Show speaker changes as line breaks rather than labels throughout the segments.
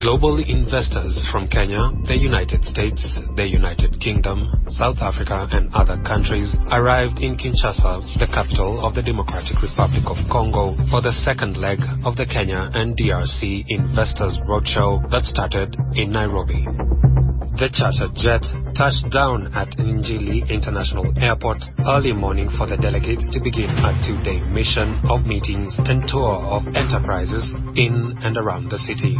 Global investors from Kenya, the United States, the United Kingdom, South Africa, and other countries arrived in Kinshasa, the capital of the Democratic Republic of Congo, for the second leg of the Kenya and DRC Investors Roadshow that started in Nairobi. The charter jet touched down at N'djili International Airport early morning for the delegates to begin a two-day mission of meetings and tour of enterprises in and around the city.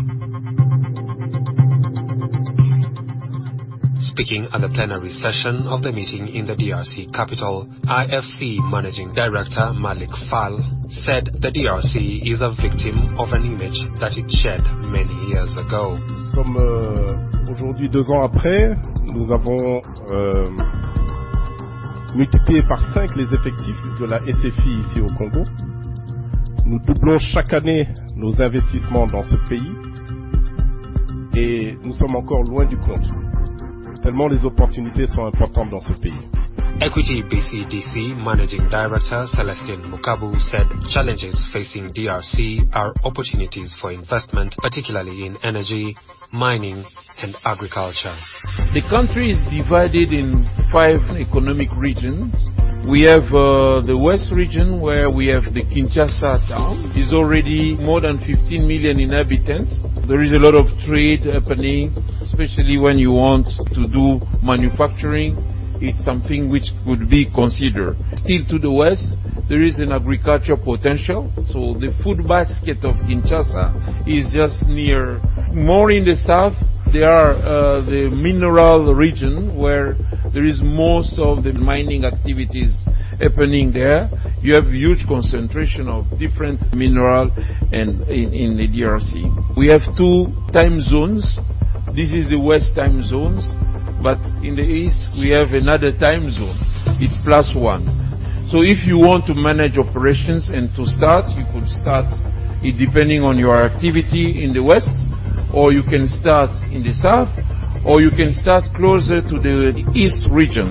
Speaking at the plenary session of the meeting in the DRC capital, IFC Managing Director, Malick Fall, said the DRC is a victim of an image that it shed many .ago. Comme aujourd'hui, 2 ans après, nous avons multiplié par 5 les effectifs de la SFI ici au Congo. Nous doublons chaque année nos investissements dans ce pays, et nous sommes encore loin du compte. Tellement les opportunités sont importantes dans ce pays. Equity BCDC Managing Director, Celestin Mukabu, said challenges facing DRC are opportunities for investment, particularly in energy, mining, and agriculture. The country is divided in five economic regions. We have the west region, where we have the Kinshasa town. It's already more than 15 million inhabitants. There is a lot of trade happening, especially when you want to do manufacturing. It's something which would be considered. Still to the west, there is an agriculture potential, so the food basket of Kinshasa is just near. More in the south, there are the mineral region, where there is most of the mining activities happening there. You have huge concentration of different mineral in the DRC. We have two time zones. This is the west time zones, but in the east, we have another time zone. It's plus one. If you want to manage operations and to start, you could start it depending on your activity in the west, or you can start in the south, or you can start closer to the east region,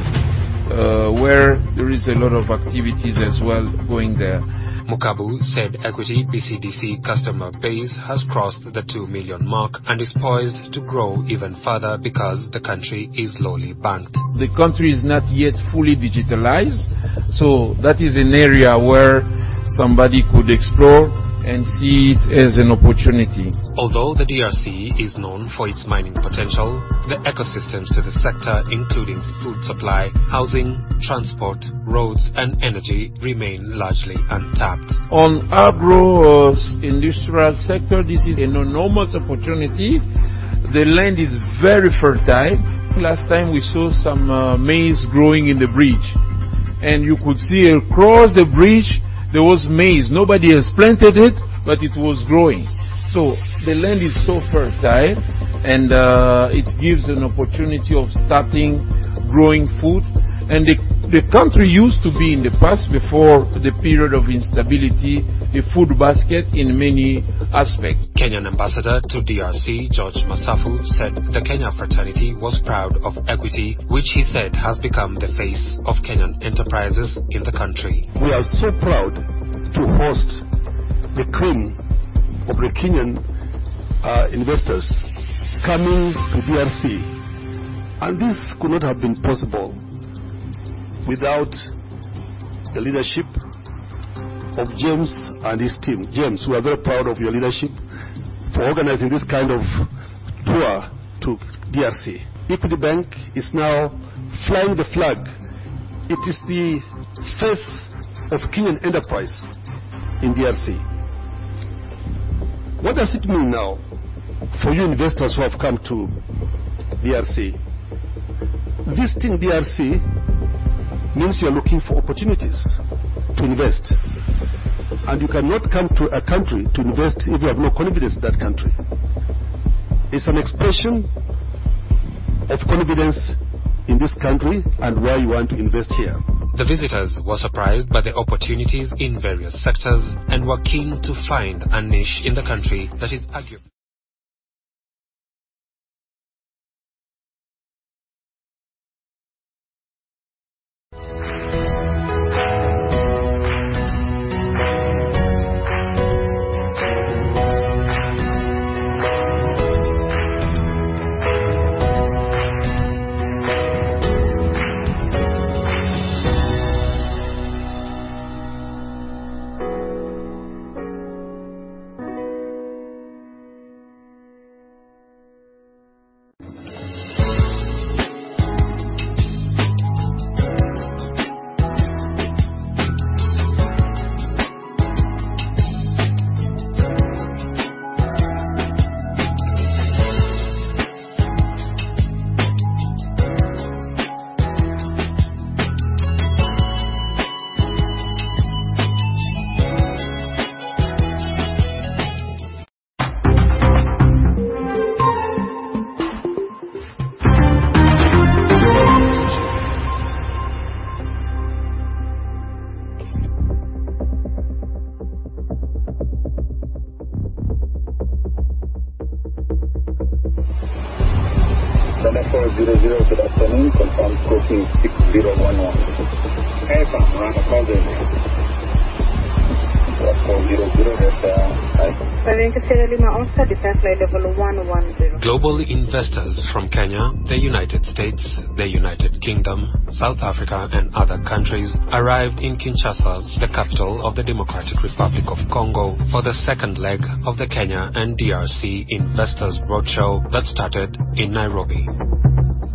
where there is a lot of activities as well going there. Mukabu said Equity BCDC customer base has crossed the 2 million mark and is poised to grow even further because the country is lowly banked. The country is not yet fully digitalized, so that is an area where somebody could explore and see it as an opportunity. Although the DRC is known for its mining potential, the ecosystems to the sector, including food supply, housing, transport, roads, and energy, remain largely untapped. On agro-industrial sector, this is an enormous opportunity. The land is very fertile. Last time, we saw some maize growing in the bridge, and you could see across the bridge, there was maize. Nobody has planted it, but it was growing. So the land is so fertile, and it gives an opportunity of starting growing food. And the country used to be, in the past before the period of instability, a food basket in many aspects. Kenyan Ambassador to DRC, George Masafu, said the Kenyan fraternity was proud of Equity, which he said has become the face of Kenyan enterprises in the country. We are so proud to host the cream of the Kenyan investors coming to DRC, and this could not have been possible without the leadership of James and his team. James, we are very proud of your leadership for organizing this kind of tour to DRC. Equity Bank is now flying the flag. It is the face of Kenyan enterprise in DRC. What does it mean now for you investors who have come to DRC? Visiting DRC means you're looking for opportunities to invest, and you cannot come to a country to invest if you have no confidence in that country. It's an expression of confidence in this country and why you want to invest here. The visitors were surprised by the opportunities in various sectors and were keen to find a niche in the country that is argued-... 400 good afternoon, confirm coding 60110. 400- Global investors from Kenya, the United States, the United Kingdom, South Africa, and other countries arrived in Kinshasa, the capital of the Democratic Republic of Congo, for the second leg of the Kenya and DRC Investors Roadshow that started in Nairobi.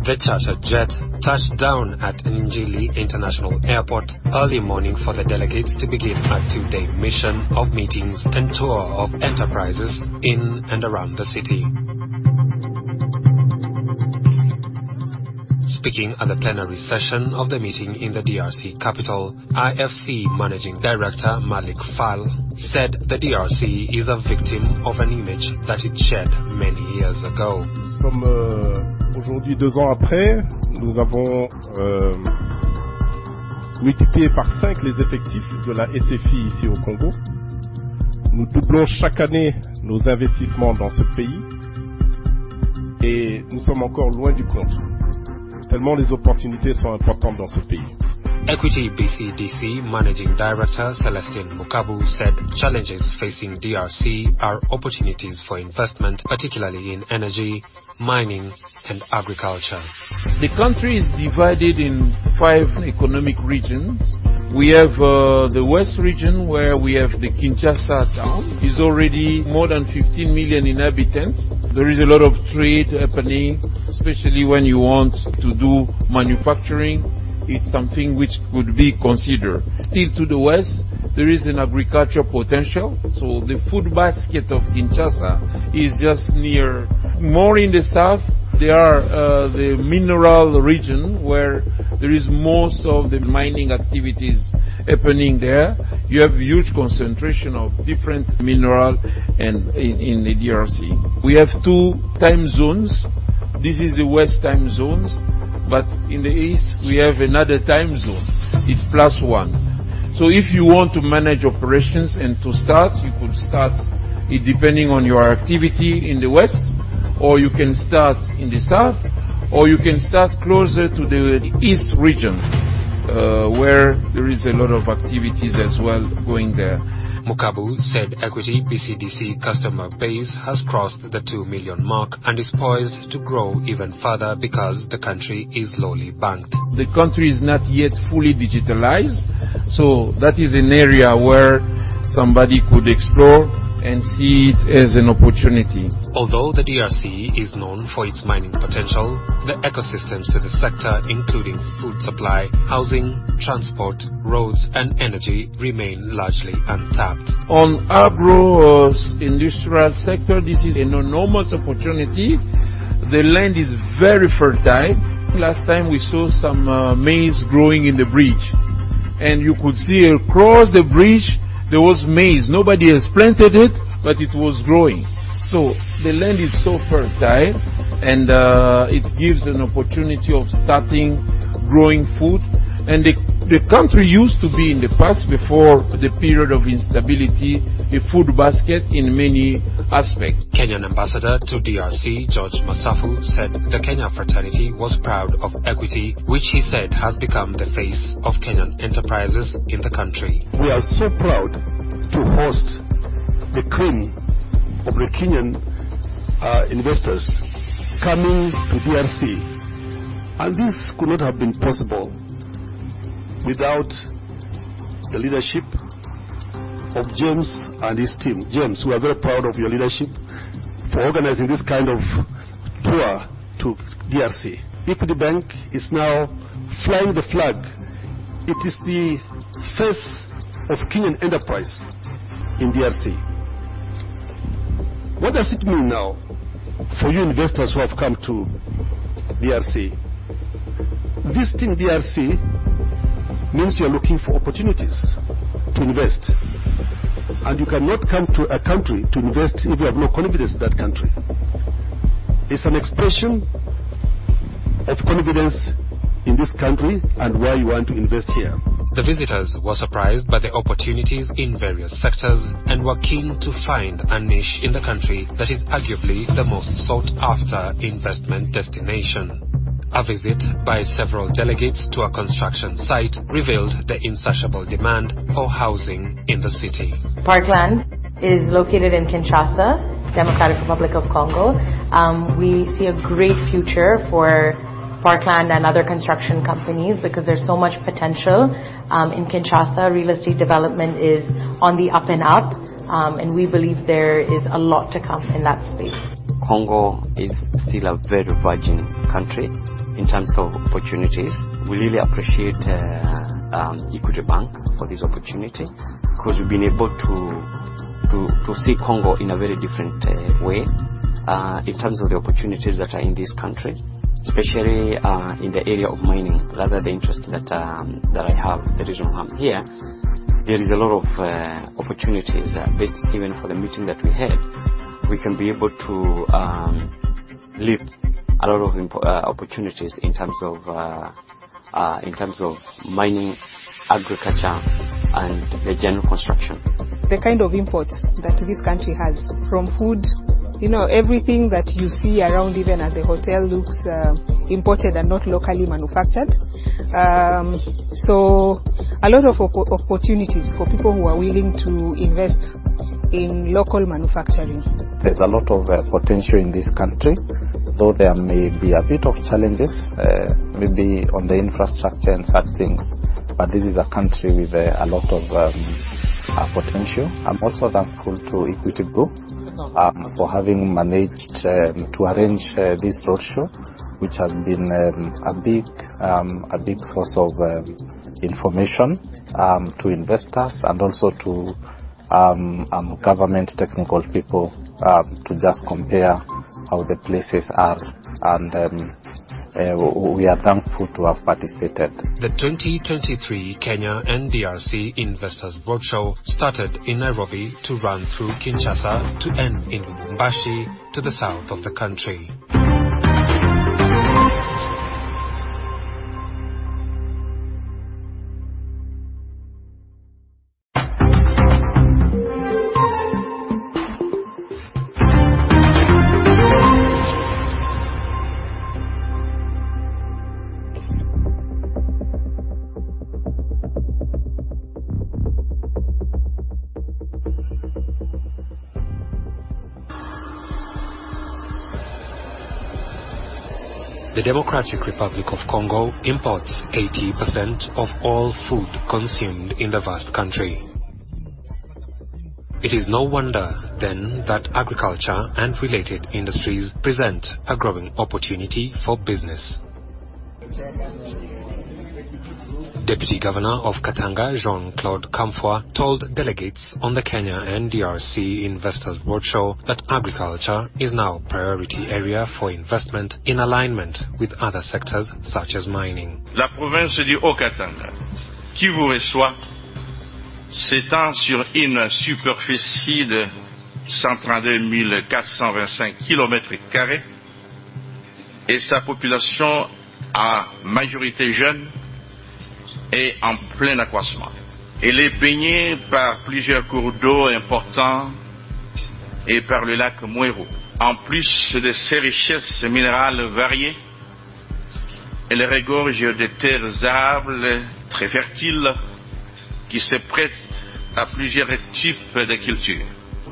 The chartered jet touched down at N'djili International Airport early morning for the delegates to begin a two-day mission of meetings and tour of enterprises in and around the city. Speaking at the plenary session of the meeting in the DRC capital, IFC Managing Director, Malick Fall, said the DRC is a victim of an image that it shared many years ago. Comme aujourd'hui, 2 ans après, nous avons multiplié par 5 les effectifs de la SFI ici au Congo. Nous doublons chaque année nos investissements dans ce pays, et nous sommes encore loin du compte. Tellement les opportunités sont importantes dans ce pays. Equity BCDC Managing Director, Celestin Mukabu, said challenges facing DRC are opportunities for investment, particularly in energy, mining, and agriculture. The country is divided in five economic regions. We have the west region, where we have the Kinshasa town. It's already more than 15 million inhabitants. There is a lot of trade happening, especially when you want to do manufacturing. It's something which would be considered. Still to the west, there is an agricultural potential, so the food basket of Kinshasa is just near. More in the south, there are the mineral region, where there is most of the mining activities happening there. You have huge concentration of different mineral and in, in the DRC. We have two time zones. This is the west time zones, but in the east, we have another time zone. It's plus one. So if you want to manage operations and to start, you could start it depending on your activity in the west, or you can start in the south, or you can start closer to the east region, where there is a lot of activities as well going there. Mukabu said Equity BCDC customer base has crossed the 2 million mark and is poised to grow even further because the country is lowly banked. The country is not yet fully digitalized, so that is an area where somebody could explore and see it as an opportunity. Although the DRC is known for its mining potential, the ecosystems to the sector, including food supply, housing, transport, roads, and energy, remain largely untapped. On agro-industrial sector, this is an enormous opportunity. The land is very fertile. Last time, we saw some maize growing in the bridge, and you could see across the bridge, there was maize. Nobody has planted it, but it was growing. So the land is so fertile, and it gives an opportunity of starting growing food. And the country used to be, in the past, before the period of instability, a food basket in many aspects. Kenyan Ambassador to DRC, George Masafu, said the Kenyan fraternity was proud of Equity, which he said has become the face of Kenyan enterprises in the country. We are so proud to host the cream of the Kenyan investors coming to DRC, and this could not have been possible without the leadership of James and his team. James, we are very proud of your leadership for organizing this kind of tour to DRC. Equity Bank is now flying the flag. It is the face of Kenyan enterprise in DRC. What does it mean now for you investors who have come to DRC? Visiting DRC means you're looking for opportunities to invest, and you cannot come to a country to invest if you have no confidence in that country. It's an expression of confidence in this country and why you want to invest here. The visitors were surprised by the opportunities in various sectors and were keen to find a niche in the country that is arguably the most sought-after investment destination. A visit by several delegates to a construction site revealed the insatiable demand for housing in the city. Parkland is located in Kinshasa, Democratic Republic of Congo. We see a great future for Parkland and other construction companies because there's so much potential. In Kinshasa, real estate development is on the up and up, and we believe there is a lot to come in that space. Congo is still a very virgin country in terms of opportunities. We really appreciate Equity Bank for this opportunity, because we've been able to see Congo in a very different way in terms of the opportunities that are in this country, especially in the area of mining. Rather, the interest that I have, the reason I'm here, there is a lot of opportunities based even for the meeting that we had. We can be able to lift a lot of opportunities in terms of In terms of mining, agriculture, and general construction. The kind of imports that this country has, from food, you know, everything that you see around, even at the hotel, looks imported and not locally manufactured. So a lot of opportunities for people who are willing to invest in local manufacturing. There's a lot of potential in this country, though there may be a bit of challenges, maybe on the infrastructure and such things, but this is a country with a lot of potential. I'm also thankful to Equity Group for having managed to arrange this roadshow, which has been a big, a big source of information to investors and also to government technical people, to just compare how the places are. We are thankful to have participated. The 2023 Kenya and DRC Investors Roadshow started in Nairobi to run through Kinshasa, to end in Lubumbashi, to the south of the country. The Democratic Republic of Congo imports 80% of all food consumed in the vast country. It is no wonder, then, that agriculture and related industries present a growing opportunity for business. Deputy Governor of Katanga, Jean-Claude Kamfwa, told delegates on the Kenya and DRC Investors Roadshow that agriculture is now a priority area for investment in alignment with other sectors, such as mining.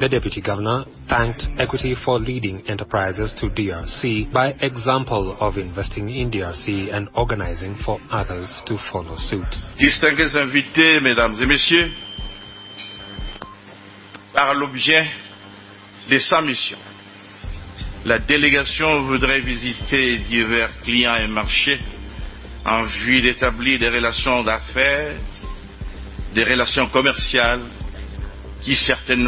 The deputy governor thanked Equity for leading enterprises to DRC by example of investing in DRC and organizing for others to follow suit. Equity Group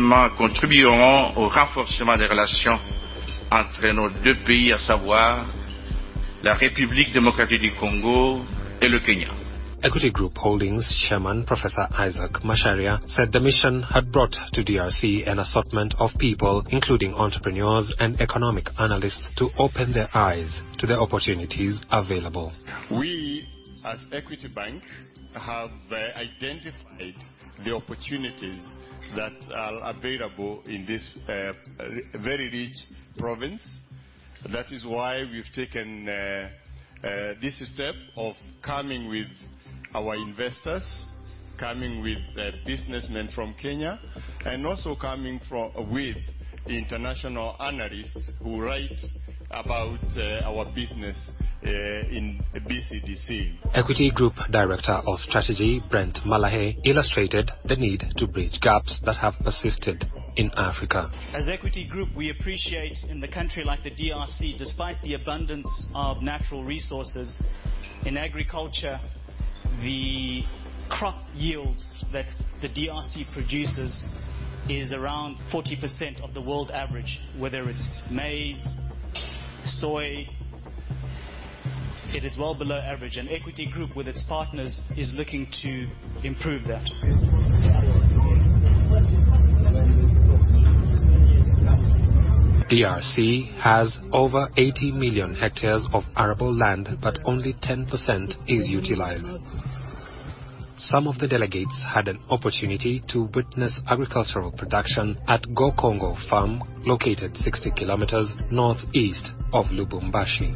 Holdings Chairman, Professor Isaac Macharia, said the mission had brought to DRC an assortment of people, including entrepreneurs and economic analysts, to open their eyes to the opportunities available. We, as Equity Bank, have identified the opportunities that are available in this very rich province. That is why we've taken this step of coming with our investors, coming with businessmen from Kenya, and also coming with international analysts who write about our business in BCDC. Equity Group Director of Strategy, Brent Malahay, illustrated the need to bridge gaps that have persisted in Africa. As Equity Group, we appreciate in a country like the DRC, despite the abundance of natural resources in agriculture, the crop yields that the DRC produces is around 40% of the world average, whether it's maize, soy, it is well below average, and Equity Group, with its partners, is looking to improve that. DRC has over 80 million hectares of arable land, but only 10% is utilized. Some of the delegates had an opportunity to witness agricultural production at GoCongo Farm, located 60 kilometers northeast of Lubumbashi.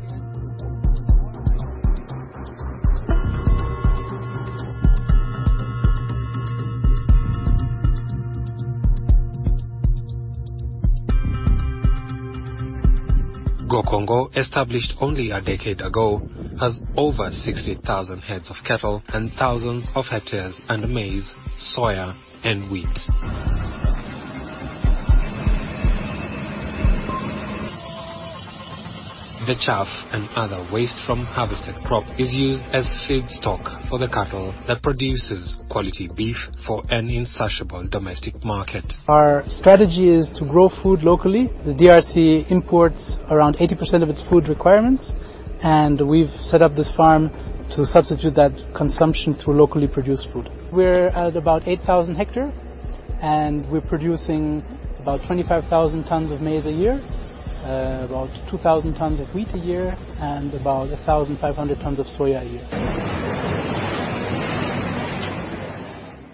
GoCongo, established only a decade ago, has over 60,000 heads of cattle and thousands of hectares and maize, soya, and wheat. The chaff and other waste from harvested crop is used as feedstock for the cattle that produces quality beef for an insatiable domestic market. Our strategy is to grow food locally. The DRC imports around 80% of its food requirements, and we've set up this farm to substitute that consumption to locally produced food. We're at about 8,000 hectares.... And we're producing about 25,000 tons of maize a year, about 2,000 tons of wheat a year, and about 1,500 tons of soya a year.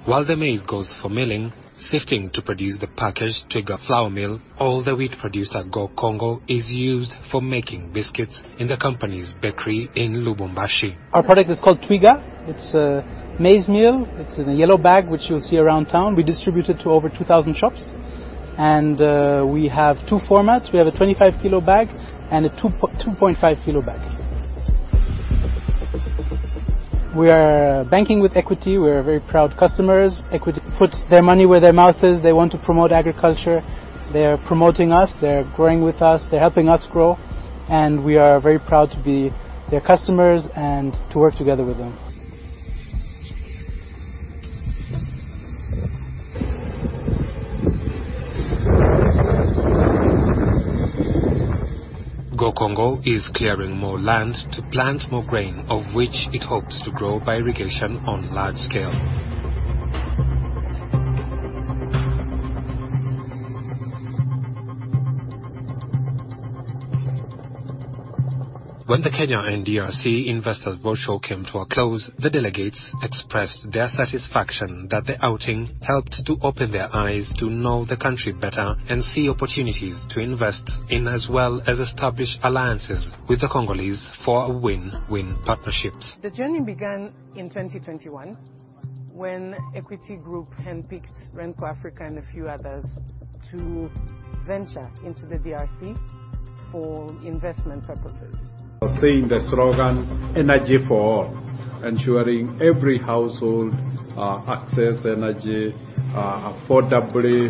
While the maize goes for milling, sifting to produce the packaged Twiga flour meal, all the wheat produced at GoCongo is used for making biscuits in the company's bakery in Lubumbashi. Our product is called Twiga. It's a maize meal. It's in a yellow bag, which you'll see around town. We distribute it to over 2,000 shops, and we have two formats: We have a 25-kilo bag and a 2.5-kilo bag. We are banking with Equity. We are very proud customers. Equity puts their money where their mouth is. They want to promote agriculture. They are promoting us, they're growing with us, they're helping us grow, and we are very proud to be their customers and to work together with them. GoCongo is clearing more land to plant more grain, of which it hopes to grow by irrigation on large scale. When the Kenya and DRC Investors Roadshow came to a close, the delegates expressed their satisfaction that the outing helped to open their eyes to know the country better and see opportunities to invest in, as well as establish alliances with the Congolese for win-win partnerships. The journey began in 2021, when Equity Group handpicked RentCo Africa and a few others to venture into the DRC for investment purposes. We're seeing the slogan, "Energy for all," ensuring every household access energy affordably,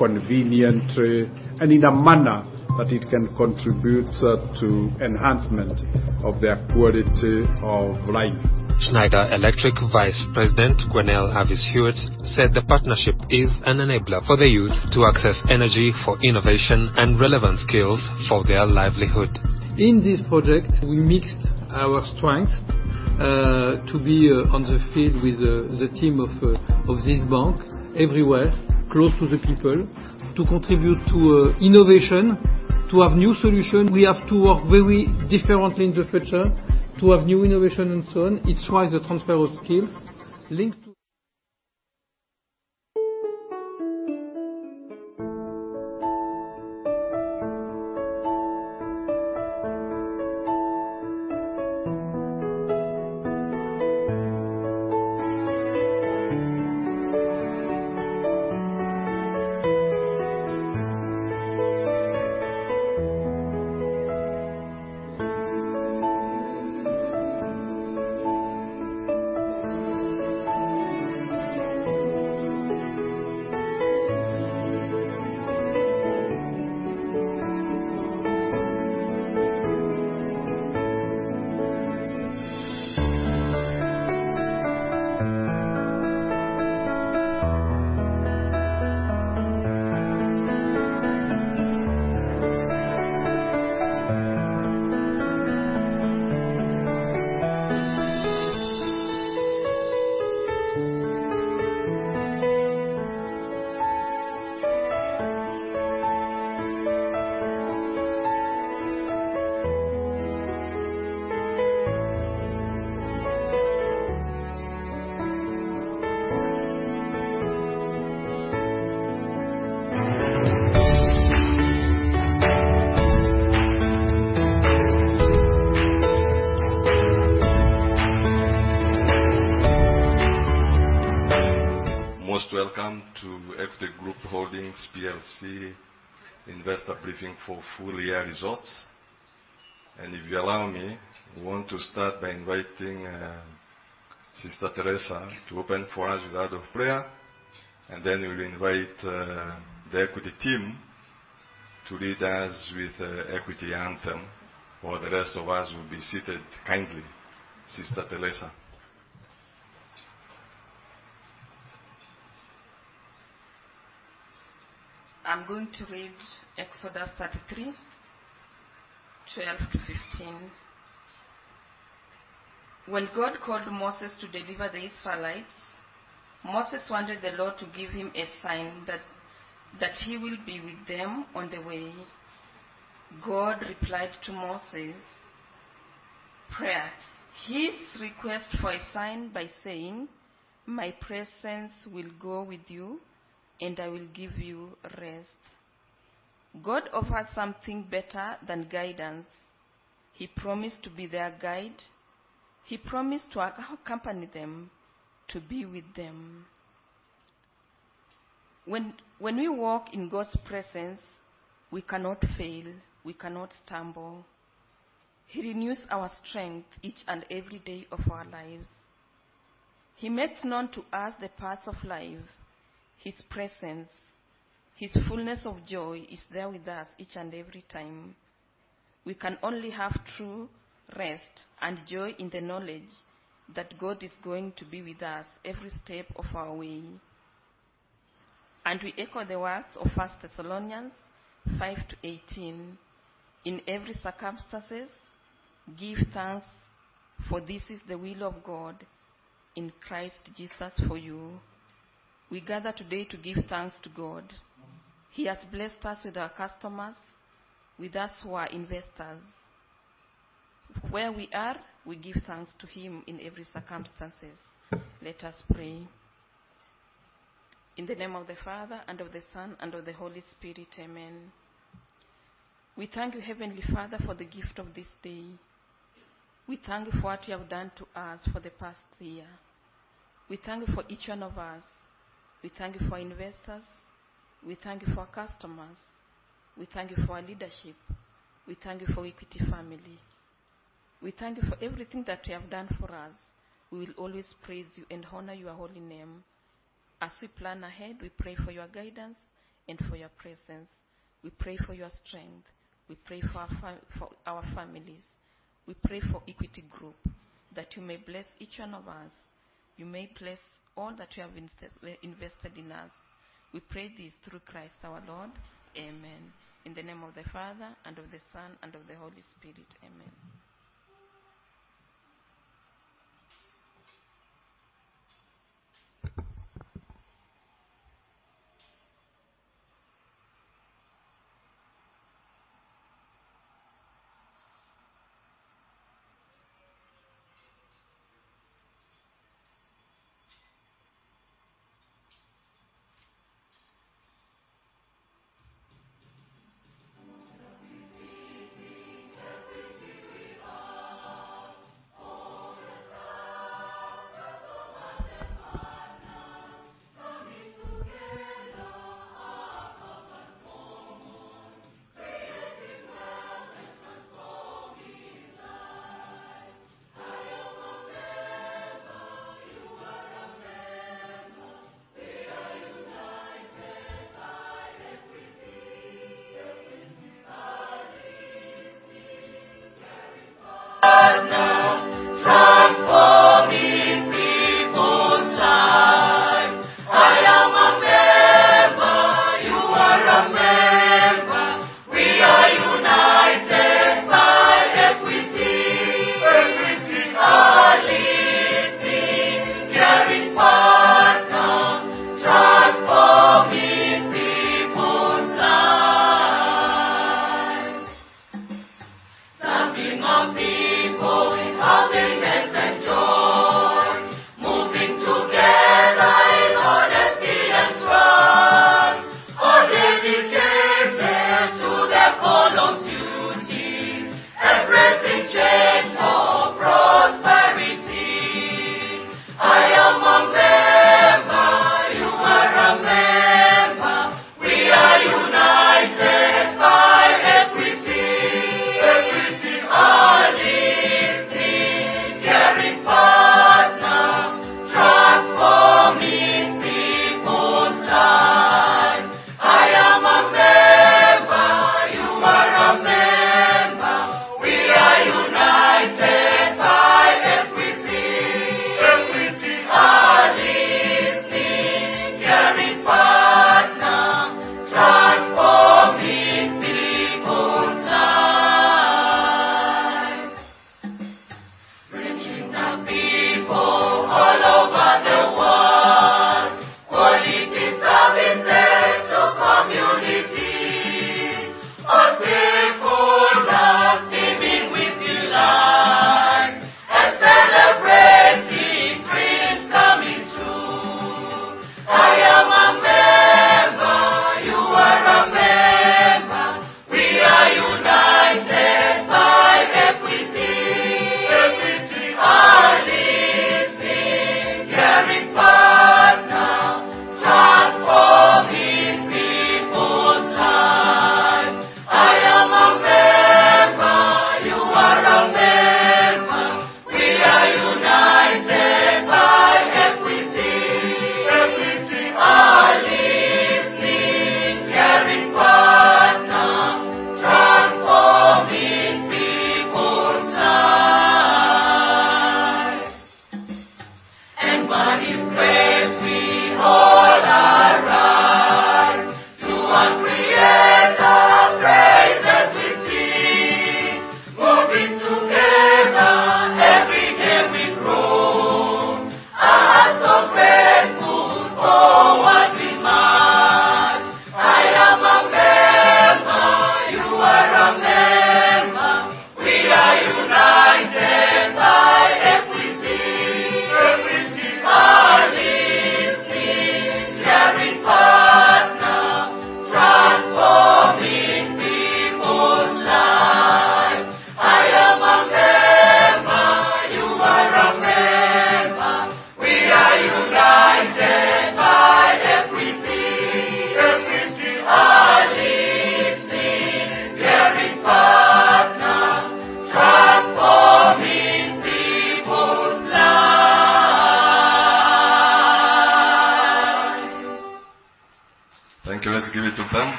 conveniently, and in a manner that it can contribute to enhancement of their quality of life. Schneider Electric Vice President, Gwenaëlle Avice-Huet, said the partnership is an enabler for the youth to access energy for innovation and relevant skills for their livelihood. In this project, we mixed our strengths, to be on the field with the team of this bank everywhere, close to the people, to contribute to innovation. To have new solution, we have to work very differently in the future. To have new innovation and so on, it tries to transfer our skills linked to- Most welcome to Equity Group Holdings PLC investor briefing for full year results. If you allow me, I want to start by inviting, Sister Theresa to open for us with a word of prayer, and then we'll invite, the Equity team to lead us with, Equity anthem, while the rest of us will be seated kindly. Sister Theresa? I'm going to read Exodus thirty-three, twelve to fifteen. When God called Moses to deliver the Israelites, Moses wanted the Lord to give him a sign that He will be with them on the way. God replied to Moses' prayer, his request for a sign, by saying, "My presence will go with you, and I will give you rest." God offered something better than guidance. He promised to be their guide. He promised to accompany them, to be with them. When we walk in God's presence, we cannot fail, we cannot stumble. He renews our strength each and every day of our lives. He makes known to us the paths of life. His presence, His fullness of joy, is there with us each and every time. We can only have true rest and joy in the knowledge that God is going to be with us every step of our way. And we echo the words of First Thessalonians 5:18: In every circumstances, give thanks... For this is the will of God in Christ Jesus for you. We gather today to give thanks to God. He has blessed us with our customers, with us who are investors. Where we are, we give thanks to Him in every circumstances. Let us pray. In the name of the Father, and of the Son, and of the Holy Spirit, amen. We thank you, Heavenly Father, for the gift of this day. We thank you for what you have done to us for the past year. We thank you for each one of us. We thank you for investors. We thank you for our customers. We thank you for our leadership. We thank you for Equity family. We thank you for everything that you have done for us. We will always praise you and honor your holy name. As we plan ahead, we pray for your guidance and for your presence. We pray for your strength. We pray for our families. We pray for Equity Group, that you may bless each one of us, you may bless all that you have invested in us. We pray this through Christ our Lord. Amen. In the name of the Father, and of the Son, and of the Holy Spirit. Amen. Equity, Equity we are. All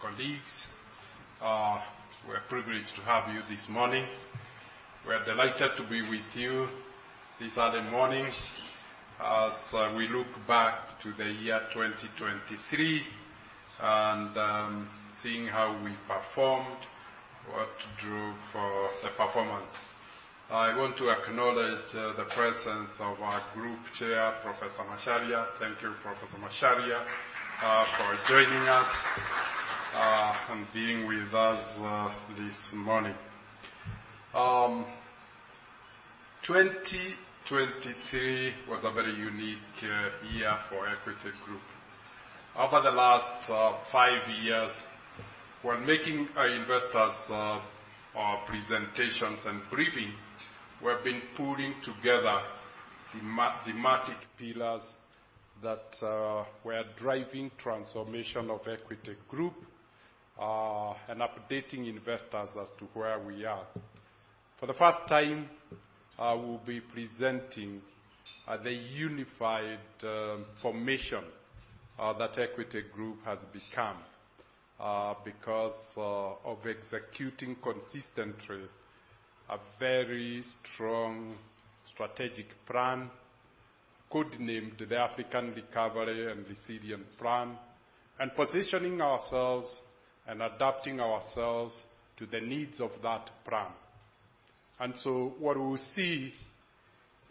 colleagues. We're privileged to have you this morning. We are delighted to be with you this other morning, as we look back to the year 2023 and seeing how we performed, what drove for the performance. I want to acknowledge the presence of our group chair, Professor Macharia. Thank you, Professor Macharia, for joining us and being with us this morning. 2023 was a very unique year for Equity Group. Over the last five years, when making our investors presentations and briefing, we have been pulling together the thematic pillars that were driving transformation of Equity Group and updating investors as to where we are. For the first time, I will be presenting the unified formation that Equity Group has become because of executing consistently a very strong strategic plan, codenamed the African Recovery and Resilience Plan, and positioning ourselves and adapting ourselves to the needs of that plan. So what we see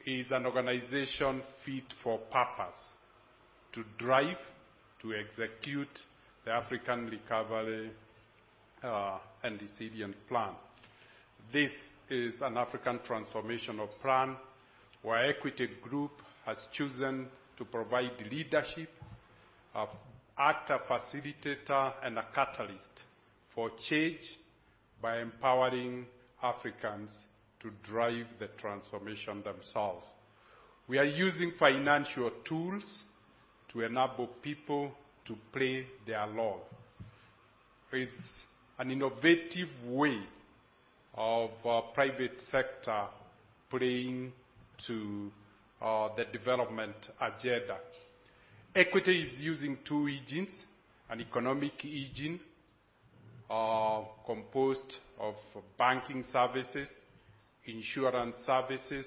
is an organization fit for purpose, to drive, to execute the African Recovery and Resilience Plan. This is an African transformational plan, where Equity Group has chosen to provide leadership, act a facilitator and a catalyst for change by empowering Africans to drive the transformation themselves. We are using financial tools to enable people to play their role. It's an innovative way of private sector playing to the development agenda. Equity is using two engines: an economic engine composed of banking services, insurance services,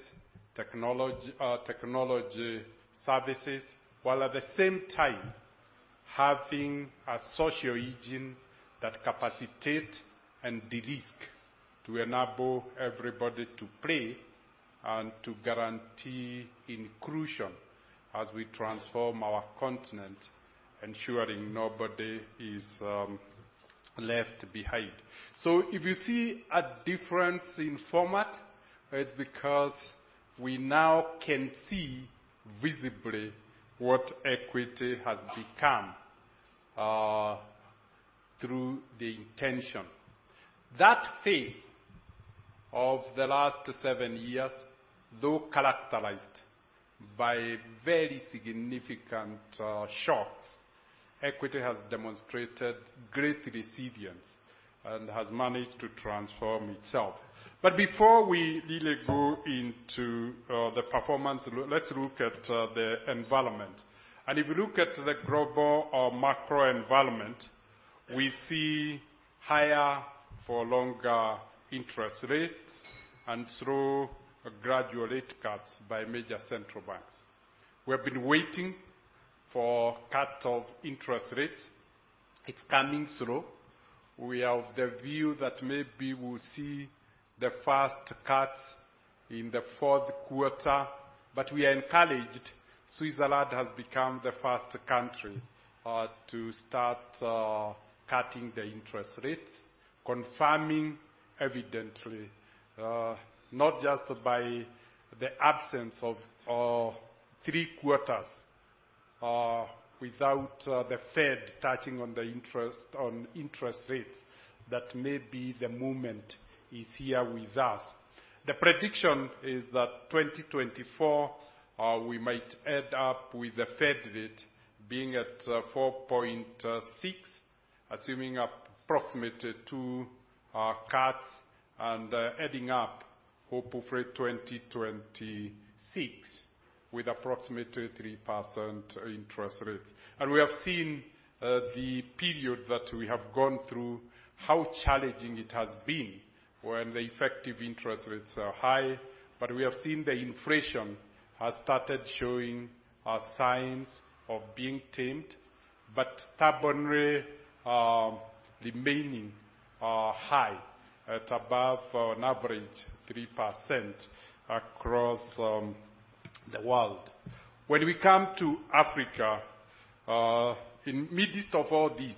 technology services, while at the same time having a social engine that capacitate and de-risk, to enable everybody to play and to guarantee inclusion as we transform our continent, ensuring nobody is left behind. So if you see a difference in format, it's because we now can see visibly what Equity has become through the intention. That phase of the last seven years, though characterized by very significant shocks, Equity has demonstrated great resilience and has managed to transform itself. But before we really go into the performance, let's look at the environment. If you look at the global or macro environment, we see higher for longer interest rates and through gradual rate cuts by major central banks. We have been waiting for cut of interest rates. It's coming through. We are of the view that maybe we'll see the first cuts in the fourth quarter, but we are encouraged. Switzerland has become the first country to start cutting the interest rates, confirming evidently not just by the absence of three quarters without the Fed touching on the interest rates, that maybe the moment is here with us. The prediction is that 2024 we might end up with the Fed rate being at 4.6, assuming approximately two cuts and ending up hopefully 2026, with approximately 3% interest rates. And we have seen the period that we have gone through, how challenging it has been when the effective interest rates are high. But we have seen the inflation has started showing signs of being tamed, but stubbornly remaining high at above an average 3% across the world. When we come to Africa, in midst of all this,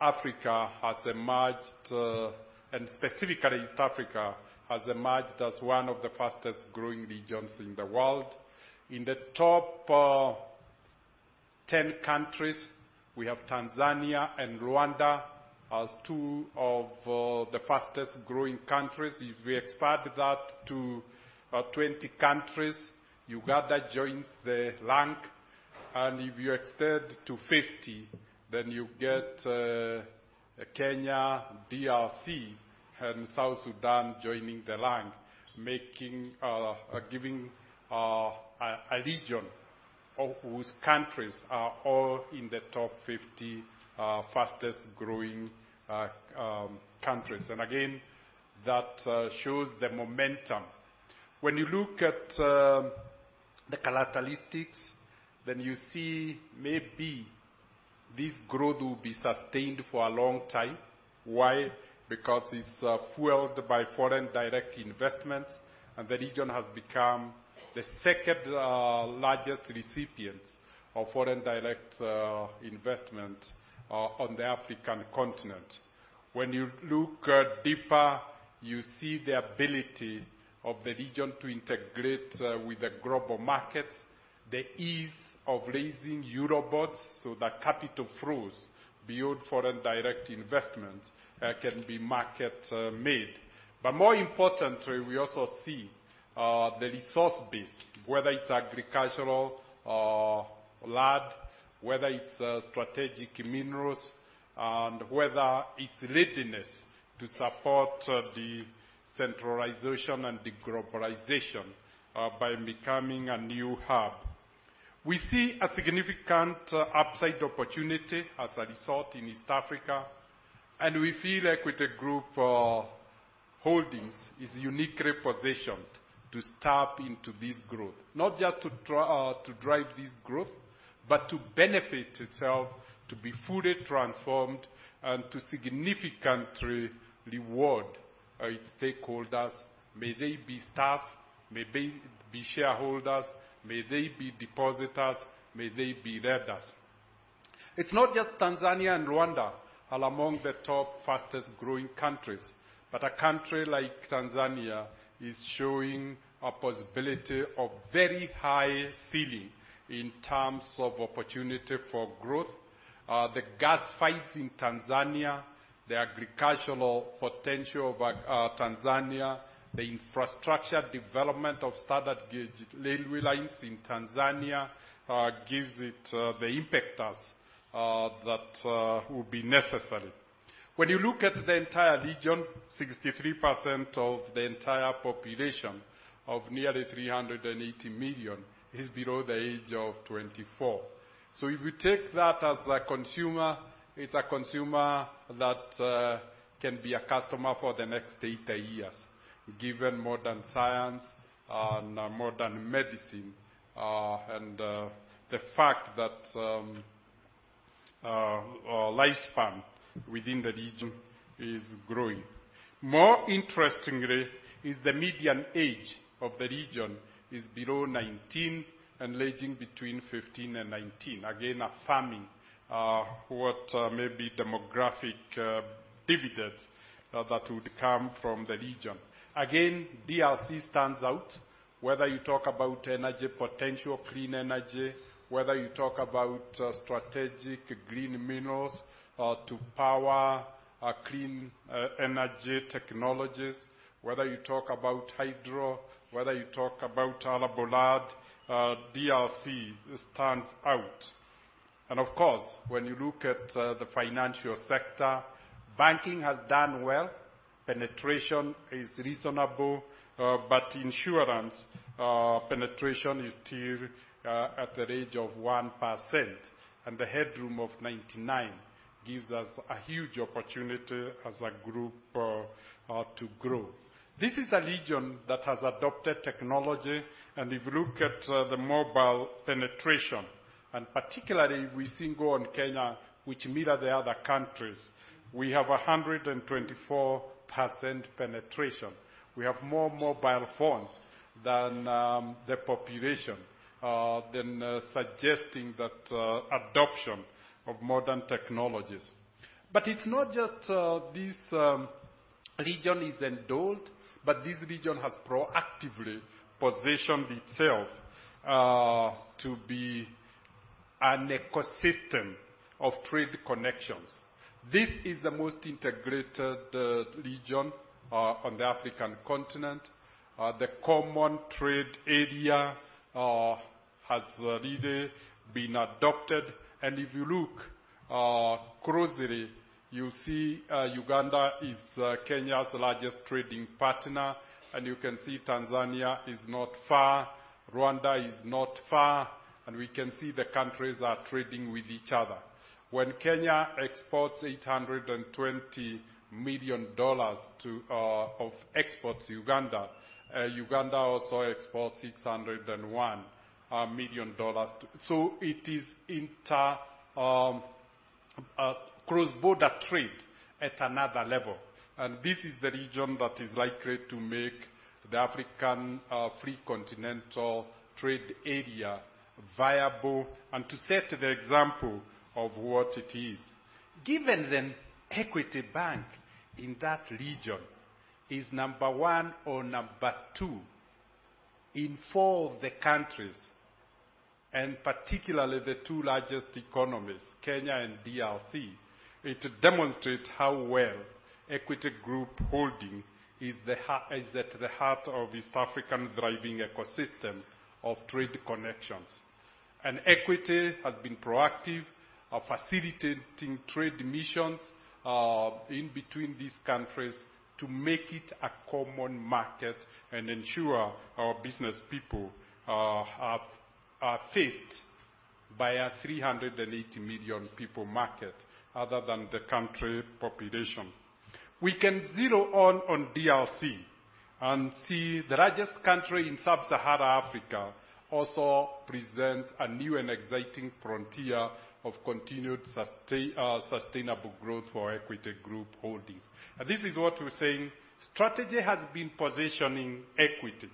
Africa has emerged, and specifically East Africa, has emerged as one of the fastest growing regions in the world. In the top 10 countries, we have Tanzania and Rwanda as two of the fastest growing countries. If we expand that to 20 countries, Uganda joins the rank, and if you extend to 50, then you get Kenya, DRC, and South Sudan joining the rank, making a region whose countries are all in the top 50 fastest growing countries. And again, that shows the momentum. When you look at the characteristics, then you see maybe this growth will be sustained for a long time. Why? Because it's fueled by foreign direct investments, and the region has become the second largest recipient of foreign direct investment on the African continent. When you look deeper, you see the ability of the region to integrate with the global markets, the ease of raising Eurobonds so that capital flows beyond foreign direct investment can be market made. But more importantly, we also see the resource base, whether it's agricultural land, whether it's strategic minerals, and whether it's readiness to support the centralization and the globalization by becoming a new hub. We see a significant upside opportunity as a result in East Africa, and we feel Equity Group Holdings is uniquely positioned to tap into this growth. Not just to drive this growth, but to benefit itself, to be fully transformed, and to significantly reward its stakeholders, may they be staff, may they be shareholders, may they be depositors, may they be lenders. It's not just Tanzania and Rwanda are among the top fastest growing countries, but a country like Tanzania is showing a possibility of very high ceiling in terms of opportunity for growth. The gas finds in Tanzania, the agricultural potential of Tanzania, the infrastructure development of standard gauge railway lines in Tanzania gives it the impactors that will be necessary. When you look at the entire region, 63% of the entire population of nearly 380 million is below the age of 24. So if you take that as a consumer, it's a consumer that can be a customer for the next 80 years, given modern science and modern medicine, and the fact that lifespan within the region is growing. More interestingly is the median age of the region is below 19 and ranging between 15 and 19. Again, affirming what may be demographic dividends that would come from the region. Again, DRC stands out, whether you talk about energy potential, clean energy, whether you talk about strategic green minerals to power clean energy technologies, whether you talk about hydro, whether you talk about arable land, DRC stands out. Of course, when you look at the financial sector, banking has done well. Penetration is reasonable, but insurance penetration is still at the range of 1%, and the headroom of 99% gives us a huge opportunity as a group to grow. This is a region that has adopted technology, and if you look at the mobile penetration, and particularly if we single on Kenya, which mirror the other countries, we have 124% penetration. We have more mobile phones than the population, suggesting that adoption of modern technologies. But it's not just this region is endowed, but this region has proactively positioned itself to be an ecosystem of trade connections. This is the most integrated region on the African continent. The common trade area has really been adopted. And if you look closely, you'll see Uganda is Kenya's largest trading partner, and you can see Tanzania is not far, Rwanda is not far, and we can see the countries are trading with each other. When Kenya exports $820 million of exports to Uganda, Uganda also exports $601 million. So it is inter cross-border trade at another level, and this is the region that is likely to make the African free continental trade area viable and to set the example of what it is. Given then, Equity Bank in that region is number one or number two. In four of the countries, and particularly the two largest economies, Kenya and DRC, it demonstrates how well Equity Group Holdings is at the heart of East African thriving ecosystem of trade connections. Equity has been proactive of facilitating trade missions in between these countries to make it a common market and ensure our business people are faced by a 380 million people market other than the country population. We can zero in on DRC and see the largest country in Sub-Saharan Africa also presents a new and exciting frontier of continued sustainable growth for Equity Group Holdings. This is what we're saying: strategy has been positioning Equity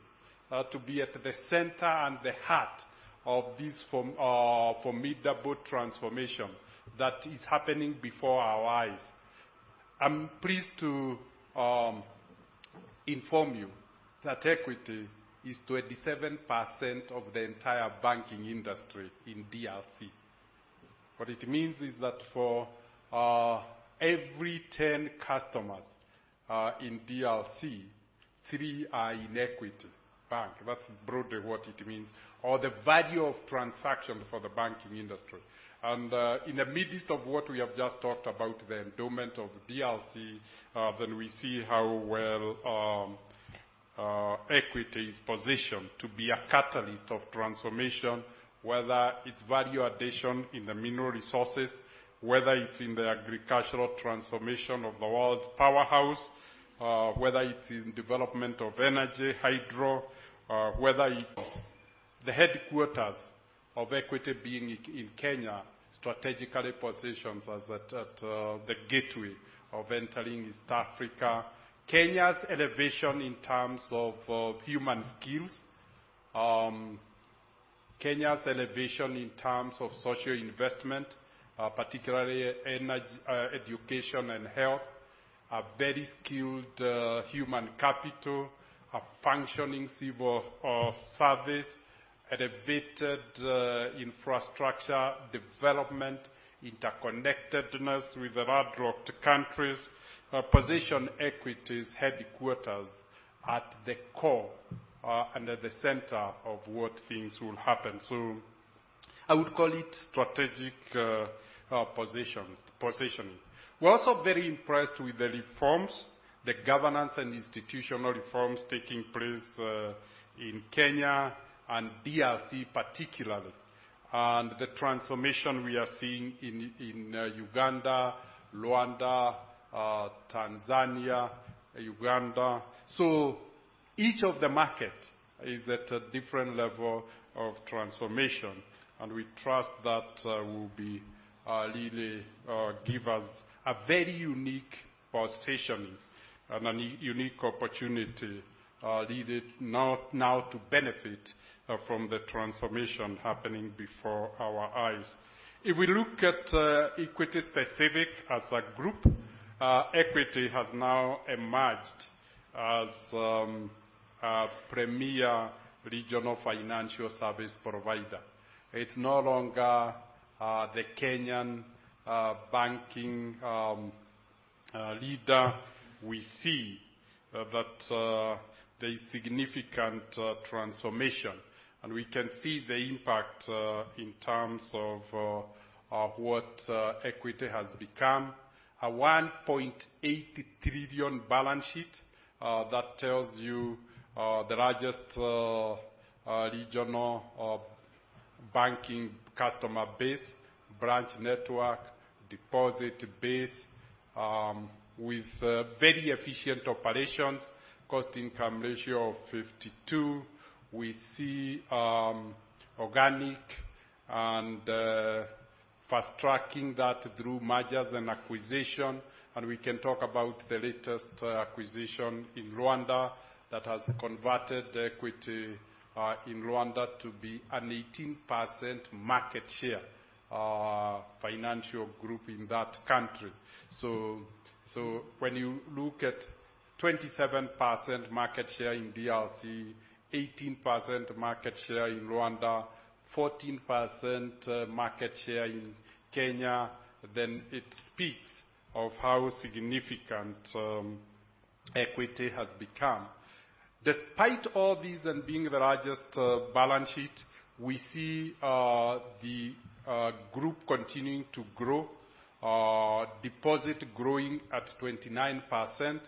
to be at the center and the heart of this formidable transformation that is happening before our eyes. I'm pleased to inform you that Equity is 27% of the entire banking industry in DRC. What it means is that for every 10 customers in DRC, three are in Equity Bank. That's broadly what it means, or the value of transaction for the banking industry. In the midst of what we have just talked about, the endowment of DRC, then we see how well Equity is positioned to be a catalyst of transformation, whether it's value addition in the mineral resources, whether it's in the agricultural transformation of the world's powerhouse, whether it is in development of energy, hydro, whether it's the headquarters of Equity being in Kenya, strategically positioned as the gateway of entering East Africa. Kenya's elevation in terms of human skills, Kenya's elevation in terms of social investment, particularly energy, education and health, a very skilled human capital, a functioning civil service, elevated infrastructure development, interconnectedness with the bordering countries, position Equity's headquarters at the core and at the center of what things will happen. So I would call it strategic positions, positioning. We're also very impressed with the reforms, the governance and institutional reforms taking place in Kenya and DRC particularly, and the transformation we are seeing in Uganda, Rwanda, Tanzania, Uganda. So each of the markets is at a different level of transformation, and we trust that will really give us a very unique positioning and a unique opportunity needed now to benefit from the transformation happening before our eyes. If we look at Equity specifically as a group, Equity has now emerged as a premier regional financial service provider. It's no longer the Kenyan banking leader. We see that there is significant transformation, and we can see the impact in terms of what Equity has become. A 1.8 trillion balance sheet that tells you the largest regional banking customer base, branch network, deposit base with very efficient operations, cost-income ratio of 52. We see organic and fast-tracking that through mergers and acquisition, and we can talk about the latest acquisition in Rwanda that has converted Equity in Rwanda to be an 18% market share financial group in that country. So, when you look at 27% market share in DRC, 18% market share in Rwanda, 14% market share in Kenya, then it speaks of how significant Equity has become. Despite all these and being the largest balance sheet, we see the group continuing to grow, deposit growing at 29%,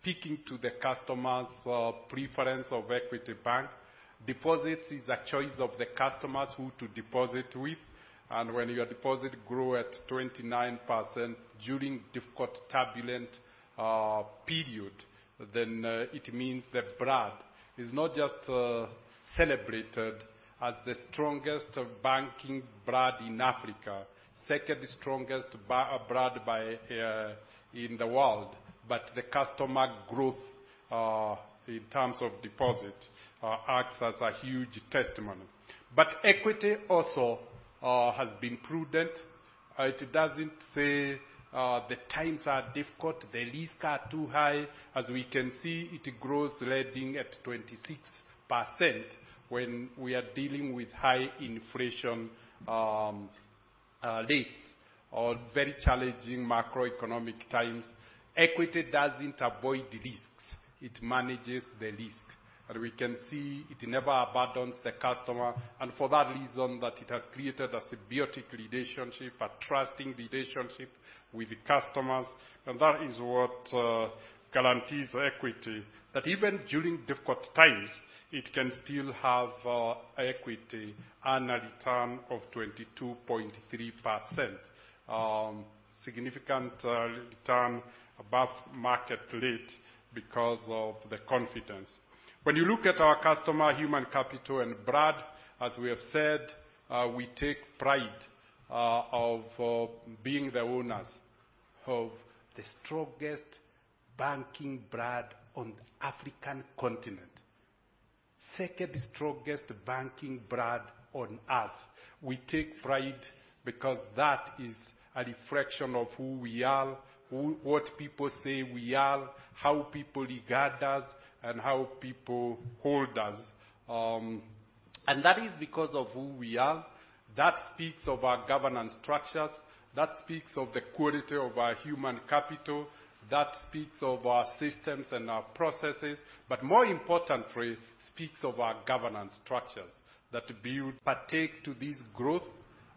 speaking to the customers' preference of Equity Bank. Deposits is a choice of the customers who to deposit with, and when your deposit grow at 29% during difficult, turbulent, period, then, it means the brand is not just, celebrated as the strongest banking brand in Africa, second strongest banking brand in the world, but the customer growth, in terms of deposit, acts as a huge testimony. But Equity also, has been prudent. It doesn't say, the times are difficult, the risks are too high. As we can see, it grows lending at 26% when we are dealing with high inflation, rates or very challenging macroeconomic times. Equity doesn't avoid risks, it manages the risk, and we can see it never abandons the customer, and for that reason, that it has created a symbiotic relationship, a trusting relationship with the customers. That is what guarantees Equity, that even during difficult times, it can still have Equity and a return of 22.3%. Significant return above market rate because of the confidence. When you look at our customer, human capital and brand, as we have said, we take pride of being the owners of the strongest banking brand on the African continent. Second strongest banking brand on Earth. We take pride because that is a reflection of who we are, who-- what people say we are, how people regard us, and how people hold us. And that is because of who we are. That speaks of our governance structures, that speaks of the quality of our human capital, that speaks of our systems and our processes, but more importantly, speaks of our governance structures that build partake to this growth,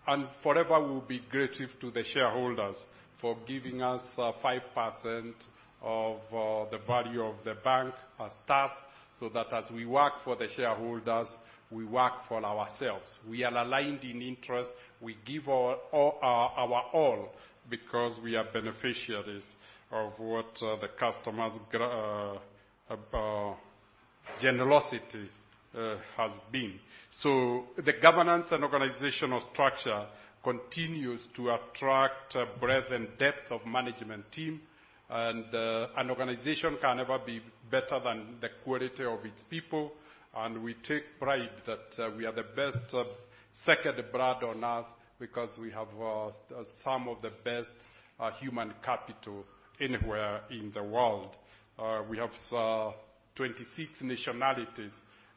and forever we'll be grateful to the shareholders for giving us, 5% of the value of the bank as staff, so that as we work for the shareholders, we work for ourselves. We are aligned in interest. We give our, all, our all because we are beneficiaries of what the customers' generosity has been. So the governance and organizational structure continues to attract, breadth and depth of management team, and, an organization can never be better than the quality of its people, and we take pride that, we are the best, second brand on Earth because we have, some of the best, human capital anywhere in the world. We have, 26 nationalities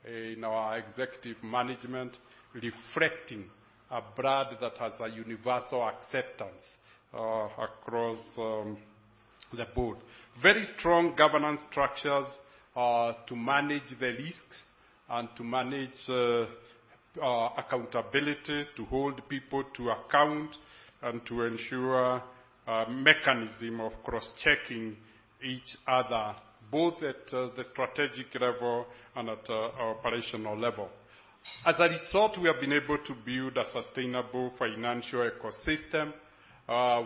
in our executive management, reflecting a brand that has a universal acceptance, across, the board. Very strong governance structures, to manage the risks and to manage, accountability, to hold people to account, and to ensure a mechanism of cross-checking each other, both at, the strategic level and at, operational level. As a result, we have been able to build a sustainable financial ecosystem.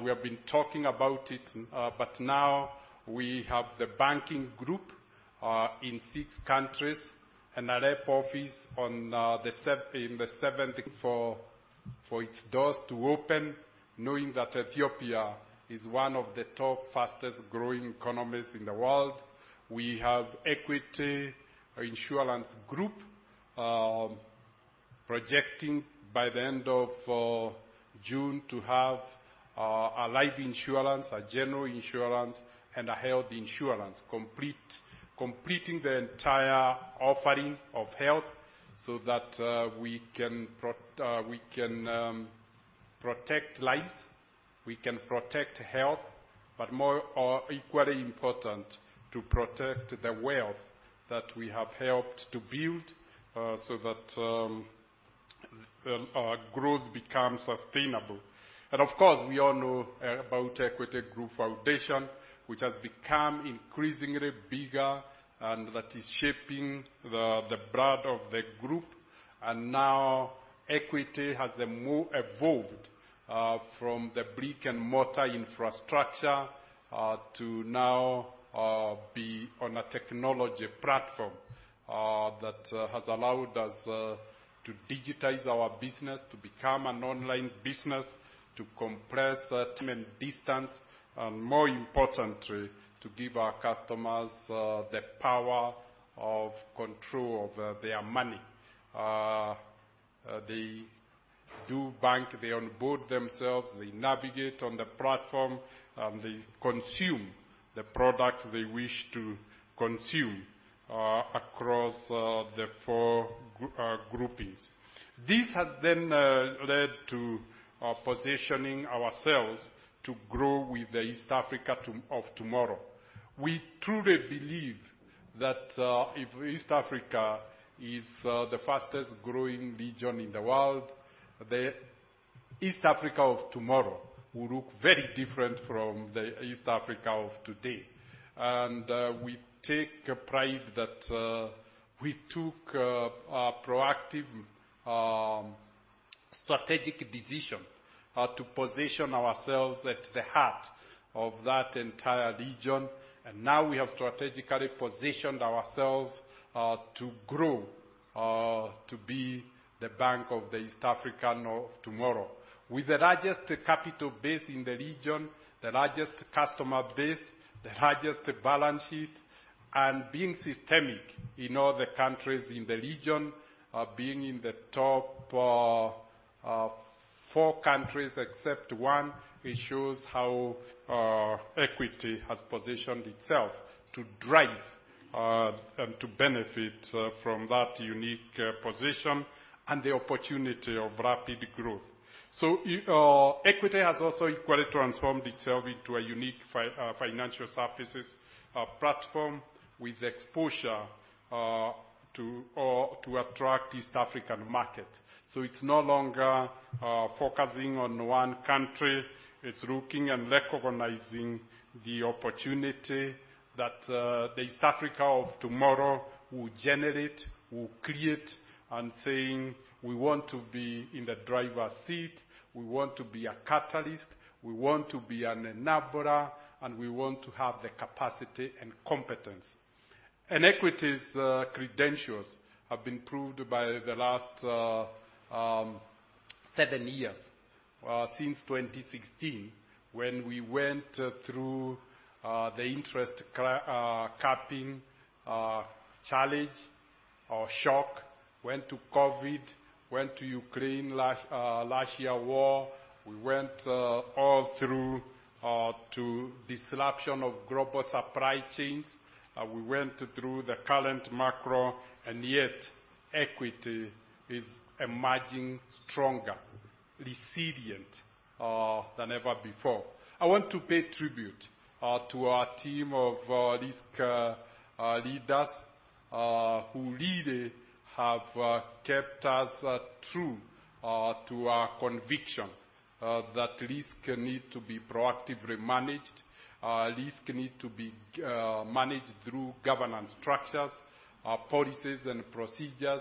We have been talking about it, but now we have the banking group in six countries and a rep office in the seventh—for its doors to open, knowing that Ethiopia is one of the top fastest growing economies in the world. We have Equity Insurance Group projecting by the end of June to have a life insurance, a general insurance, and a health insurance, completing the entire offering of health so that we can protect lives, we can protect health, but more equally important, to protect the wealth that we have helped to build, so that our growth becomes sustainable. And of course, we all know about Equity Group Foundation, which has become increasingly bigger and that is shaping the brand of the group. Now Equity has a more evolved, from the brick-and-mortar infrastructure, to now, be on a technology platform, that has allowed us to digitize our business, to become an online business, to compress the time and distance, and more importantly, to give our customers the power of control of their money. They do bank, they onboard themselves, they navigate on the platform, and they consume the products they wish to consume, across the four groupings. This has then led to positioning ourselves to grow with the East Africa of tomorrow. We truly believe that if East Africa is the fastest growing region in the world, the East Africa of tomorrow will look very different from the East Africa of today. We take pride that we took a proactive strategic decision to position ourselves at the heart of that entire region, and now we have strategically positioned ourselves to grow to be the bank of the East Africa of tomorrow. With the largest capital base in the region, the largest customer base, the largest balance sheet, and being systemic in all the countries in the region, being in the top four countries except one, it shows how Equity has positioned itself to drive and to benefit from that unique position and the opportunity of rapid growth. So Equity has also equally transformed itself into a unique financial services platform with exposure to attract East African market. So it's no longer focusing on one country. It's looking and recognizing the opportunity that the East Africa of tomorrow will generate, will create, and saying, "We want to be in the driver's seat. We want to be a catalyst. We want to be an enabler, and we want to have the capacity and competence." And Equity's credentials have been proved by the last seven years since 2016, when we went through the interest cutting challenge or shock, went to COVID, went to Ukraine last year war. We went all through to disruption of global supply chains. We went through the current macro, and yet Equity is emerging stronger, resilient than ever before. I want to pay tribute to our team of risk leaders who really have kept us true to our conviction that risk need to be proactively managed. Risk need to be managed through governance structures, policies and procedures.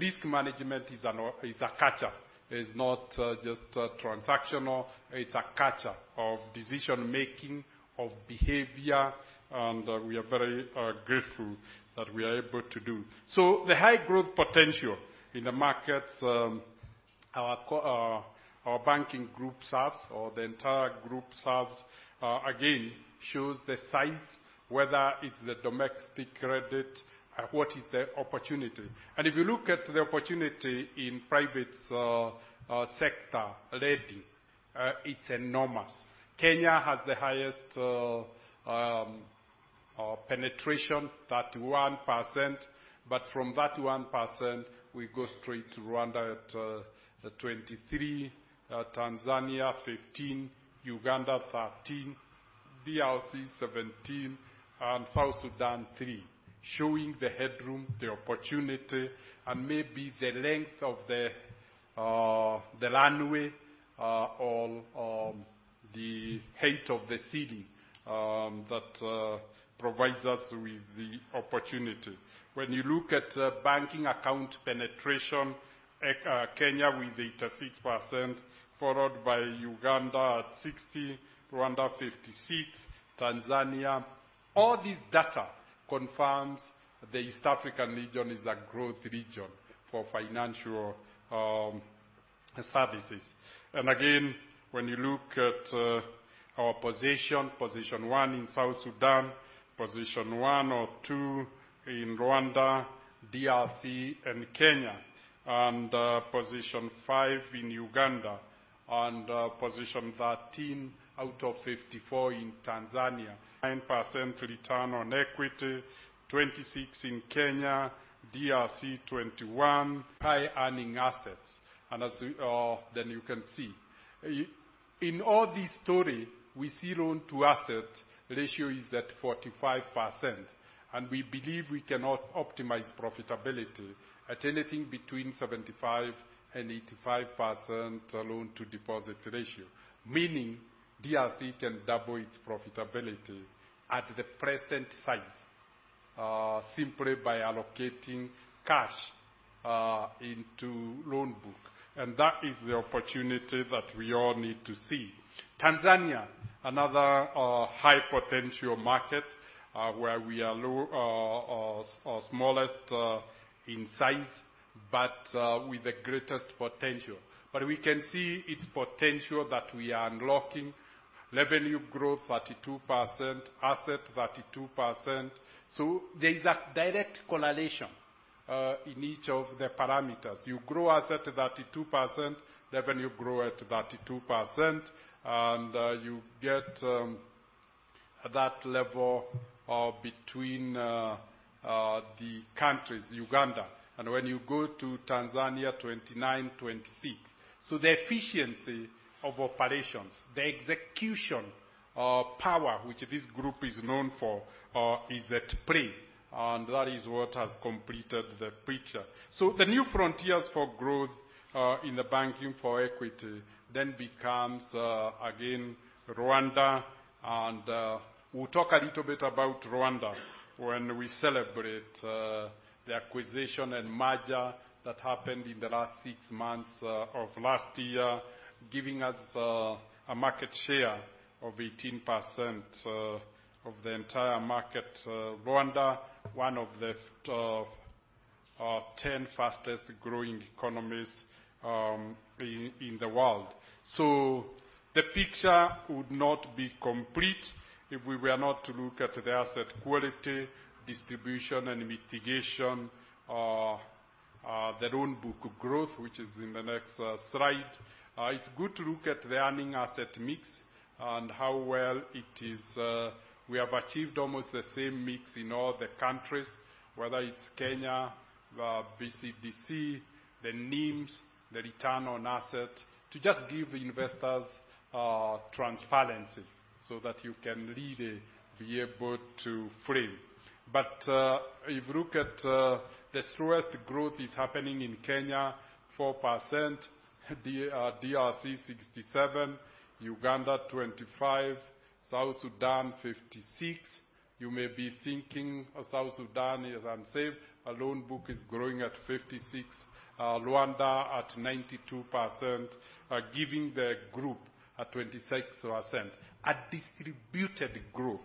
Risk management is a culture. It's not just transactional. It's a culture of decision-making, of behavior, and we are very grateful that we are able to do so. So the high growth potential in the markets our banking group serves or the entire group serves again shows the size, whether it's the domestic credit, what is the opportunity. And if you look at the opportunity in private sector lending, it's enormous. Kenya has the highest penetration, 31%, but from that one percent, we go straight to Rwanda at 23%, Tanzania 15%, Uganda 13%, DRC 17%, and South Sudan 3%. Showing the headroom, the opportunity, and maybe the length of the runway, or the height of the city, that provides us with the opportunity. When you look at banking account penetration, Kenya with 86%, followed by Uganda at 60%, Rwanda 56%, Tanzania. All this data confirms the East African region is a growth region for financial services. And again, when you look at our position, position one in South Sudan, position one or two in Rwanda, DRC, and Kenya, and position five in Uganda, and position thirteen out of 54 in Tanzania. 9% return on equity, 26 in Kenya, DRC, 21, high-earning assets, and then you can see. In all this story, we see loan-to-asset ratio is at 45%, and we believe we cannot optimize profitability at anything between 75%-85% loan-to-deposit ratio, meaning DRC can double its profitability at the present size, simply by allocating cash into loan book. And that is the opportunity that we all need to see. Tanzania, another high-potential market, where we are smallest in size, but with the greatest potential. But we can see its potential that we are unlocking. Revenue growth 32%, asset 32%. So there is a direct correlation in each of the parameters. You grow asset at 32%, revenue grow at 32%, and you get at that level between the countries, Uganda. And when you go to Tanzania, 29, 26. So the efficiency of operations, the execution of power, which this group is known for, is at play, and that is what has completed the picture. So the new frontiers for growth in the banking for Equity then becomes again, Rwanda. And we'll talk a little bit about Rwanda when we celebrate the acquisition and merger that happened in the last six months of last year, giving us a market share of 18% of the entire market. Rwanda, one of the ten fastest growing economies in the world. So the picture would not be complete if we were not to look at the asset quality, distribution, and mitigation, the loan book growth, which is in the next slide. It's good to look at the earning asset mix and how well it is. We have achieved almost the same mix in all the countries, whether it's Kenya, BCDC, the NIMS, the return on asset, to just give investors transparency so that you can really be able to frame. But, if you look at, the slowest growth is happening in Kenya, 4%, DRC 67%, Uganda 25%, South Sudan 56%. You may be thinking of South Sudan, as I said, our loan book is growing at 56%, Rwanda at 92%, giving the group at 26% a distributed growth.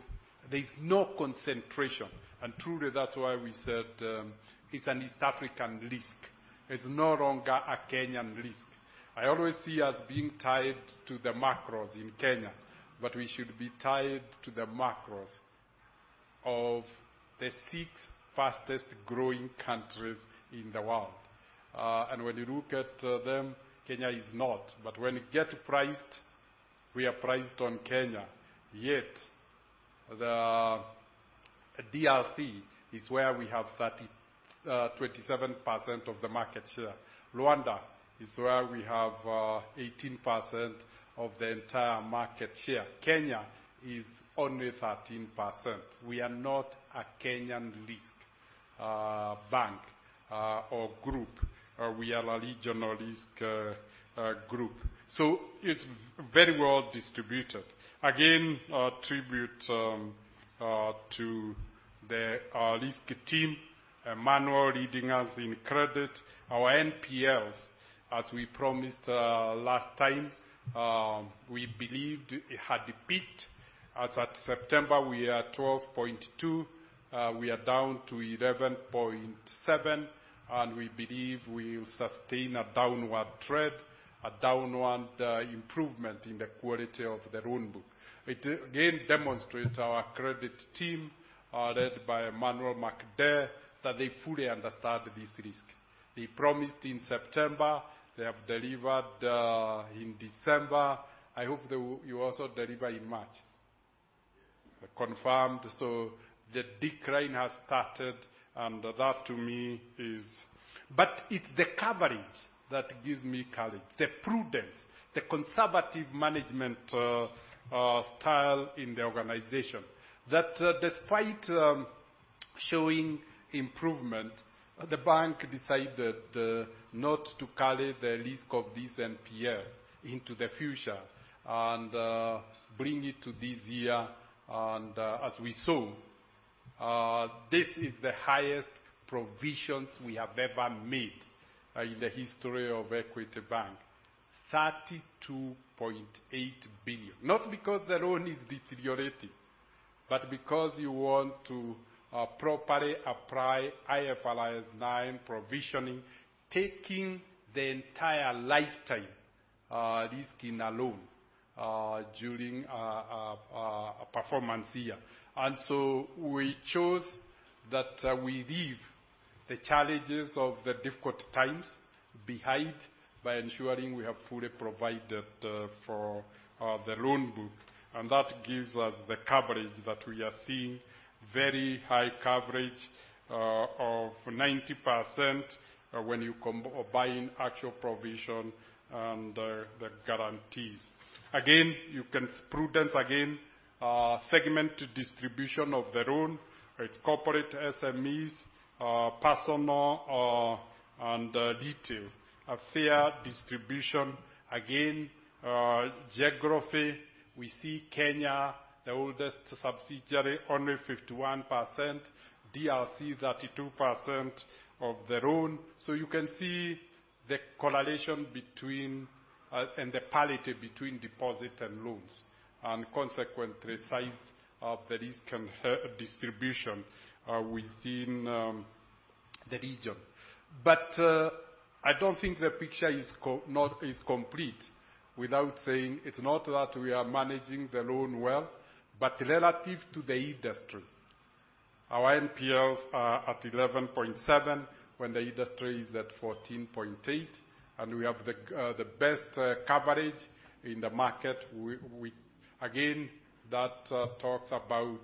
There's no concentration, and truly, that's why we said, it's an East African risk. It's no longer a Kenyan risk. I always see us being tied to the macros in Kenya, but we should be tied to the macros of the 6 fastest growing countries in the world. And when you look at them, Kenya is not. But when it gets priced, we are priced on Kenya, yet the DRC is where we have 27% of the market share. Rwanda is where we have 18% of the entire market share. Kenya is only 13%. We are not a Kenyan risk bank or group. We are a regional risk group. So it's very well distributed. Again, a tribute to the risk team, Manuel leading us in credit. Our NPLs, as we promised, last time, we believed it had peaked. As at September, we are 12.2, we are down to 11.7, and we believe we will sustain a downward trend, a downward, improvement in the quality of the loan book. It again demonstrates our credit team, led by Manuel MacDay, that they fully understand this risk. They promised in September, they have delivered, in December. I hope they will, you also deliver in March. Confirmed, so the decline has started, and that, to me, is... But it's the coverage that gives me courage, the prudence, the conservative management, style in the organization, that, despite, showing improvement, the bank decided, not to carry the risk of this NPL into the future and, bring it to this year. As we saw, this is the highest provisions we have ever made in the history of Equity Bank, 32.8 billion. Not because the loan is deteriorating, but because you want to properly apply IFRS 9 provisioning, taking the entire lifetime risking a loan during a performance year. So we chose that we leave the challenges of the difficult times behind by ensuring we have fully provided for the loan book, and that gives us the coverage that we are seeing, very high coverage of 90% when you compare actual provision and the guarantees. Again, you can see prudence in segment distribution of the loan. It's corporate SMEs, personal, and retail. A fair distribution, again, geography. We see Kenya, the oldest subsidiary, only 51%, DRC, 32% of the loan. So you can see the correlation between and the parity between deposit and loans, and consequently, size of the risk and distribution within the region. But I don't think the picture is not complete without saying it's not that we are managing the loan well, but relative to the industry. Our NPLs are at 11.7%, when the industry is at 14.8%, and we have the best coverage in the market. We again that talks about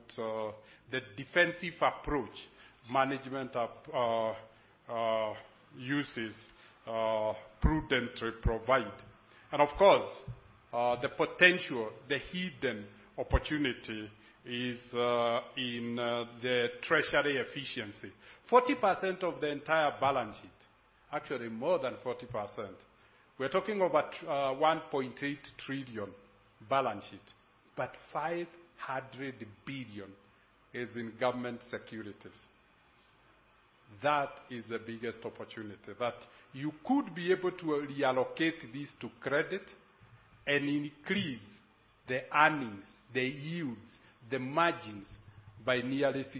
the defensive approach management of uses prudently provide. And of course, the potential, the hidden opportunity is in the treasury efficiency. 40% of the entire balance sheet, actually more than 40%. We're talking about a 1.8 trillion balance sheet, but 500 billion is in government securities. That is the biggest opportunity, that you could be able to reallocate this to credit and increase the earnings, the yields, the margins by nearly 60%.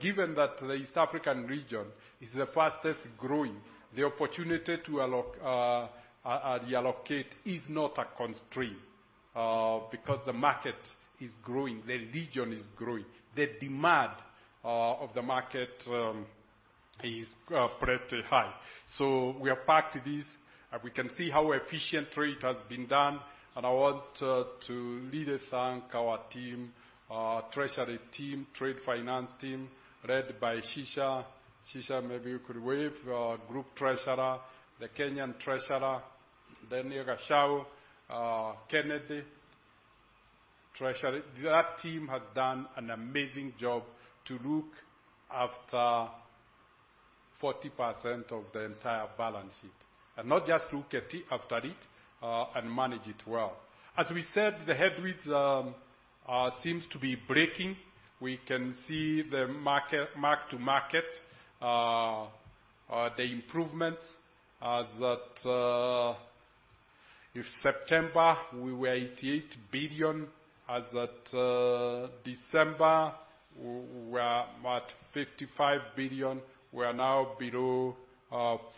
Given that the East African region is the fastest growing, the opportunity to allocate, reallocate is not a constraint, because the market is growing, the region is growing, the demand of the market is pretty high. So we are parked this, and we can see how efficiently it has been done. And I want to really thank our team, treasury team, trade finance team, led by Sishia. Sishia, maybe you could wave, our group treasurer, the Kenyan treasurer, then you got Shao, Kennedy, treasurer. That team has done an amazing job to look after 40% of the entire balance sheet, and not just look at it, after it, and manage it well. As we said, the headwinds seems to be breaking. We can see the mark-to-market improvements as at September, we were 88 billion, as at December, we were at 55 billion. We are now below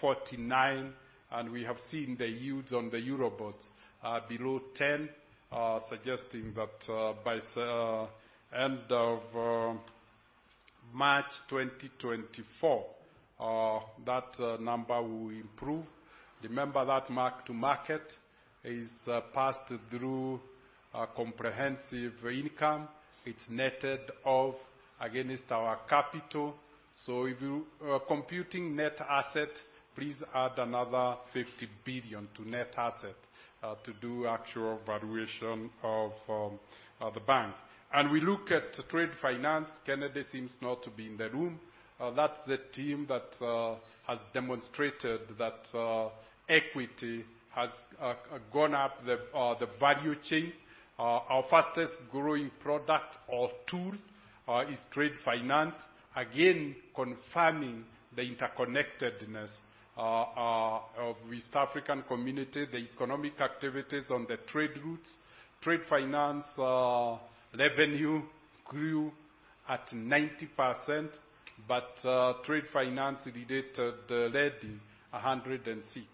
49 billion, and we have seen the yields on the Eurobonds are below 10, suggesting that by end of March 2024, that number will improve. Remember that mark to market is passed through a comprehensive income. It's netted off against our capital. So if you are computing net asset, please add another 50 billion to net asset to do actual valuation of the bank. We look at trade finance. Kennedy seems not to be in the room. That's the team that has demonstrated that equity has gone up the value chain. Our fastest growing product or tool is trade finance, again, confirming the interconnectedness of East African Community, the economic activities on the trade routes. Trade finance revenue grew at 90%, but trade finance, it did lead in 106.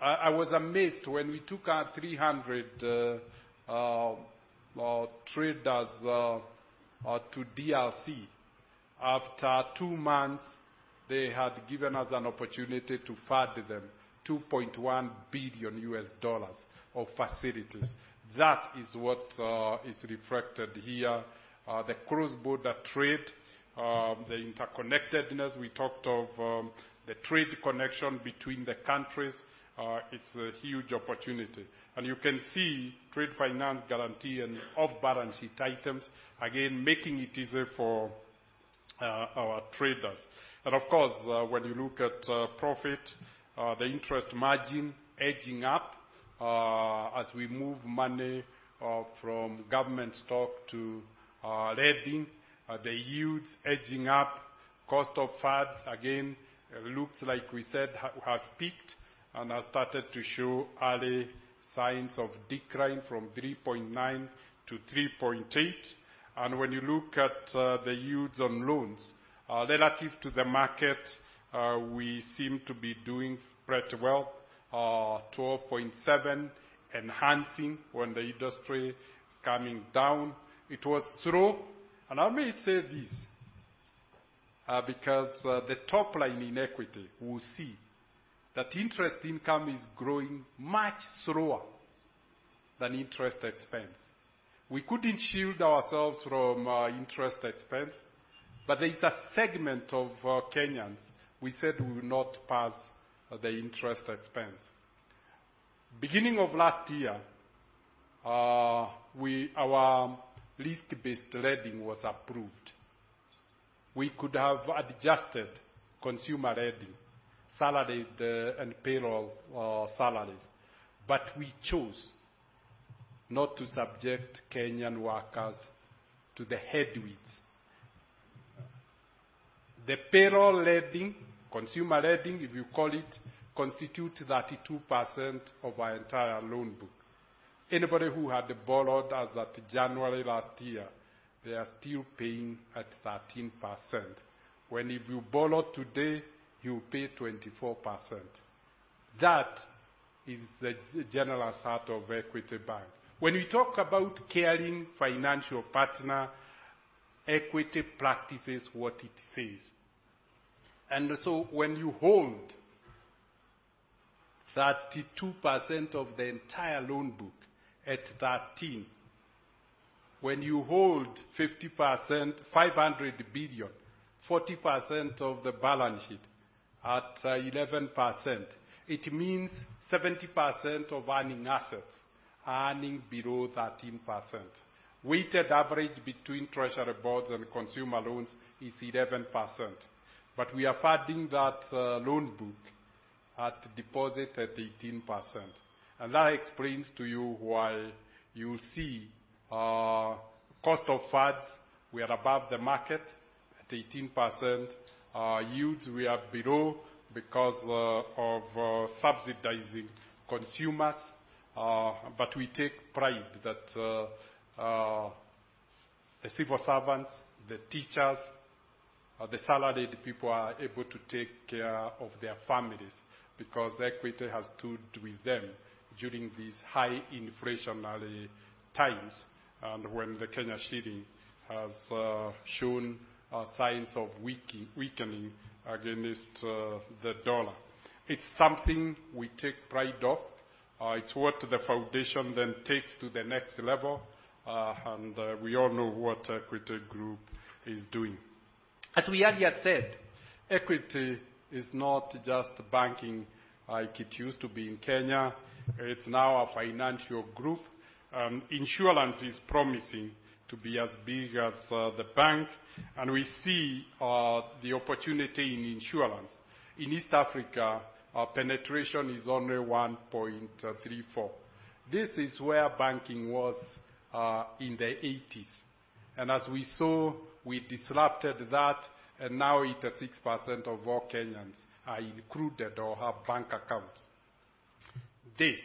I was amazed when we took our 300 traders to DRC. After two months, they had given us an opportunity to fund them $2.1 billion of facilities. That is what is reflected here. The cross-border trade, the interconnectedness we talked of, the trade connection between the countries, it's a huge opportunity. And you can see trade finance guarantee and off-balance sheet items, again, making it easier for our traders. And of course, when you look at profit, the interest margin edging up, as we move money from government stock to lending, the yields edging up. Cost of funds, again, looks like we said, has peaked and has started to show early signs of decline from 3.9%-3.8%. And when you look at the yields on loans relative to the market, we seem to be doing pretty well, 12.7%, enhancing when the industry is coming down. It was slow, and I may say this, because the top line in Equity, we see that interest income is growing much slower than interest expense. We couldn't shield ourselves from interest expense, but there is a segment of Kenyans we said we will not pass the interest expense. Beginning of last year, our risk-based lending was approved. We could have adjusted consumer lending, salaried, and payroll salaries, but we chose not to subject Kenyan workers to the headwinds. The payroll lending, consumer lending, if you call it, constitutes 32% of our entire loan book. Anybody who had borrowed as at January last year, they are still paying at 13%, when if you borrow today, you pay 24%. That is the general heart of Equity Bank. When we talk about caring financial partner, Equity practices what it says. When you hold 32% of the entire loan book at 13%, when you hold 50%, 500 billion, 40% of the balance sheet at 11%, it means 70% of earning assets are earning below 13%. Weighted average between treasury bonds and consumer loans is 11%, but we are funding that loan book at deposit at 18%. That explains to you why you see cost of funds, we are above the market at 18%. Yields, we are below because of subsidizing consumers. But we take pride that the civil servants, the teachers, the salaried people are able to take care of their families because Equity has stood with them during these high inflationary times, and when the Kenyan shilling has shown signs of weakening against the dollar. It's something we take pride of. It's what the foundation then takes to the next level. We all know what Equity Group is doing. As we earlier said, Equity is not just banking like it used to be in Kenya, it's now a financial group. Insurance is promising to be as big as the bank, and we see the opportunity in insurance. In East Africa, our penetration is only 1.34%. This is where banking was in the 1980s, and as we saw, we disrupted that, and now 86% of all Kenyans are included or have bank accounts. This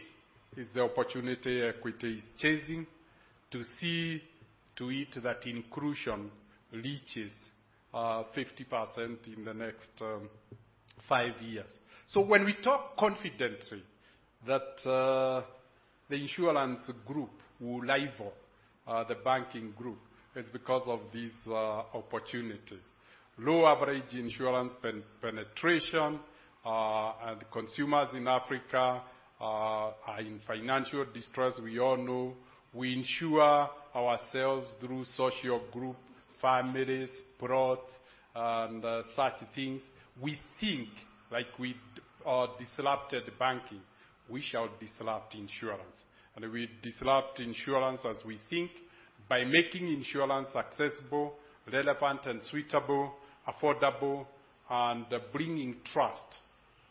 is the opportunity Equity is chasing to see to it that inclusion reaches 50% in the next five years. So when we talk confidently that the insurance group will rival the banking group, it's because of this opportunity. Low average insurance penetration and consumers in Africa are in financial distress, we all know. We insure ourselves through social group, families, plots, and such things. We think like we disrupted banking, we shall disrupt insurance. And we disrupt insurance as we think, by making insurance accessible, relevant, and suitable, affordable, and bringing trust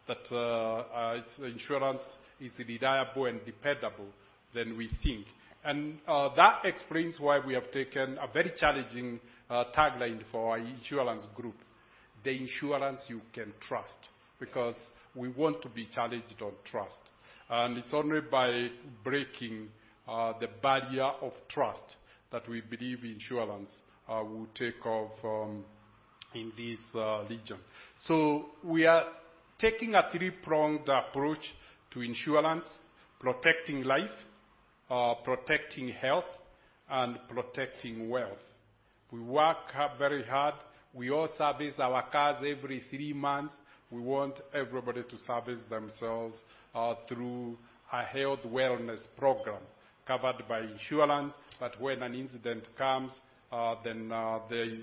that its insurance is reliable and dependable than we think. That explains why we have taken a very challenging tagline for our insurance group, "The insurance you can trust," because we want to be challenged on trust. It's only by breaking the barrier of trust that we believe insurance will take off in this region. We are taking a three-pronged approach to insurance, protecting life, protecting health, and protecting wealth. We work very hard. We all service our cars every three months. We want everybody to service themselves through a health wellness program covered by insurance, that when an incident comes, then there is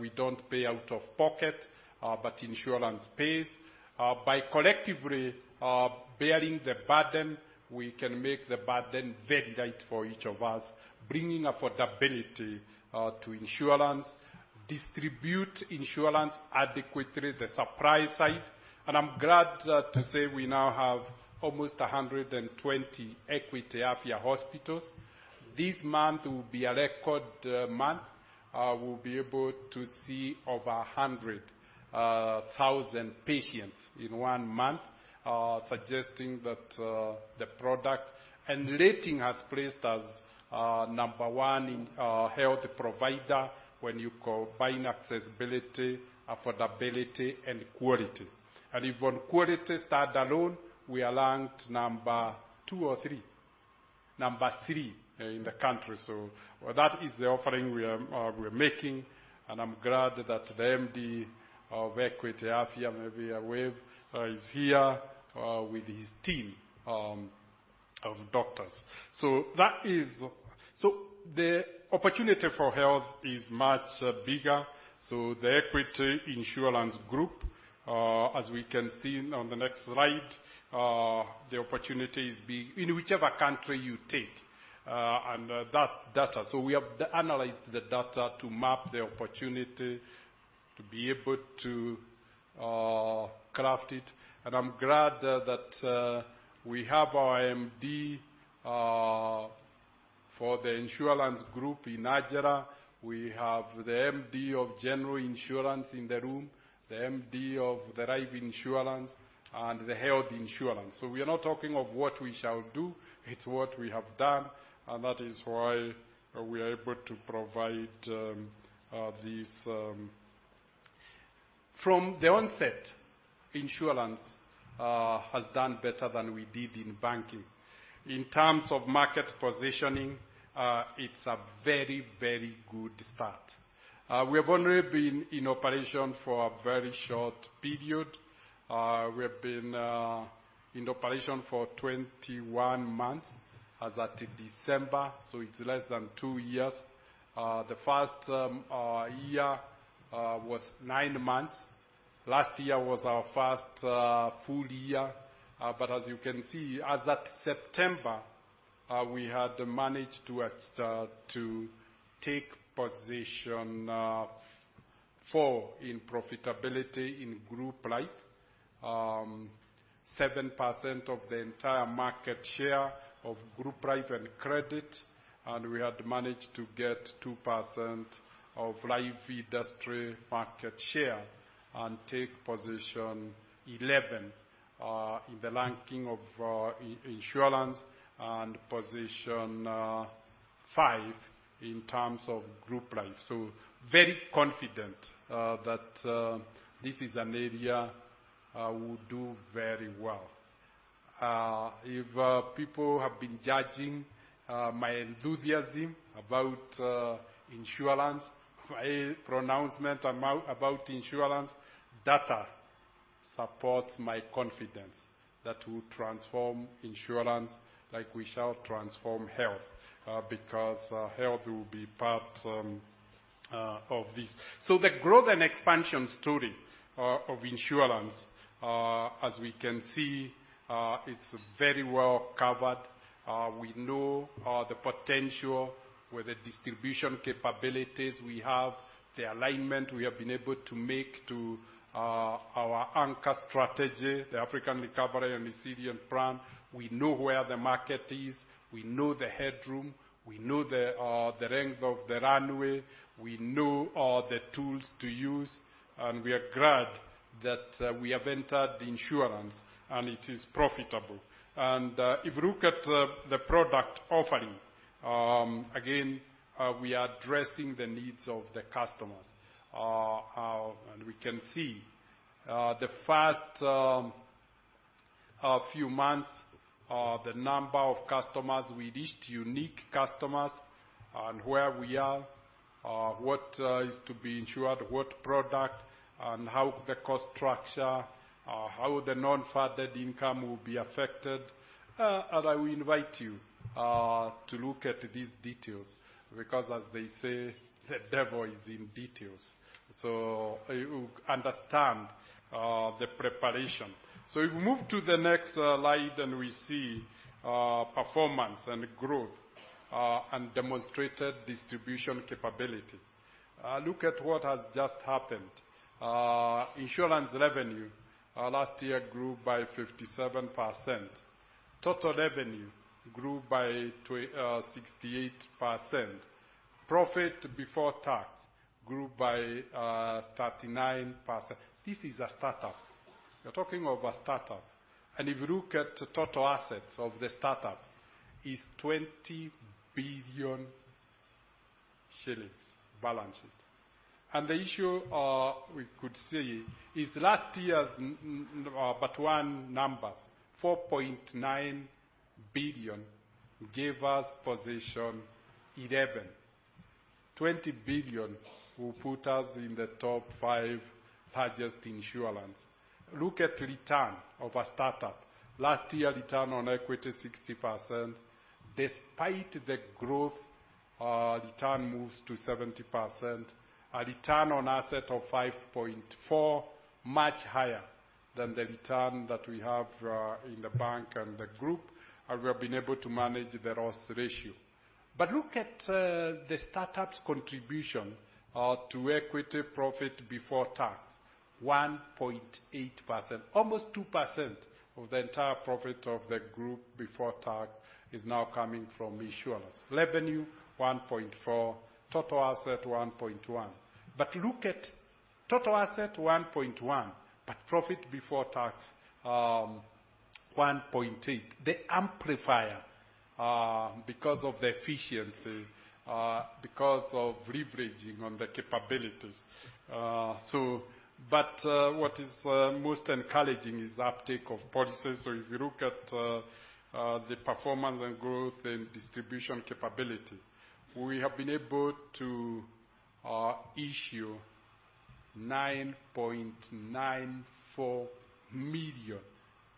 we don't pay out of pocket, but insurance pays. By collectively bearing the burden, we can make the burden very light for each of us, bringing affordability to insurance, distribute insurance adequately, the supply side. I'm glad to say we now have almost 120 Equity Afya hospitals. This month will be a record month. We'll be able to see over 100,000 patients in one month, suggesting that the product... And Rating has placed us number 1 in health provider when you combine accessibility, affordability, and quality. And if on quality stand alone, we are ranked number 2 or 3? Number 3 in the country. So that is the offering we are making, and I'm glad that the MD of Equity Afya, Maywa Ebwe, is here with his team of doctors. So that is. So the opportunity for health is much bigger. So the Equity Insurance Group, as we can see on the next slide, the opportunity is big in whichever country you take, and, that data. So we have analyzed the data to map the opportunity to be able to, craft it, and I'm glad that, we have our MD, for the insurance group in Nigeria. We have the MD of general insurance in the room, the MD of the life insurance and the health insurance. So we are not talking of what we shall do, it's what we have done, and that is why we are able to provide, these... From the onset, insurance, has done better than we did in banking. In terms of market positioning, it's a very, very good start. We have only been in operation for a very short period. We have been in operation for 21 months as at December, so it's less than 2 years. The first year was 9 months. Last year was our first full year. But as you can see, as at September, we had managed to take position four in profitability in Group Life, 7% of the entire market share of Group Life and Credit, and we had managed to get 2% of life industry market share and take position 11 in the ranking of insurance and position five in terms of Group Life. So very confident that this is an area we do very well. If people have been judging my enthusiasm about insurance, my pronouncement about insurance, data supports my confidence that we'll transform insurance like we shall transform health, because health will be part of this. So the growth and expansion story of insurance, as we can see, it's very well covered. We know the potential with the distribution capabilities we have, the alignment we have been able to make to our anchor strategy, the African Recovery and Resilience Plan. We know where the market is. We know the headroom, we know the length of the runway, we know the tools to use, and we are glad that we have entered insurance, and it is profitable. If you look at the product offering, again, we are addressing the needs of the customers. We can see the first few months, the number of customers we reached, unique customers, and where we are, what is to be insured, what product, and how the cost structure, how the non-funded income will be affected. I will invite you to look at these details because as they say, "The devil is in details." So you understand the preparation. So if you move to the next slide, then we see performance and growth and demonstrated distribution capability. Look at what has just happened. Insurance revenue last year grew by 57%. Total revenue grew by 68%. Profit before tax grew by 39%. This is a startup. We're talking of a startup, and if you look at the total assets of the startup, is 20 billion shillings balance sheet. And the issue we could see is last year's but one, numbers 4.9 billion gave us position 11. 20 billion will put us in the top five largest insurance. Look at return of a startup. Last year, return on equity, 60%. Despite the growth, return moves to 70%, a return on asset of 5.4%, much higher than the return that we have in the bank and the group, and we have been able to manage the loss ratio. But look at the startup's contribution to equity profit before tax, 1.8%. Almost 2% of the entire profit of the group before tax is now coming from insurance. Revenue, 1.4, total asset, 1.1. But look at total asset, 1.1, but profit before tax, 1.8. The amplifier because of the efficiency because of leveraging on the capabilities. So but what is most encouraging is the uptake of policies. So if you look at the performance and growth and distribution capability, we have been able to issue 9.94 million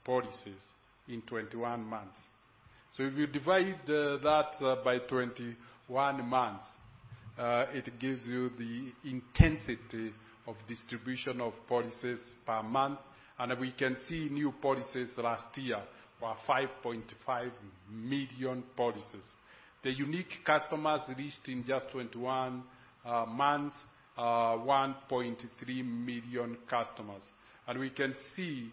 policies in 21 months. So if you divide that by 21 months, it gives you the intensity of distribution of policies per month, and we can see new policies last year were 5.5 million policies. The unique customers reached in just 21 months, 1.3 million customers. And we can see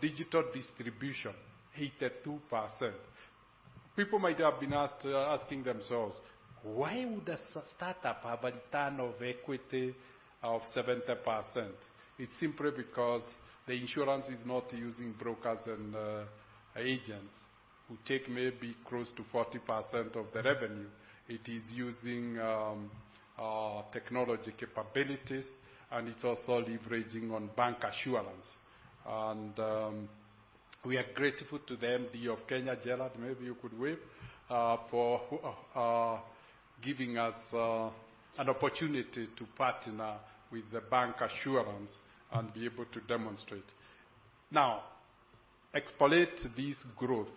digital distribution, 82%. People might have been asking themselves: Why would a startup have a return of equity of 70%? It's simply because the insurance is not using brokers and agents who take maybe close to 40% of the revenue. It is using technology capabilities, and it's also leveraging on bank assurance. And we are grateful to the MD of Kenya, Gerald, maybe you could wave for giving us an opportunity to partner with the bank assurance and be able to demonstrate. Now, explicate this growth,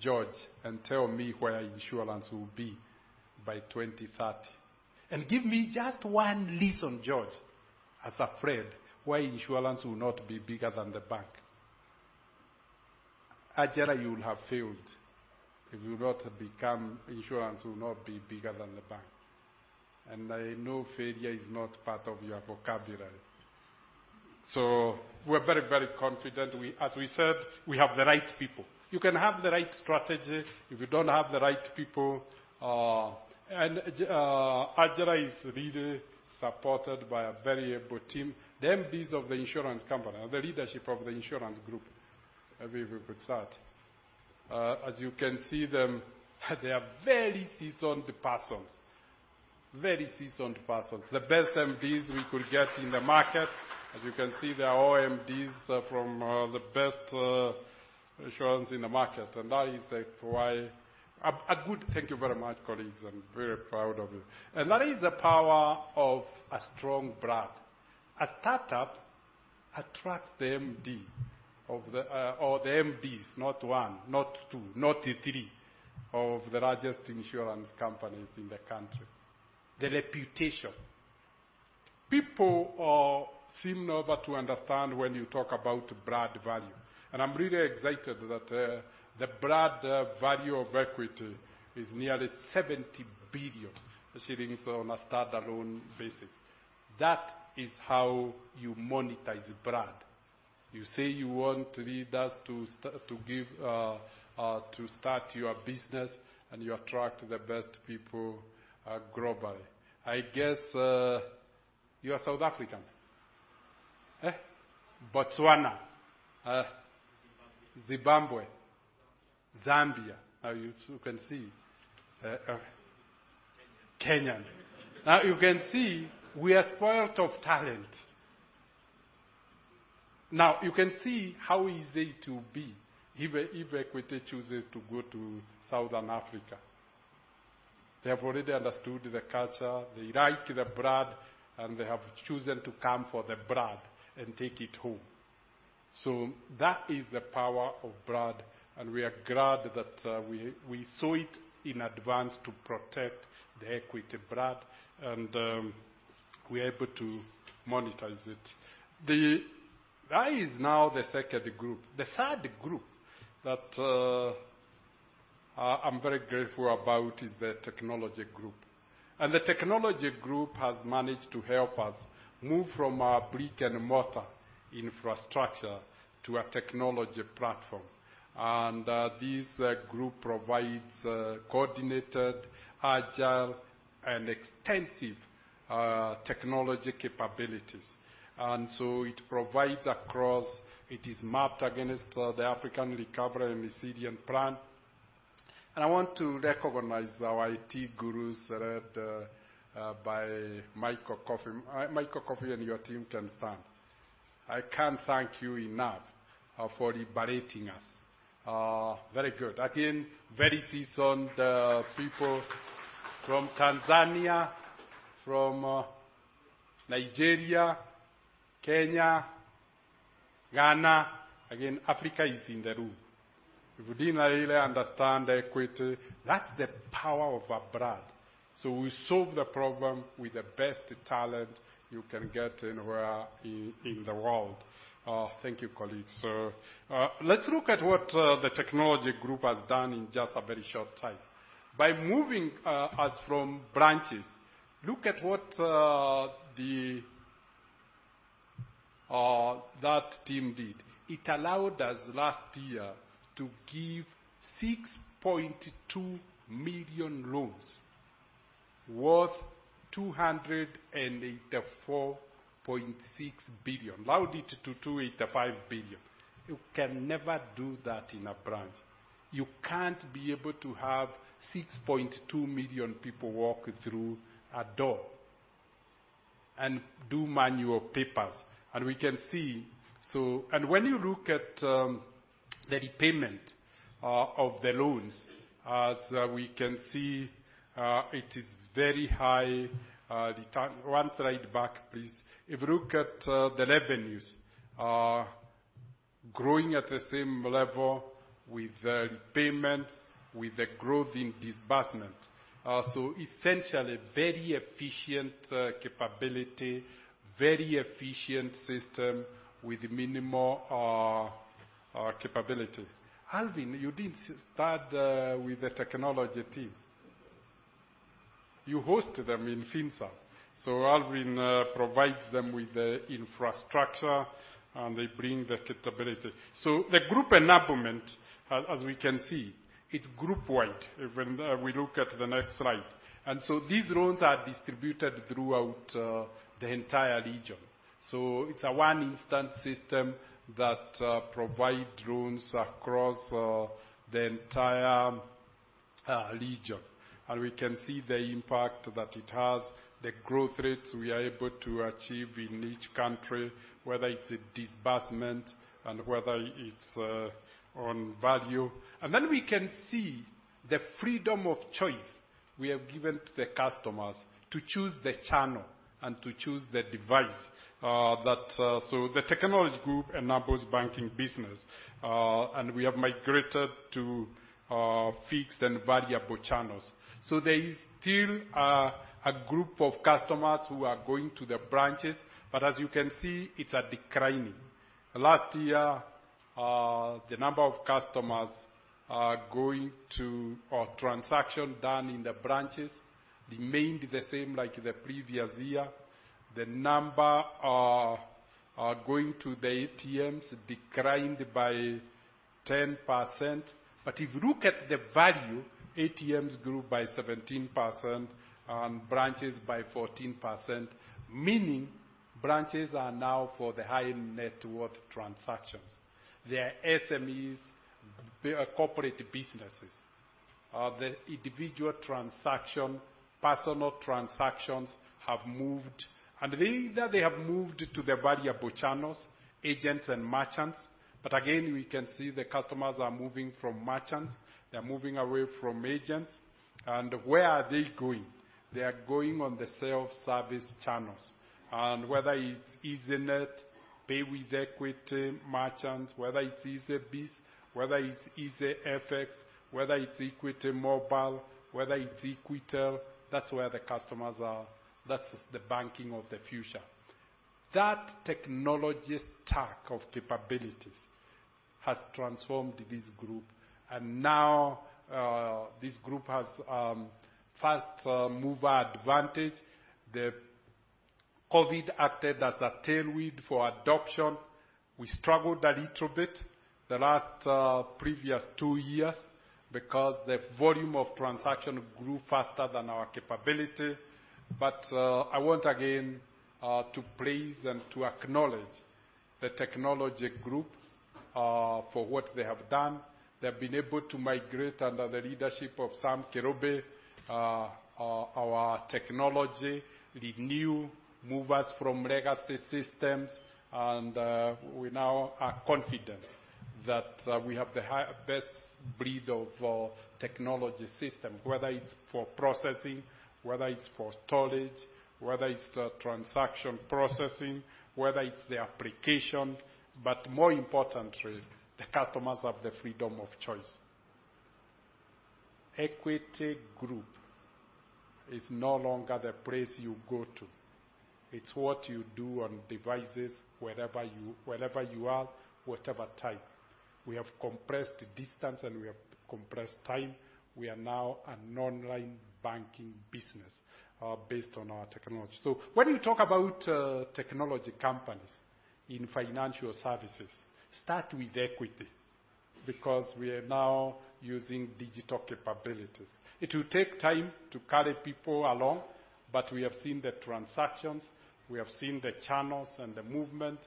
George, and tell me where insurance will be by 2030. And give me just one reason, George, as a friend, why insurance will not be bigger than the bank? Ajara, you will have failed if you not become, insurance will not be bigger than the bank. I know failure is not part of your vocabulary. So we're very, very confident. We, as we said, we have the right people. You can have the right strategy, if you don't have the right people. Ajara is really supported by a very able team, the MDs of the insurance company, and the leadership of the insurance group, I will, will put that. As you can see them, they are very seasoned persons. Very seasoned persons. The best MDs we could get in the market. As you can see, they are all MDs from, the best, insurance in the market, and that is like why- a, a good. Thank you very much, colleagues, I'm very proud of you. And that is the power of a strong brand. A startup attracts the MD of the or the MDs, not one, not two, not three, of the largest insurance companies in the country. The reputation. People seem not to understand when you talk about brand value, and I'm really excited that the brand value of Equity is nearly 70 billion shillings on a standalone basis. That is how you monetize brand. You say you want leaders to start your business, and you attract the best people globally. I guess you are South African? Eh. Botswana. Zimbabwe. Zimbabwe. Zambia. Zambia. You can see... Kenyan. Kenyan. Now, you can see we are spoiled of talent. Now, you can see how easy it will be if Equity chooses to go to Southern Africa. They have already understood the culture, they like the brand, and they have chosen to come for the brand and take it home. So that is the power of brand, and we are glad that we saw it in advance to protect the Equity brand, and we are able to monetize it. That is now the second group. The third group that I'm very grateful about is the technology group. The technology group has managed to help us move from a brick-and-mortar infrastructure to a technology platform. This group provides coordinated, agile, and extensive technology capabilities. And so it provides across... It is mapped against the African Recovery and Resilience Plan. I want to recognize our IT gurus, led by Michael Offei. Michael Kofi and your team can stand. I can't thank you enough, for liberating us. Very good. Again, very seasoned, people from Tanzania, from, Nigeria, Kenya, Ghana. Again, Africa is in the room. If you didn't really understand Equity, that's the power of our brand. So we solve the problem with the best talent you can get anywhere in, in the world. Thank you, colleagues. Let's look at what, the technology group has done in just a very short time. By moving, us from branches, look at what, the, that team did. It allowed us last year to give 6.2 million loans, worth 284.6 billion, rounded to 285 billion. You can never do that in a branch. You can't be able to have 6.2 million people walk through a door and do manual papers. We can see, and when you look at the repayment of the loans, as we can see, it is very high. One slide back, please. If you look at the revenues are growing at the same level with the repayments, with the growth in disbursement. So essentially, very efficient capability, very efficient system with minimal capability. Alvin, you didn't start with the technology team. You hosted them in Finserve. So Alvin provides them with the infrastructure, and they bring the capability. So the group enablement, as we can see, it's group wide when we look at the next slide. And so these loans are distributed throughout the entire region. So it's a one instance system that provide loans across the entire region. We can see the impact that it has, the growth rates we are able to achieve in each country, whether it's in disbursement and whether it's on value. And then we can see the freedom of choice we have given to the customers, to choose the channel and to choose the device. So the technology group enables banking business, and we have migrated to fixed and variable channels. So there is still a group of customers who are going to the branches, but as you can see, it's declining. Last year, the number of customers are going to, or transaction done in the branches remained the same like the previous year. The number are going to the ATMs declined by 10%. But if you look at the value, ATMs grew by 17% and branches by 14%, meaning branches are now for the high net worth transactions. They are SMEs, they are corporate businesses. The individual transaction, personal transactions have moved, and they, they have moved to the variable channels, agents and merchants. But again, we can see the customers are moving from merchants, they're moving away from agents. And where are they going? They are going on the self-service channels. And whether it's EazzyNet, pay with Equity merchants, whether it's EazzyBiz, whether it's EazzyFX, whether it's Equity Mobile, whether it's Equitel, that's where the customers are. That's the banking of the future. That technology stack of capabilities has transformed this group, and now, this group has first mover advantage. The COVID acted as a tailwind for adoption. We struggled a little bit the last previous two years because the volume of transaction grew faster than our capability. But I want again to praise and to acknowledge the technology group for what they have done. They've been able to migrate under the leadership of Sam Kirubi our technology the new movers from legacy systems, and we now are confident that we have the best breed of technology system, whether it's for processing, whether it's for storage, whether it's transaction processing, whether it's the application, but more importantly, the customers have the freedom of choice. Equity Group is no longer the place you go to. It's what you do on devices, wherever you, wherever you are, whatever time. We have compressed distance, and we have compressed time. We are now an online banking business, based on our technology. So when you talk about technology companies in financial services, start with Equity, because we are now using digital capabilities. It will take time to carry people along, but we have seen the transactions, we have seen the channels and the movement.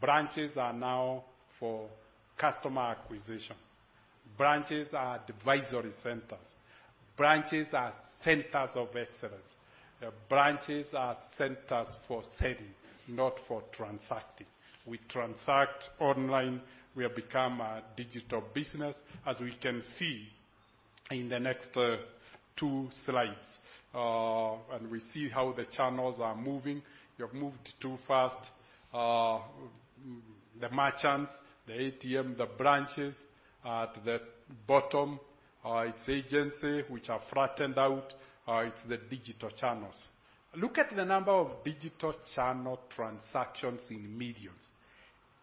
Branches are now for customer acquisition. Branches are advisory centers. Branches are centers of excellence. Branches are centers for selling, not for transacting. We transact online. We have become a digital business, as we can see in the next 2 slides. And we see how the channels are moving. We have moved too fast the merchants, the ATM, the branches. At the bottom, it's agency, which are flattened out, it's the digital channels. Look at the number of digital channel transactions in millions.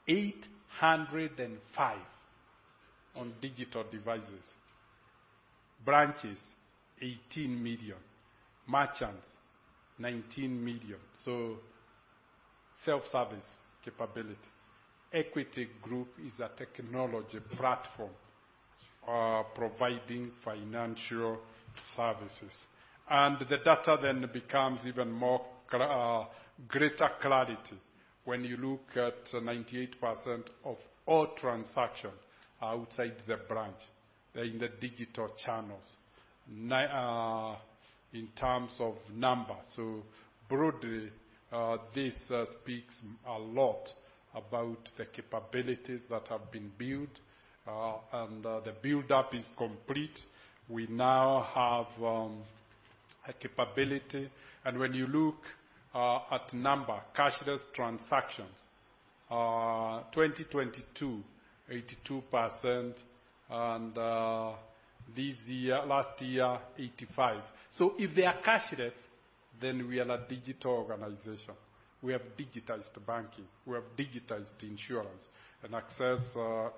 805 on digital devices. Branches, 18 million; merchants, 19 million. So self-service capability. Equity Group is a technology platform, providing financial services. And the data then becomes even more clear, greater clarity when you look at 98% of all transactions outside the branch, in the digital channels, in terms of numbers. So broadly, this speaks a lot about the capabilities that have been built, and the build-up is complete. We now have a capability. And when you look at number, cashless transactions, 2022, 82%, and this year- last year, 85. So if they are cashless, then we are a digital organization. We have digitized banking, we have digitized insurance, and access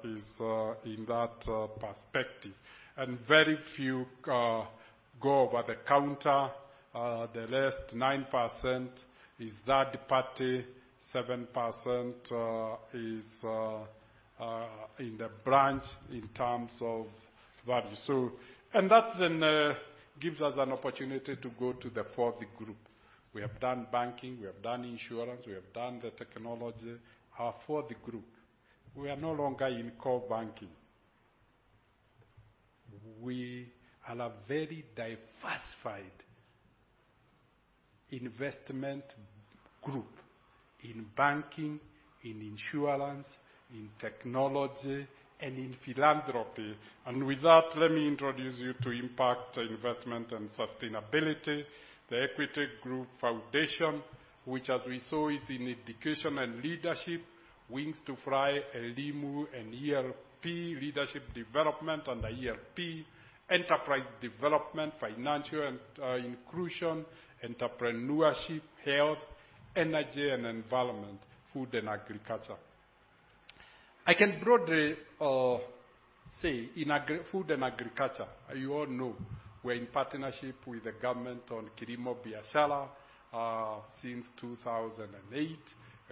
is in that perspective. And very few go over the counter. The rest, 9% is third party, 7% is in the branch in terms of value. So... And that then gives us an opportunity to go to the fourth group. We have done banking, we have done insurance, we have done the technology. Our fourth group, we are no longer in core banking. We are a very diversified investment group in banking, in insurance, in technology, and in philanthropy. And with that, let me introduce you to impact, investment, and sustainability. The Equity Group Foundation, which, as we saw, is in education and leadership, Wings to Fly, ELIMU, and ELP, leadership development and the ELP, enterprise development, financial and inclusion, entrepreneurship, health, energy and environment, food and agriculture.... I can broadly say in agri-food and agriculture, you all know we're in partnership with the government on Kilimo Biashara since 2008.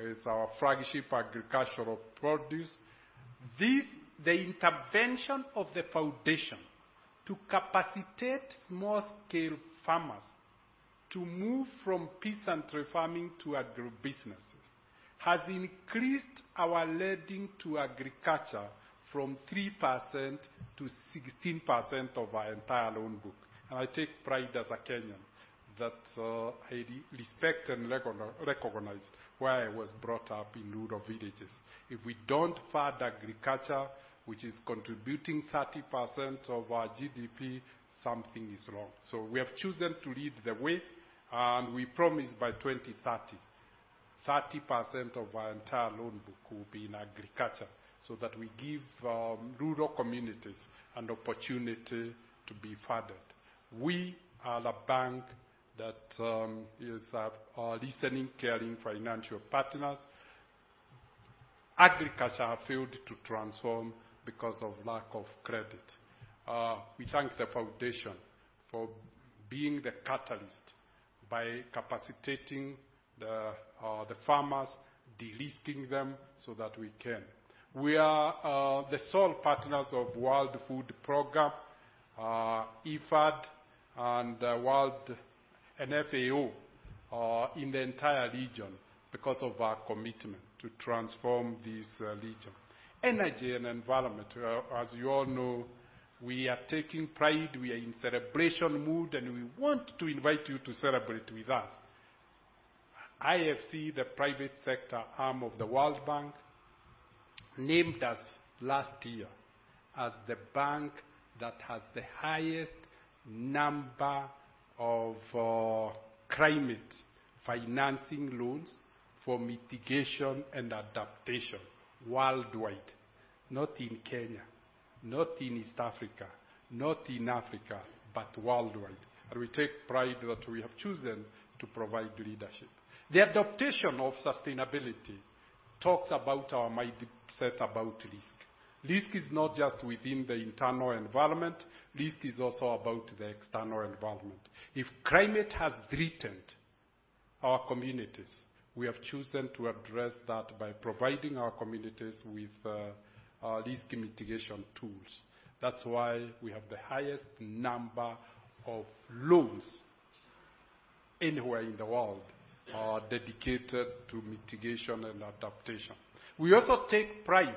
It's our flagship agricultural produce. This intervention of the foundation to capacitate small-scale farmers to move from peasantry farming to agribusinesses has increased our lending to agriculture from 3% to 16% of our entire loan book. I take pride as a Kenyan that I respect and recognize where I was brought up in rural villages. If we don't fund agriculture, which is contributing 30% of our GDP, something is wrong. We have chosen to lead the way, and we promise by 2030, 30% of our entire loan book will be in agriculture, so that we give rural communities an opportunity to be funded. We are a bank that is a listening, caring financial partners. Agriculture failed to transform because of lack of credit. We thank the foundation for being the catalyst by capacitating the farmers, de-risking them so that we can. We are the sole partners of World Food Programme, IFAD, and FAO in the entire region because of our commitment to transform this region. Energy and environment, as you all know, we are taking pride, we are in celebration mood, and we want to invite you to celebrate with us. IFC, the private sector arm of the World Bank, named us last year as the bank that has the highest number of climate financing loans for mitigation and adaptation worldwide. Not in Kenya, not in East Africa, not in Africa, but worldwide, and we take pride that we have chosen to provide leadership. The adaptation of sustainability talks about our mindset about risk. Risk is not just within the internal environment, risk is also about the external environment. If climate has threatened our communities, we have chosen to address that by providing our communities with risk mitigation tools. That's why we have the highest number of loans anywhere in the world dedicated to mitigation and adaptation. We also take pride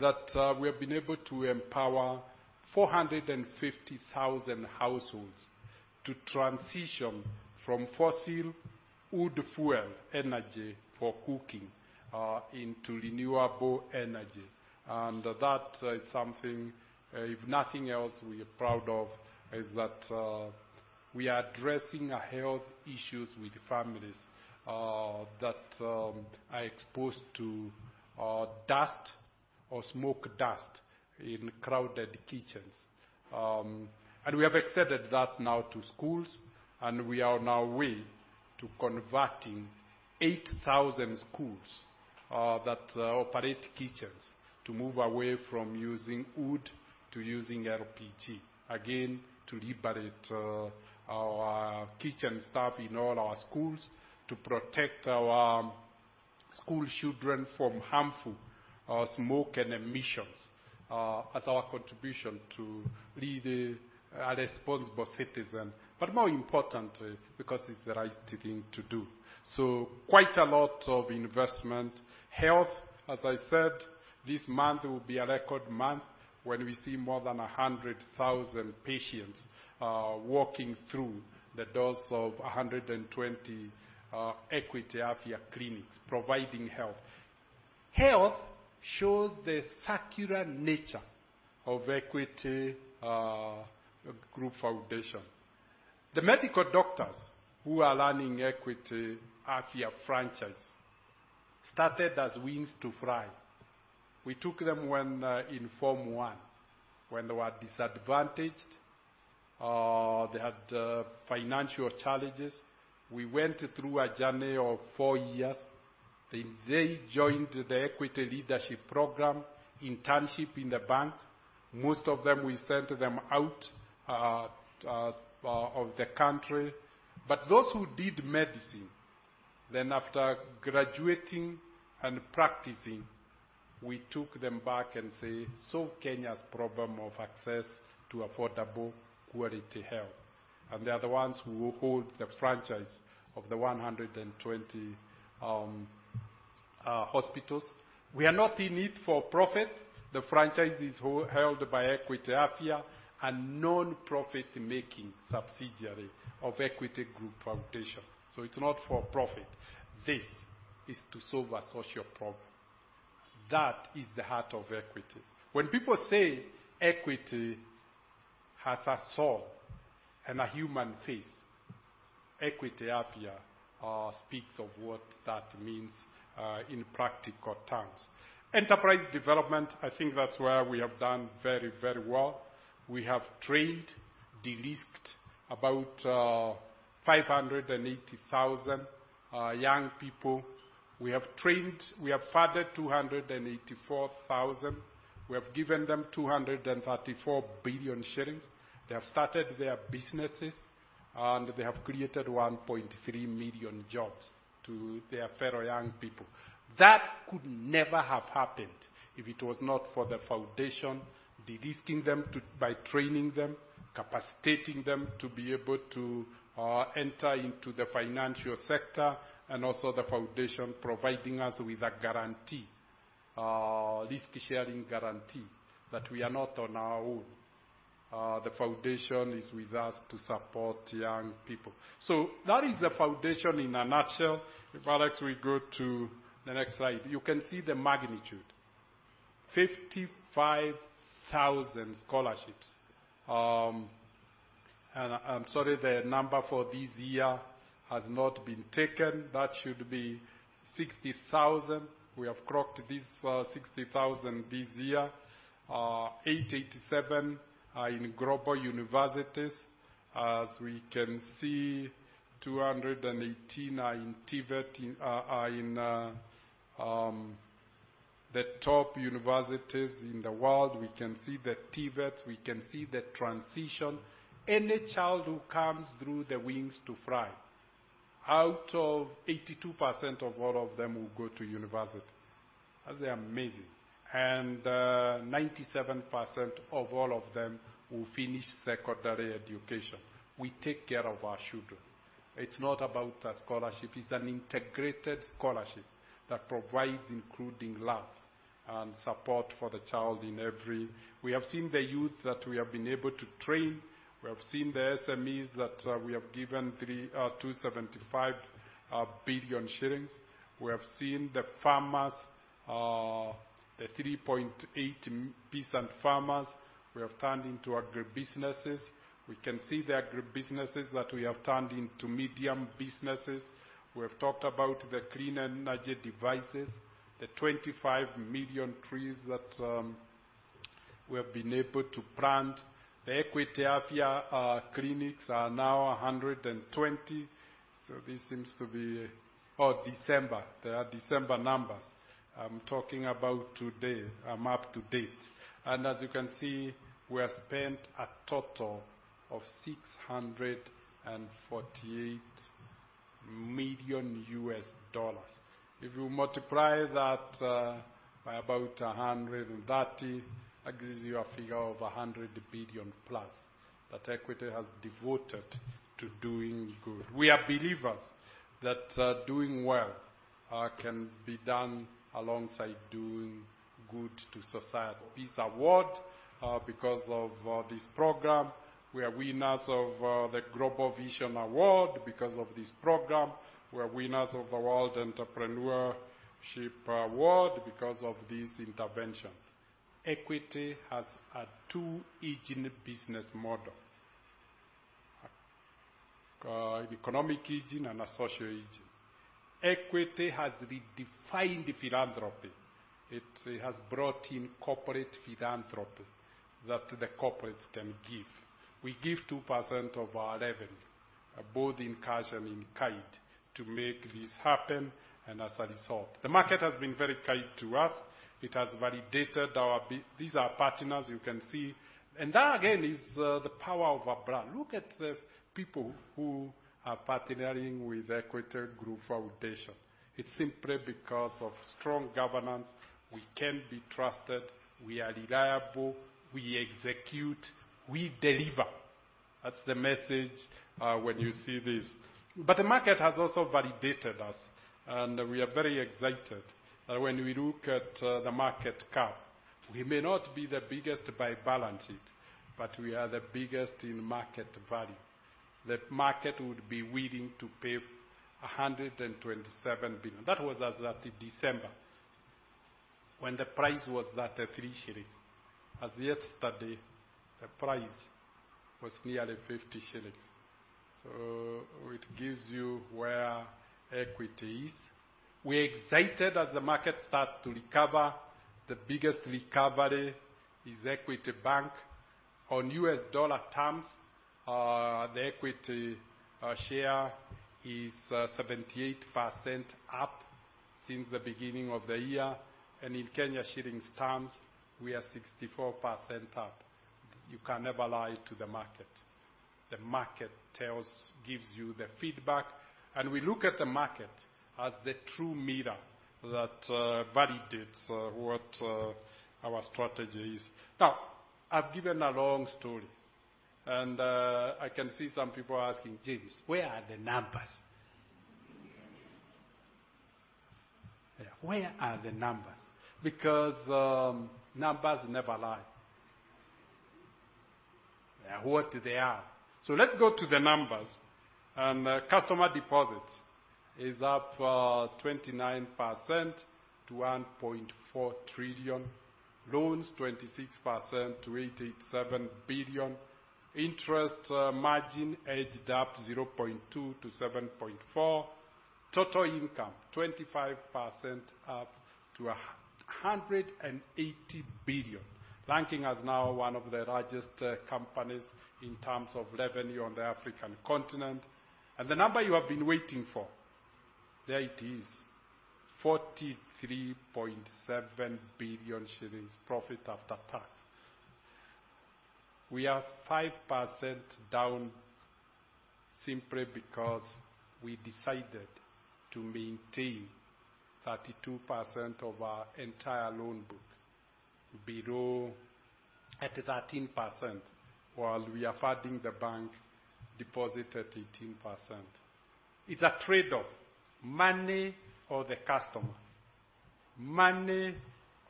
that we have been able to empower 450,000 households to transition from fossil wood fuel energy for cooking into renewable energy. That is something, if nothing else, we are proud of, is that we are addressing health issues with families that are exposed to dust or smoke dust in crowded kitchens. We have extended that now to schools, and we are on our way to converting 8,000 schools that operate kitchens to move away from using wood to using LPG, again, to liberate our kitchen staff in all our schools, to protect our school children from harmful smoke and emissions, as our contribution to lead a responsible citizen, but more importantly, because it's the right thing to do. So quite a lot of investment. Health, as I said, this month will be a record month when we see more than 100,000 patients walking through the doors of 120 Equity Afya clinics providing health. Health shows the circular nature of Equity Group Foundation. The medical doctors who are running Equity Afya franchise started as wings to fly. We took them when in form one, when they were disadvantaged, they had financial challenges. We went through a journey of four years. They joined the Equity Leadership Program internship in the bank. Most of them, we sent them out of the country. But those who did medicine, then after graduating and practicing, we took them back and say, "Solve Kenya's problem of access to affordable, quality health." And they are the ones who hold the franchise of the 120 hospitals. We are not in it for profit. The franchise is held by Equity Afya, a non-profit making subsidiary of Equity Group Foundation. So it's not for profit. This is to solve a social problem. That is the heart of Equity. When people say Equity has a soul and a human face, Equity Afya speaks of what that means in practical terms. Enterprise development, I think that's where we have done very, very well. We have trained, de-risked about 580,000 young people we have trained. We have funded 284,000. We have given them 234 billion shillings. They have started their businesses, and they have created 1.3 million jobs to their fellow young people. That could never have happened if it was not for the foundation, de-risking them by training them, capacitating them to be able to, enter into the financial sector, and also the foundation providing us with a guarantee, risk-sharing guarantee, that we are not on our own. The foundation is with us to support young people. So that is the foundation in a nutshell. If Alex will go to the next slide, you can see the magnitude. 55,000 scholarships. I'm sorry, the number for this year has not been taken. That should be 60,000. We have clocked this, 60,000 this year. 887 are in global universities. As we can see, 218 are in TVET, are in, the top universities in the world. We can see the TVET. We can see the transition. Any child who comes through the Wings to Fly, out of 82% of all of them will go to university. That's amazing. And, 97% of all of them will finish secondary education. We take care of our children. It's not about a scholarship. It's an integrated scholarship that provides including love and support for the child in every... We have seen the youth that we have been able to train. We have seen the SMEs that, we have given 275 billion shillings. We have seen the farmers, the 3.8 peasant farmers, we have turned into agribusinesses. We can see the agribusinesses that we have turned into medium businesses. We have talked about the clean energy devices, the 25 million trees that we have been able to plant. The Equity clinics are now 120, so this seems to be. Oh, December. They are December numbers. I'm talking about today, I'm up to date. As you can see, we have spent a total of $648 million. If you multiply that by about 130, that gives you a figure of 100 billion-plus that Equity has devoted to doing good. We are believers that doing well can be done alongside doing good to society. Peace Award because of this program, we are winners of the Global Vision Award because of this program. We are winners of the World Entrepreneurship Award because of this intervention. Equity has a two-engine business model, economic engine and a social engine. Equity has redefined philanthropy. It has brought in corporate philanthropy that the corporates can give. We give 2% of our revenue, both in cash and in kind, to make this happen, and as a result... The market has been very kind to us. It has validated our—these are our partners, you can see. And that, again, is, the power of a brand. Look at the people who are partnering with Equity Group Foundation. It's simply because of strong governance. We can be trusted, we are reliable, we execute, we deliver. That's the message, when you see this. But the market has also validated us, and we are very excited that when we look at the market cap, we may not be the biggest by balance sheet, but we are the biggest in market value. The market would be willing to pay 127 billion. That was as at December, when the price was 33 shillings. As yesterday, the price was nearly 50 shillings. So it gives you where Equity is. We're excited as the market starts to recover. The biggest recovery is Equity Bank. On US dollar terms, the Equity share is 78% up since the beginning of the year, and in Kenya shillings terms, we are 64% up. You can never lie to the market. The market gives you the feedback, and we look at the market as the true mirror that validates what our strategy is. Now, I've given a long story, and I can see some people asking, "James, where are the numbers? Yeah, where are the numbers?" Because numbers never lie. What they are. Let's go to the numbers. Customer deposits is up 29% to 1.4 trillion. Loans, 26% to 887 billion. Interest margin edged up 0.2% to 7.4%.... Total income, 25% up to 180 billion, ranking us now one of the largest companies in terms of revenue on the African continent. The number you have been waiting for, there it is, 43.7 billion shillings profit after tax. We are 5% down simply because we decided to maintain 32% of our entire loan book below at 13%, while we are funding the bank deposit at 18%. It's a trade-off, money or the customer, money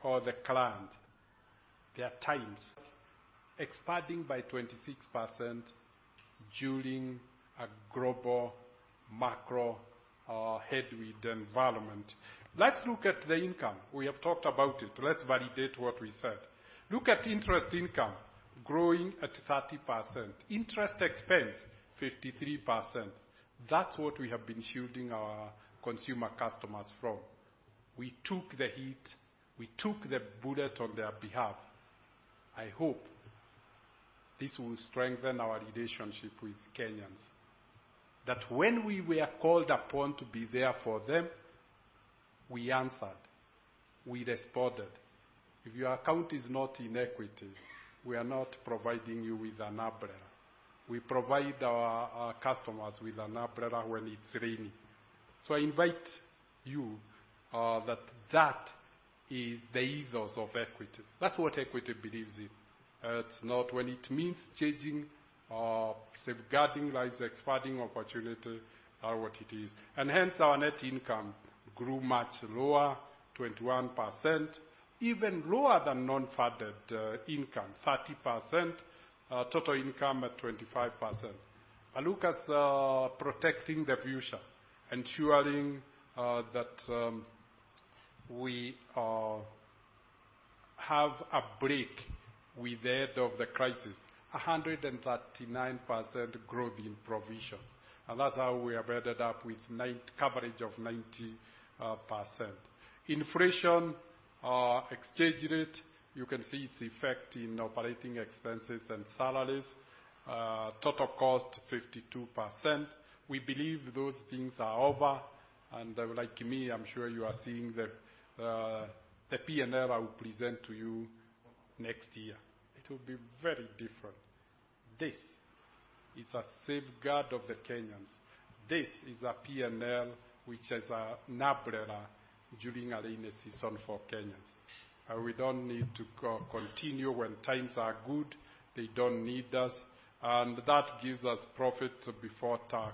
or the client. There are times expanding by 26% during a global macro headwind environment. Let's look at the income. We have talked about it. Let's validate what we said. Look at interest income growing at 30%, interest expense, 53%. That's what we have been shielding our consumer customers from. We took the heat, we took the bullet on their behalf. I hope this will strengthen our relationship with Kenyans. That when we were called upon to be there for them, we answered, we responded. If your account is not in Equity, we are not providing you with an umbrella. We provide our customers with an umbrella when it's raining. So I invite you, that is the ethos of Equity. That's what Equity believes in. It's not when it means changing or safeguarding lives, expanding opportunity are what it is. And hence, our net income grew much lower, 21%, even lower than non-interest income, 30%, total income at 25%. But look at protecting the future, ensuring that we have a buffer ahead of the crisis, 139% growth in provisions, and that's how we have ended up with NPL coverage of 90%. Inflation, exchange rate, you can see its effect in operating expenses and salaries, total cost, 52%. We believe those things are over, and like me, I'm sure you are seeing the P&L I will present to you next year. It will be very different. This is a safeguard of the Kenyans. This is a P&L, which is an umbrella during a rainy season for Kenyans. We don't need to continue. When times are good, they don't need us, and that gives us profit before tax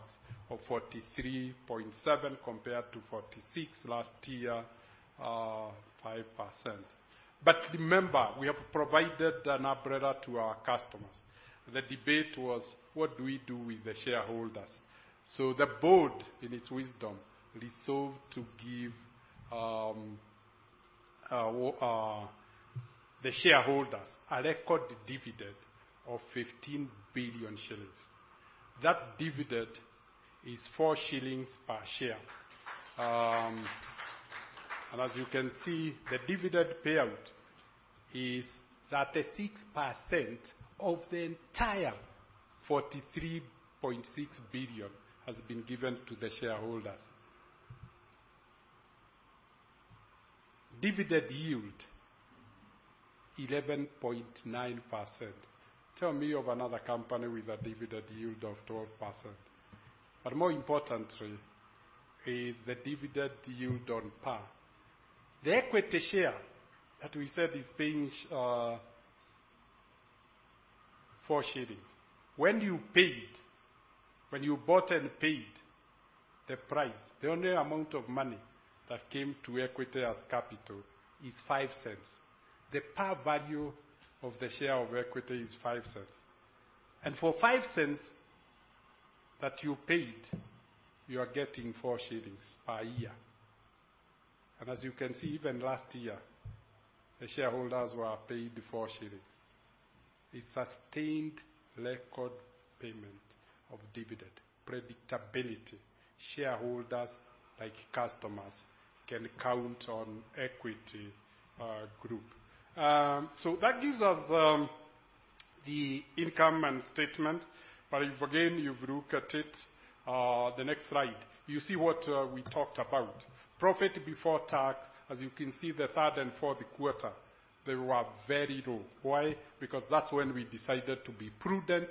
of 43.7 billion compared to 46 billion last year, 5%. But remember, we have provided an umbrella to our customers. The debate was: what do we do with the shareholders? So the board, in its wisdom, resolved to give the shareholders a record dividend of 15 billion shillings. That dividend is 4 shillings per share. As you can see, the dividend payout is 36% of the entire 43.6 billion has been given to the shareholders. Dividend yield, 11.9%. Tell me of another company with a dividend yield of 12%. But more importantly is the dividend yield on par. The Equity share that we said is paying four shillings. When you paid, when you bought and paid the price, the only amount of money that came to Equity as capital is 0.05. The par value of the share of Equity is 0.05. And for 0.05 that you paid, you are getting 4 shillings per year. And as you can see, even last year, the shareholders were paid the 4. A sustained record payment of dividend, predictability. Shareholders, like customers, can count on Equity Group. So that gives us the income and statement. But if, again, you've looked at it, the next slide, you see what we talked about. Profit before tax, as you can see, the third and fourth quarter, they were very low. Why? Because that's when we decided to be prudent,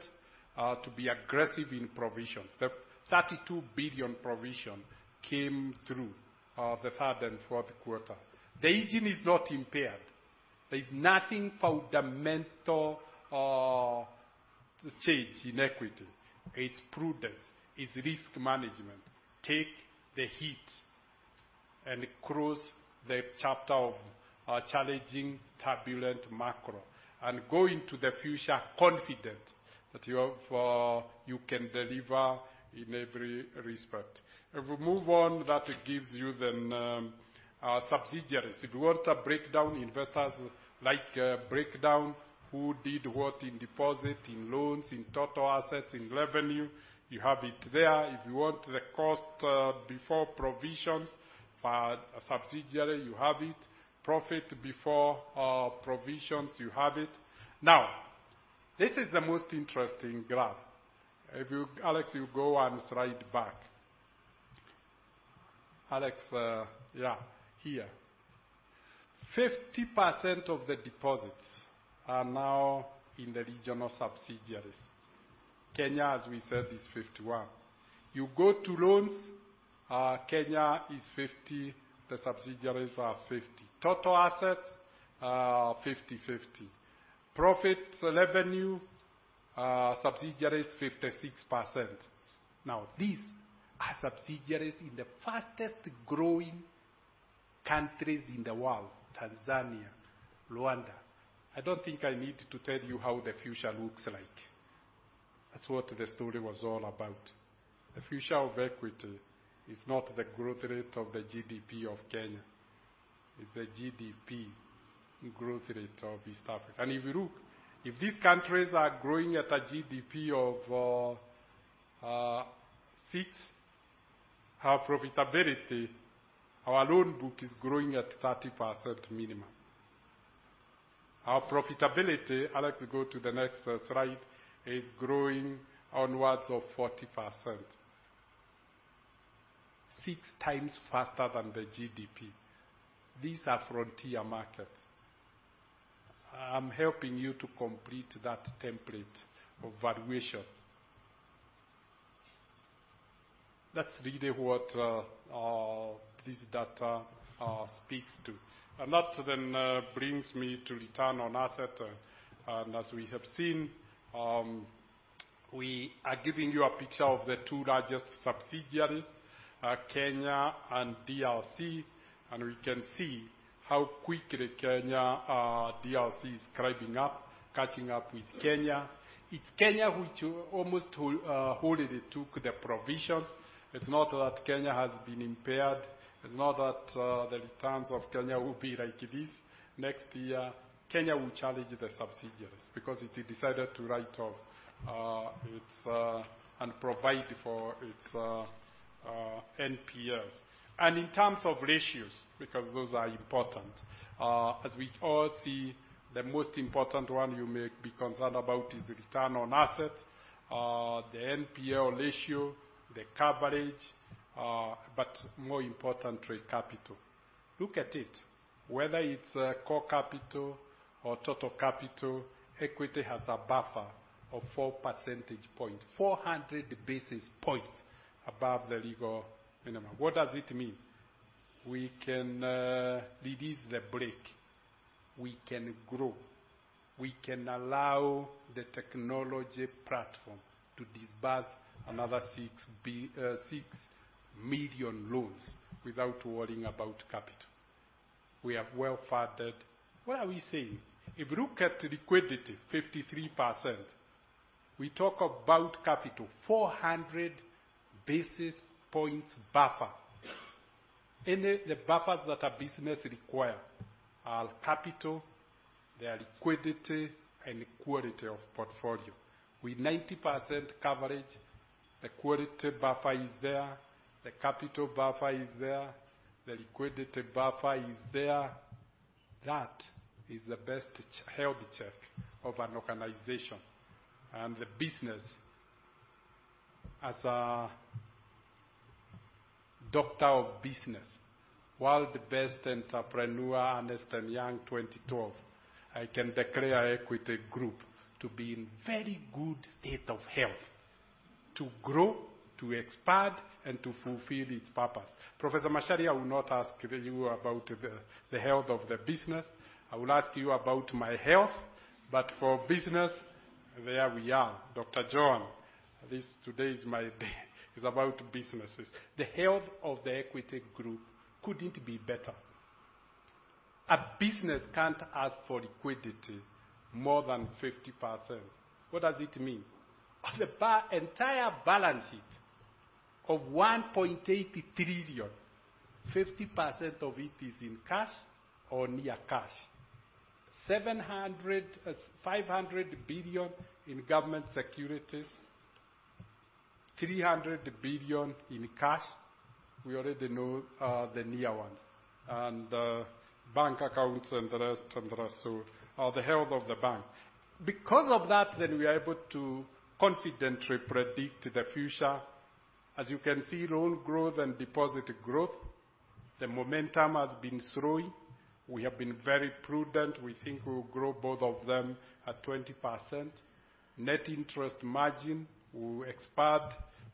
to be aggressive in provisions. The 32 billion provision came through, the third and fourth quarter. The engine is not impaired. There's nothing fundamental change in Equity. It's prudence, it's risk management. Take the hit and close the chapter of a challenging, turbulent macro and go into the future confident that you have, you can deliver in every respect. If we move on, that gives you then subsidiaries. If you want a breakdown, investors like, breakdown, who did what in deposit, in loans, in total assets, in revenue, you have it there. If you want the cost, before provisions for a subsidiary, you have it. Profit before, provisions, you have it. Now, this is the most interesting graph. If you-- Alex, you go one slide back.... Alex, yeah, here. 50% of the deposits are now in the regional subsidiaries. Kenya, as we said, is 51%. You go to loans, Kenya is 50%, the subsidiaries are 50%. Total assets, 50/50. Profit revenue, subsidiaries 56%. Now, these are subsidiaries in the fastest growing countries in the world, Tanzania, Rwanda. I don't think I need to tell you how the future looks like. That's what the story was all about. The future of Equity is not the growth rate of the GDP of Kenya, it's the GDP growth rate of East Africa. If you look, if these countries are growing at a GDP of 6, our profitability, our loan book is growing at 30% minimum. Our profitability, Alex, go to the next slide, is growing onwards of 40%. Six times faster than the GDP. These are frontier markets. I'm helping you to complete that template of valuation. That's really what this data speaks to. And that then brings me to return on asset. And as we have seen, we are giving you a picture of the two largest subsidiaries, Kenya and DRC, and we can see how quickly Kenya, DRC is climbing up, catching up with Kenya. It's Kenya which almost wholly took the provisions. It's not that Kenya has been impaired, it's not that, the returns of Kenya will be like this next year. Kenya will challenge the subsidiaries because it decided to write off its and provide for its NPLs. In terms of ratios, because those are important, as we all see, the most important one you may be concerned about is the return on assets, the NPL ratio, the coverage, but more importantly, capital. Look at it. Whether it's core capital or total capital, Equity has a buffer of 4 percentage points, 400 basis points above the legal minimum. What does it mean? We can release the brake. We can grow. We can allow the technology platform to disburse another 6 million loans without worrying about capital. We are well funded. What are we saying? If you look at liquidity, 53%, we talk about capital, 400 basis points buffer. The buffers that a business require are capital, their liquidity, and quality of portfolio. With 90% coverage, the quality buffer is there, the capital buffer is there, the liquidity buffer is there. That is the best health check of an organization and the business. As a doctor of business, world best entrepreneur, Ernst & Young 2012, I can declare Equity Group to be in very good state of health, to grow, to expand, and to fulfill its purpose. Professor Macharia, I will not ask you about the health of the business. I will ask you about my health, but for business, there we are. Dr. John, this today is my day, is about businesses. The health of the Equity Group couldn't be better. A business can't ask for liquidity more than 50%. What does it mean? Of the entire balance sheet of 1.8 trillion, 50% of it is in cash or near cash. Five hundred billion in government securities, 300 billion in cash. We already know the near ones, and bank accounts, and the rest, and the rest, so are the health of the bank. Because of that, then we are able to confidently predict the future. As you can see, loan growth and deposit growth, the momentum has been growing. We have been very prudent. We think we'll grow both of them at 20%. Net interest margin will expand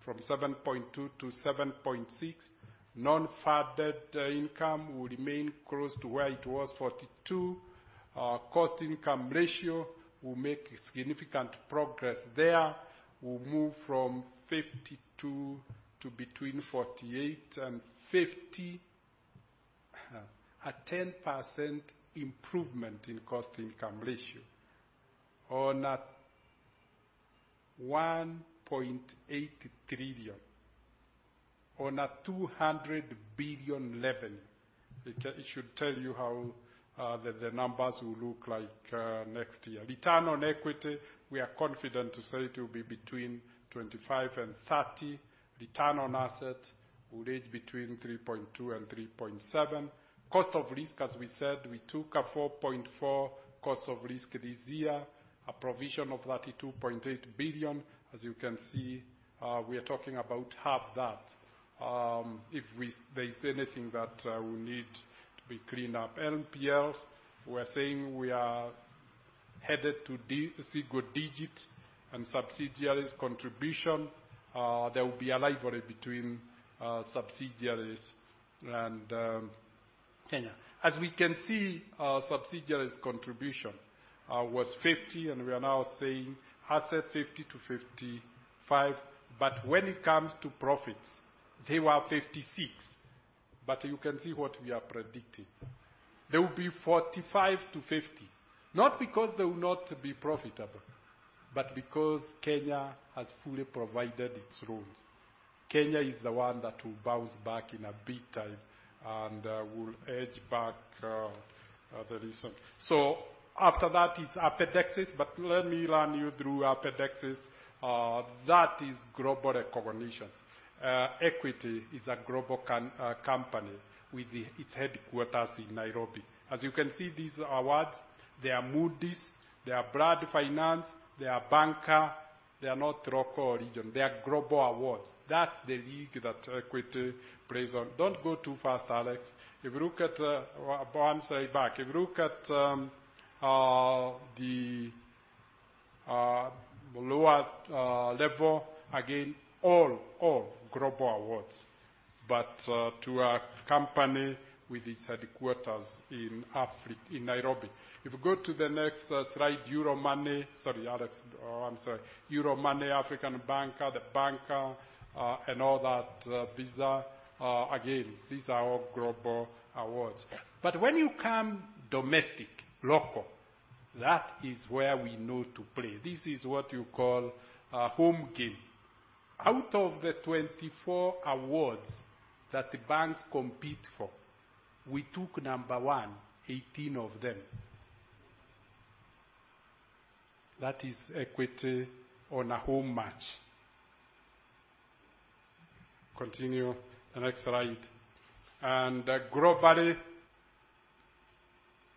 from 7.2% to 7.6%. Non-funded income will remain close to where it was, 42. Cost income ratio, we'll make significant progress there. We'll move from 52 to between 48 and 50. A 10% improvement in cost income ratio on a 1.8 trillion, on a 200 billion level. It should tell you how the numbers will look like next year. Return on equity, we are confident to say it will be between 25 and 30. Return on asset will range between 3.2 and 3.7. Cost of risk, as we said, we took a 4.4 cost of risk this year, a provision of 32.8 billion. As you can see, we are talking about half that. If there is anything that will need to be cleaned up. NPLs, we are saying we are headed to single digit and subsidiaries contribution, there will be a rivalry between subsidiaries and Kenya. As we can see, our subsidiaries contribution was 50, and we are now saying as at 50-55. But when it comes to profits, they were 56. But you can see what we are predicting. They will be 45-50, not because they will not be profitable, but because Kenya has fully provided its loans. Kenya is the one that will bounce back in a big time and will edge back the recent. So after that is appendices, but let me run you through appendices. That is global recognitions. Equity is a global company with its headquarters in Nairobi. As you can see, these awards, they are Moody's, they are Brand Finance, they are The Banker, they are not local or regional, they are global awards. That's the league that Equity plays on. Don't go too fast, Alex. If you look at the lower level, again, all global awards, but to a company with its headquarters in Africa in Nairobi. If you go to the next slide, Euromoney. Sorry, Alex. I'm sorry. Euromoney, African Banker, The Banker, and all that, Visa, again, these are all global awards. But when you come domestic, local, that is where we know to play. This is what you call a home game. Out of the 24 awards that the banks compete for, we took number one, 18 of them. That is Equity on a home match. Continue the next slide. And globally,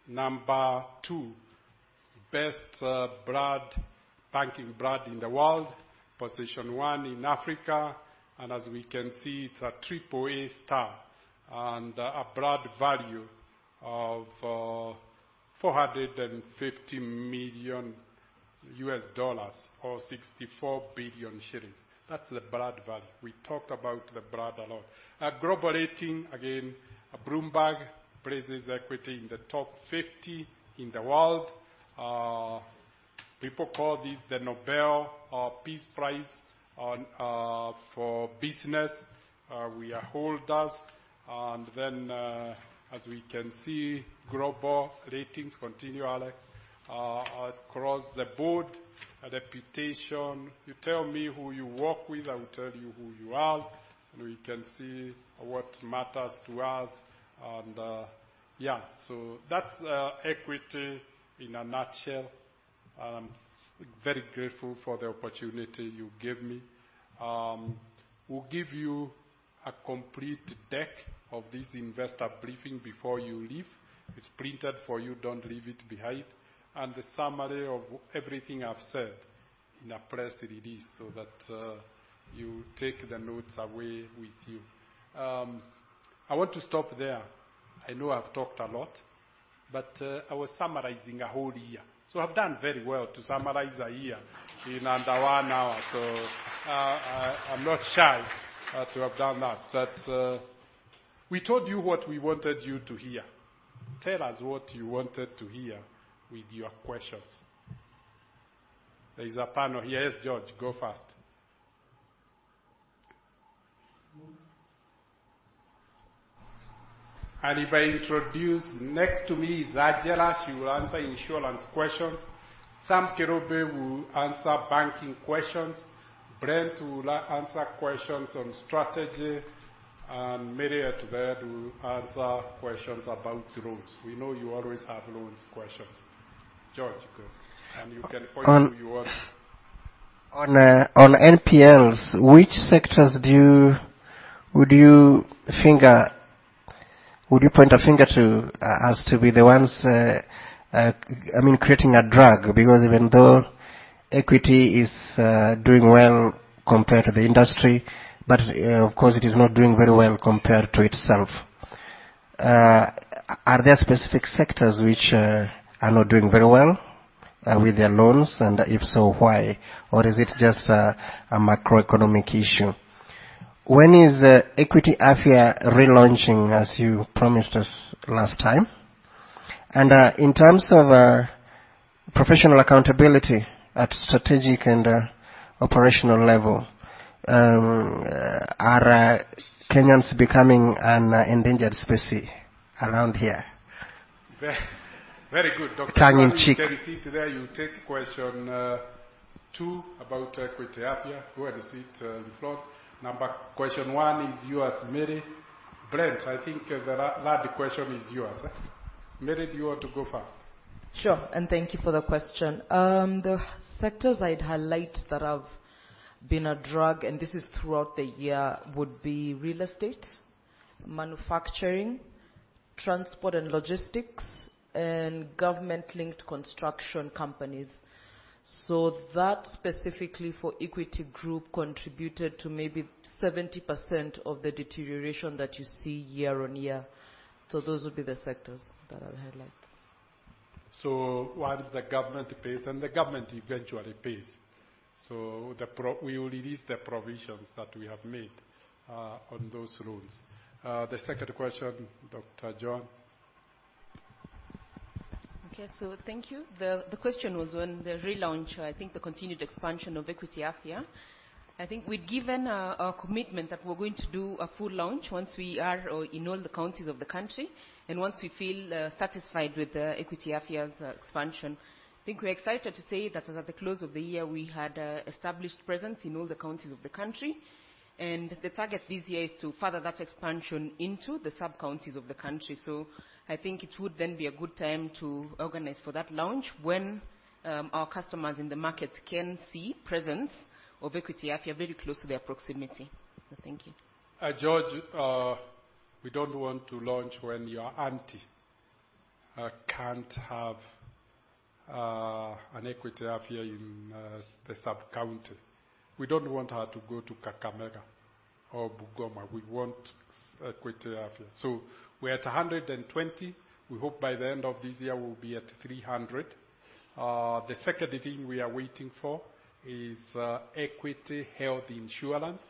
number two, Best Brand, Banking Brand in the World. Position one in Africa, and as we can see, it's a triple A star and a brand value of $450 million or 64 billion shillings. That's the brand value. We talked about the brand a lot. At global rating, again, Bloomberg places Equity in the top 50 in the world. People call this the Nobel Peace Prize on for business. We are holders. And then, as we can see, global ratings continually across the board, a reputation. You tell me who you work with, I will tell you who you are, and we can see what matters to us. And yeah, so that's Equity in a nutshell. I'm very grateful for the opportunity you gave me. We'll give you a complete deck of this investor briefing before you leave. It's printed for you. Don't leave it behind. The summary of everything I've said in a press release, so that you take the notes away with you. I want to stop there. I know I've talked a lot, but I was summarizing a whole year, so I've done very well to summarize a year in under one hour. So I, I'm not shy to have done that. But we told you what we wanted you to hear. Tell us what you wanted to hear with your questions. There is a panel here. Yes, George, go first.
And if I introduce, next to me is Angela. She will answer insurance questions. Sam Kirubi will answer banking questions. Brent will answer questions on strategy, and Mary's there to answer questions about loans. We know you always have loans questions. George, go. You can point who you want. On NPLs, which sectors would you point a finger to as the ones, I mean, creating a drag? Because even though Equity is doing well compared to the industry, but, of course, it is not doing very well compared to itself. Are there specific sectors which are not doing very well with their loans? And if so, why? Or is it just a macroeconomic issue? When is the Equity Africa relaunching, as you promised us last time? And, in terms of, professional accountability at strategic and operational level, are Kenyans becoming an endangered species around here?
Very good, Dr. Tongue in cheek. You can proceed there. You take question two about Equity Africa, who has it on the floor. Number question one is yours, Mary. Brent, I think the last question is yours, eh? Mary, do you want to go first?
Sure, and thank you for the question. The sectors I'd highlight that have been a drag, and this is throughout the year, would be real estate, manufacturing, transport and logistics, and government-linked construction companies. So that specifically for Equity Group contributed to maybe 70% of the deterioration that you see year-on-year. So those would be the sectors that I've highlighted.
So once the government pays, and the government eventually pays, so we will release the provisions that we have made on those loans. The second question, Dr. John?
Okay, so thank you. The question was on the relaunch, I think the continued expansion of Equity Afya. I think we'd given a commitment that we're going to do a full launch once we are in all the counties of the country, and once we feel satisfied with Equity Afya's expansion. I think we're excited to say that at the close of the year, we had established presence in all the counties of the country, and the target this year is to further that expansion into the sub-counties of the country. So I think it would then be a good time to organize for that launch when our customers in the market can see presence of Equity Afya very close to their proximity. So thank you.
George, we don't want to launch when your auntie can't have an Equity Afya in the sub-county. We don't want her to go to Kakamega or Bungoma. We want Equity Afya. So we're at 120. We hope by the end of this year, we'll be at 300. The second thing we are waiting for is Equity Health Insurance,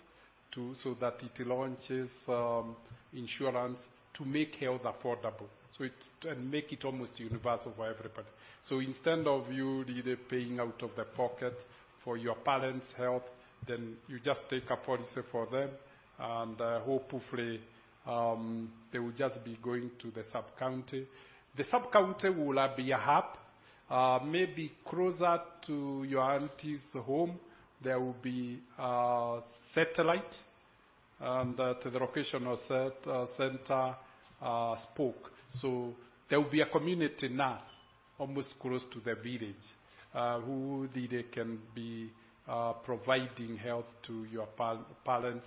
so that it launches insurance to make health affordable, so it's and make it almost universal for everybody. So instead of you either paying out of the pocket for your parents' health, then you just take a policy for them, and hopefully they will just be going to the sub-county. The sub-county will be a hub. Maybe closer to your auntie's home, there will be a satellite, and the location or center spoke. So there will be a community nurse almost close to the village, who either can be providing health to your parents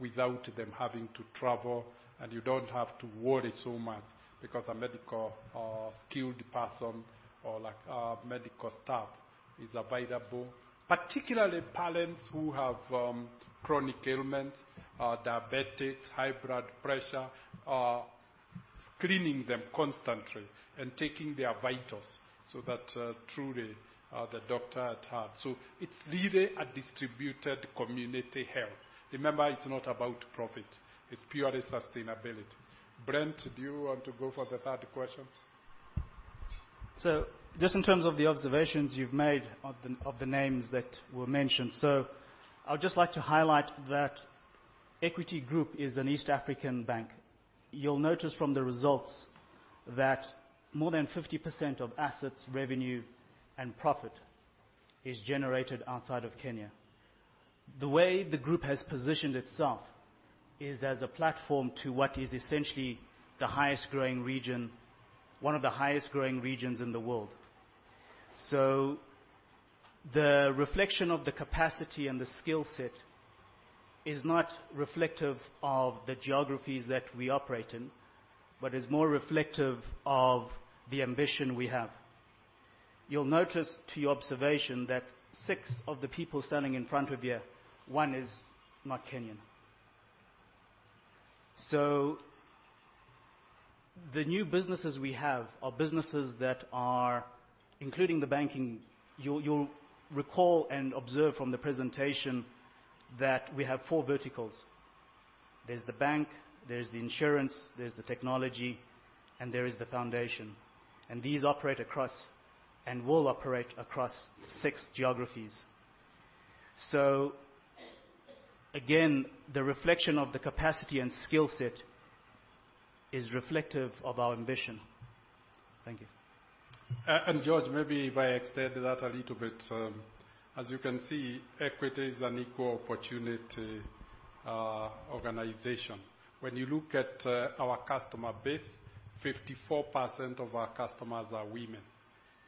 without them having to travel, and you don't have to worry so much because a medical skilled person or, like, medical staff is available. Particularly parents who have chronic ailments, diabetics, high blood pressure, screening them constantly and taking their vitals so that truly the doctor at hand. So it's really a distributed community health. Remember, it's not about profit. It's purely sustainability. Brent, do you want to go for the third question?
So just in terms of the observations you've made of the names that were mentioned, so I would just like to highlight that Equity Group is an East African bank. You'll notice from the results that more than 50% of assets, revenue, and profit is generated outside of Kenya. The way the group has positioned itself is as a platform to what is essentially the highest growing region—one of the highest growing regions in the world. So the reflection of the capacity and the skill set is not reflective of the geographies that we operate in, but is more reflective of the ambition we have. You'll notice to your observation that six of the people standing in front of you, one is not Kenyan. So the new businesses we have are businesses that are including the banking. You'll recall and observe from the presentation that we have four verticals. There's the bank, there's the insurance, there's the technology, and there is the foundation, and these operate across and will operate across six geographies. So again, the reflection of the capacity and skill set is reflective of our ambition. Thank you.
And George, maybe if I extend that a little bit, as you can see, Equity is an equal opportunity, organization. When you look at, our customer base, 54% of our customers are women.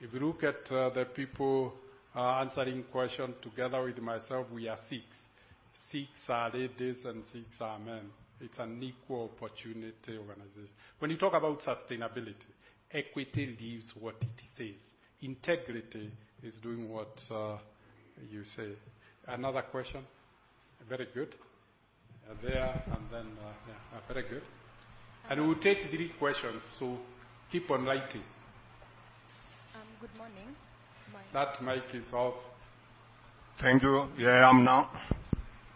If you look at, the people, answering question together with myself, we are six. Six are ladies and six are men. It's an equal opportunity organization. When you talk about sustainability, Equity lives what it says. Integrity is doing what, you say. Another question? Very good. There, and then, yeah, very good. And we will take three questions, so keep on writing.
Good morning.
That mic is off.
Thank you. Yeah, I'm now.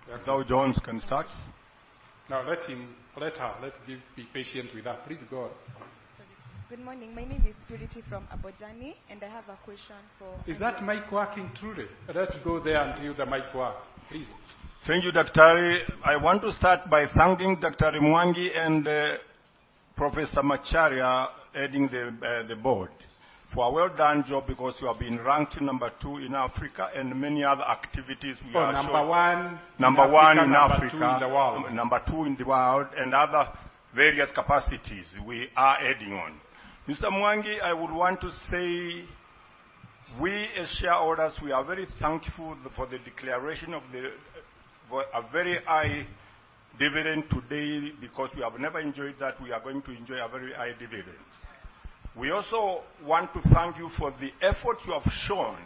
That's how Jones can start.
Now, let him... Let her. Let's give, be patient with her. Please, go on.
Sorry. Good morning. My name is Purity from Abojani, and I have a question for-
Is that mic working truly? Let's go there until the mic works, please.
Thank you, Doctor. I want to start by thanking Dr. Mwangi and, Professor Macharia, heading the board, for a well done job because you have been ranked number 2 in Africa and many other activities we are so-
For number one-
Number one in Africa-
Number two in the world
Number two in the world, and other various capacities we are adding on. Mr. Mwangi, I would want to say we, as shareholders, we are very thankful for the declaration of the for a very high dividend today, because we have never enjoyed that. We are going to enjoy a very high dividend. We also want to thank you for the effort you have shown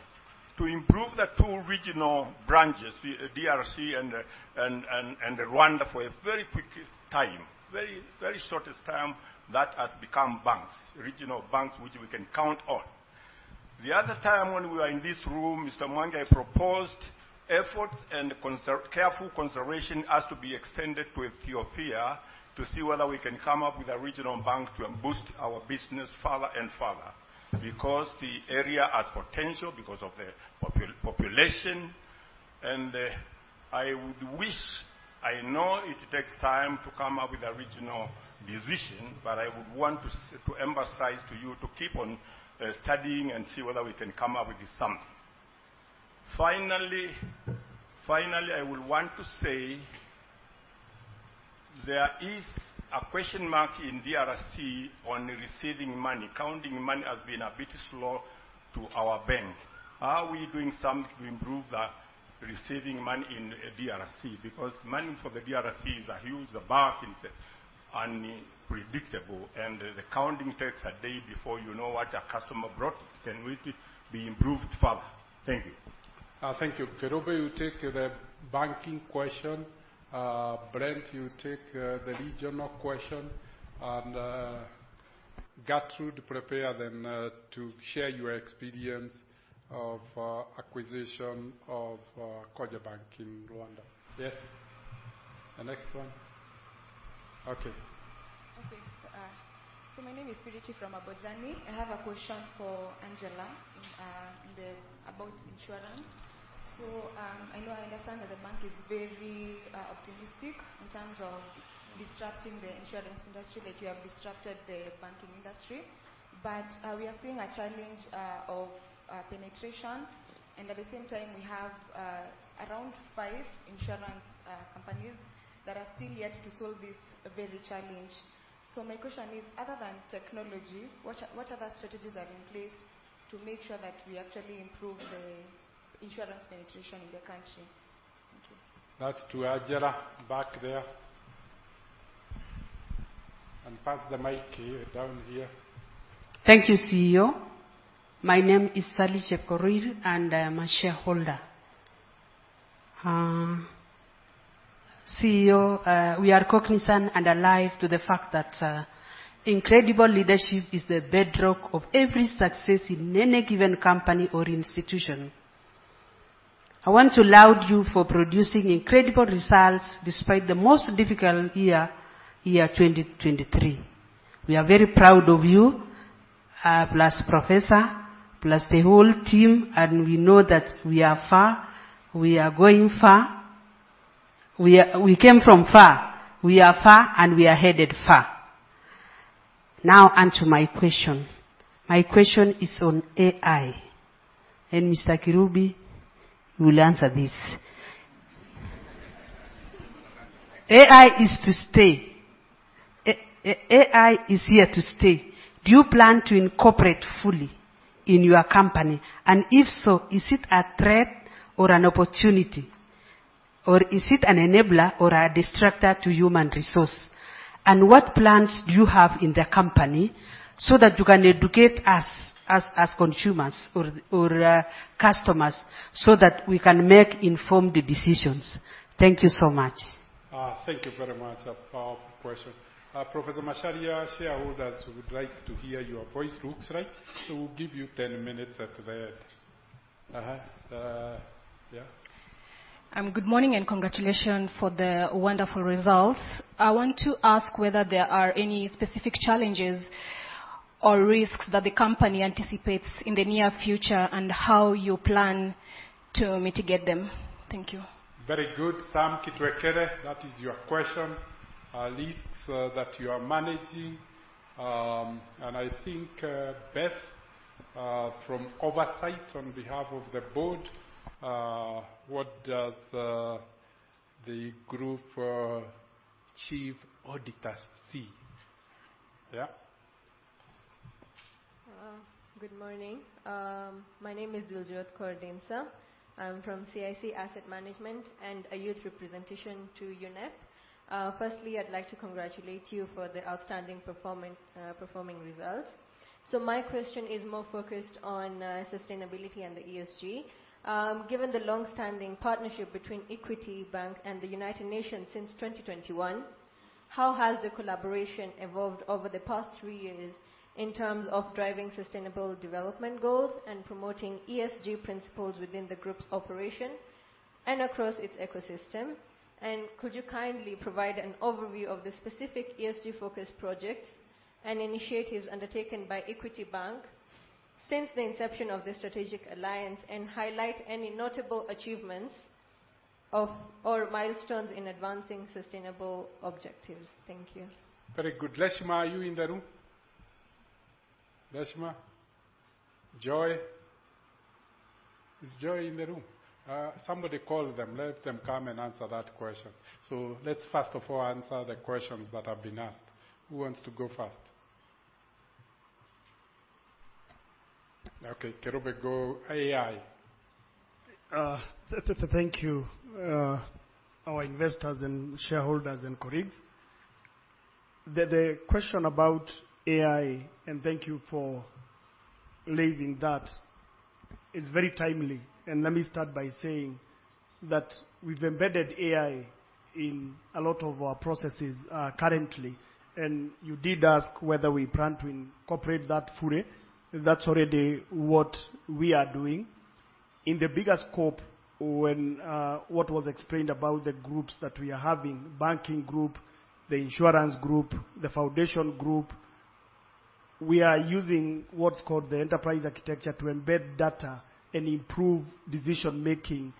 to improve the two regional branches, the DRC and Rwanda, for a very quick time, very, very shortest time that has become banks, regional banks, which we can count on. The other time when we were in this room, Mr. Mwangi proposed efforts and careful consideration has to be extended to Ethiopia to see whether we can come up with a regional bank to boost our business farther and farther. Because the area has potential because of the population, and I would wish... I know it takes time to come up with a regional decision, but I would want to emphasize to you to keep on studying and see whether we can come up with something. Finally, finally, I would want to say there is a question mark in DRC on receiving money. Counting money has been a bit slow to our bank. Are we doing something to improve that, receiving money in DRC? Because money for the DRC is a huge market and unpredictable, and the counting takes a day before you know what a customer brought. Can we be improved further? Thank you.
Thank you. Kirubi, you take the banking question. Brent, you take the regional question, and Gertrude, prepare then to share your experience of acquisition of Cogebanque in Rwanda. Yes. The next one. Okay.
Okay. So my name is Phoebe Chiruma from Abojani. I have a question for Angela, in, in the about insurance. So, I know, I understand that the bank is very, optimistic in terms of disrupting the insurance industry, that you have disrupted the banking industry. But, we are seeing a challenge, of penetration, and at the same time, we have, around five insurance companies that are still yet to solve this very challenge. So my question is, other than technology, what, what other strategies are in place to make sure that we actually improve the insurance penetration in the country? Thank you.
That's to Angela, back there. Pass the mic here, down here.
Thank you, CEO. My name is Sally Chekorir, and I am a shareholder. CEO, we are cognizant and alive to the fact that incredible leadership is the bedrock of every success in any given company or institution. I want to laud you for producing incredible results despite the most difficult year, 2023. We are very proud of you, plus Professor, plus the whole team, and we know that we are far, we are going far. We came from far, we are far, and we are headed far. Now, on to my question. My question is on AI, and Mr. Kirubi will answer this. AI is to stay. AI is here to stay. Do you plan to incorporate fully in your company? And if so, is it a threat or an opportunity, or is it an enabler or a distractor to human resource? And what plans do you have in the company so that you can educate us, as, as consumers or, or, customers, so that we can make informed decisions? Thank you so much.
Thank you very much. A powerful question. Professor Macharia, shareholders would like to hear your voice looks like, so we'll give you 10 minutes at the end.
Good morning, and congratulations for the wonderful results. I want to ask whether there are any specific challenges or risks that the company anticipates in the near future, and how you plan to mitigate them? Thank you.
Very good. Sam Kitwekere, that is your question, risks, that you are managing. And I think, Beth, from oversight on behalf of the board, what does the Group Chief Auditor see? Yeah. Good morning. My name is Liljoth Kordensa. I'm from CIC Asset Management and a youth representation to UNEP. Firstly, I'd like to congratulate you for the outstanding performing, performing results. So my question is more focused on, sustainability and the ESG. Given the long-standing partnership between Equity Bank and the United Nations since 2021, how has the collaboration evolved over the past three years in terms of driving sustainable development goals and promoting ESG principles within the group's operation and across its ecosystem? And could you kindly provide an overview of the specific ESG-focused projects and initiatives undertaken by Equity Bank since the inception of the strategic alliance, and highlight any notable achievements of or milestones in advancing sustainable objectives? Thank you. Very good. Reshma, are you in the room? Reshma? Joy? Is Joy in the room? Somebody call them. Let them come and answer that question. So let's first of all, answer the questions that have been asked. Who wants to go first? Okay, Kirubi, go AI.
Thank you, our investors and shareholders and colleagues. The question about AI, and thank you for raising that, is very timely. Let me start by saying that we've embedded AI in a lot of our processes, currently. You did ask whether we plan to incorporate that fully. That's already what we are doing. In the bigger scope, when what was explained about the groups that we are having, banking group, the insurance group, the foundation group, we are using what's called the enterprise architecture to embed data and improve decision-making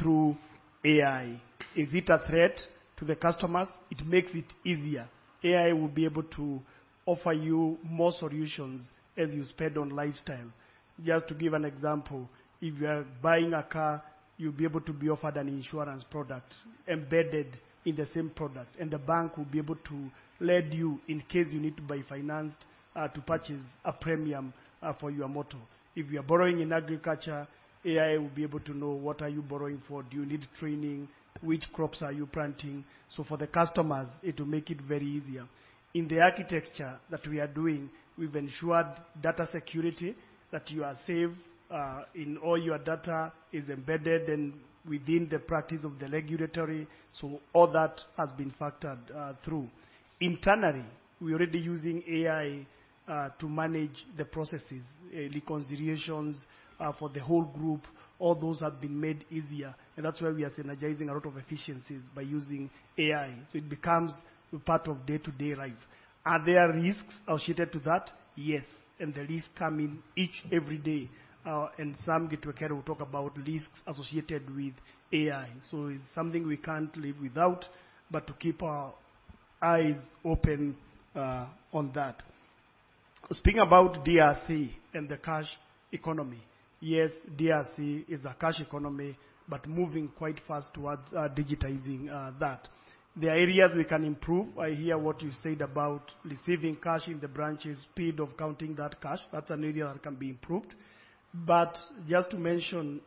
through AI. Is it a threat to the customers? It makes it easier. AI will be able to offer you more solutions as you spend on lifestyle. Just to give an example, if you are buying a car, you'll be able to be offered an insurance product embedded in the same product, and the bank will be able to lend you, in case you need to buy financed, to purchase a premium, for your motor. If you are borrowing in agriculture, AI will be able to know what are you borrowing for? Do you need training? Which crops are you planting? So for the customers, it will make it very easier. In the architecture that we are doing, we've ensured data security, that you are safe, in all your data is embedded and within the practice of the regulatory. So all that has been factored, through. Internally, we're already using AI, to manage the processes, reconciliations, for the whole group. All those have been made easier, and that's why we are synergizing a lot of efficiencies by using AI, so it becomes a part of day-to-day life. Are there risks associated to that? Yes, and the risks come in each and every day. And some get we care, we talk about risks associated with AI. So it's something we can't live without, but to keep our eyes open on that. Speaking about DRC and the cash economy, yes, DRC is a cash economy, but moving quite fast towards digitizing that. There are areas we can improve. I hear what you said about receiving cash in the branches, speed of counting that cash. That's an area that can be improved. But just to mention,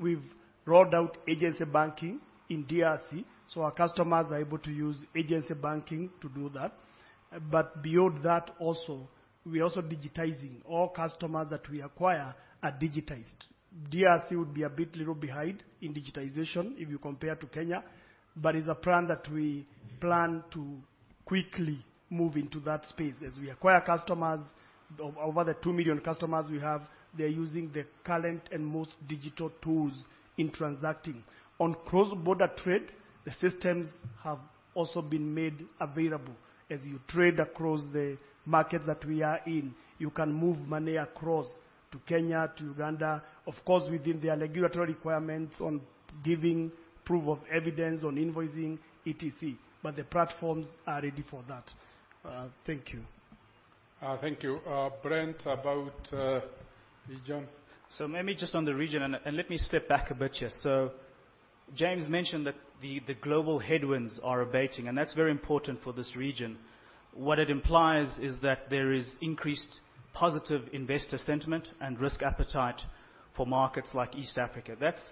we've rolled out agency banking in DRC, so our customers are able to use agency banking to do that. But beyond that also, we're also digitizing. All customers that we acquire are digitized. DRC would be a bit little behind in digitization if you compare to Kenya, but it's a plan that we plan to quickly move into that space. As we acquire customers, of over 2 million customers we have, they're using the current and most digital tools in transacting. On cross-border trade, the systems have also been made available. As you trade across the market that we are in, you can move money across to Kenya, to Uganda, of course, within the regulatory requirements on giving proof of evidence on invoicing, etc., but the platforms are ready for that. Thank you.
Thank you. Brent, about region.
So maybe just on the region, and, and let me step back a bit here. So James mentioned that the, the global headwinds are abating, and that's very important for this region. What it implies is that there is increased positive investor sentiment and risk appetite for markets like East Africa. That's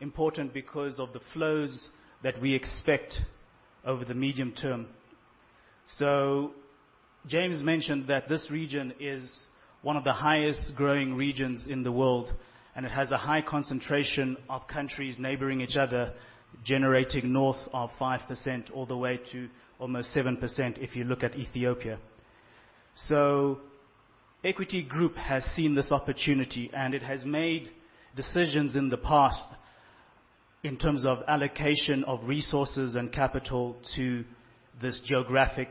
important because of the flows that we expect over the medium term. So James mentioned that this region is one of the highest growing regions in the world, and it has a high concentration of countries neighboring each other, generating north of 5% all the way to almost 7% if you look at Ethiopia. So Equity Group has seen this opportunity, and it has made decisions in the past in terms of allocation of resources and capital to this geographic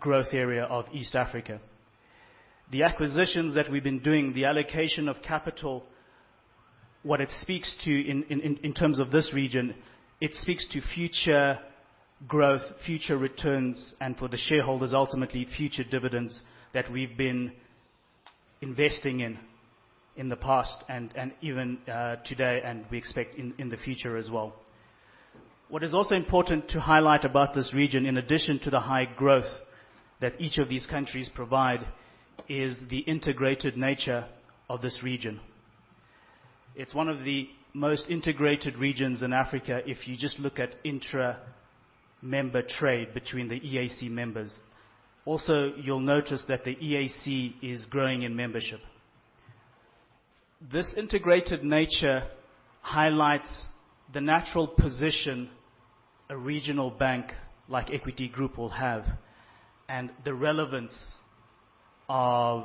growth area of East Africa. The acquisitions that we've been doing, the allocation of capital, what it speaks to in terms of this region, it speaks to future growth, future returns, and for the shareholders, ultimately, future dividends that we've been investing in in the past and even today, and we expect in the future as well. What is also important to highlight about this region, in addition to the high growth that each of these countries provide, is the integrated nature of this region. It's one of the most integrated regions in Africa if you just look at intra-member trade between the EAC members. Also, you'll notice that the EAC is growing in membership. This integrated nature highlights the natural position a regional bank like Equity Group will have and the relevance of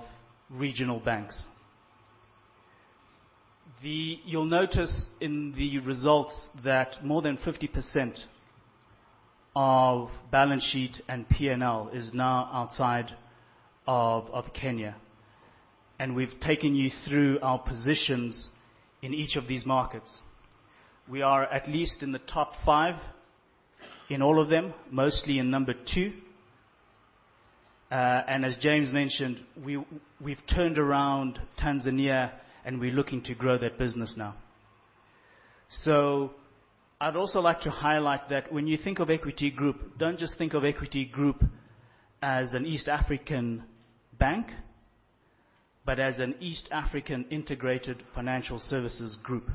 regional banks. The... You'll notice in the results that more than 50% of balance sheet and PNL is now outside of Kenya, and we've taken you through our positions in each of these markets. We are at least in the top five in all of them, mostly in number two. And as James mentioned, we've turned around Tanzania, and we're looking to grow that business now. So I'd also like to highlight that when you think of Equity Group, don't just think of Equity Group as an East African bank, but as an East African integrated financial services group.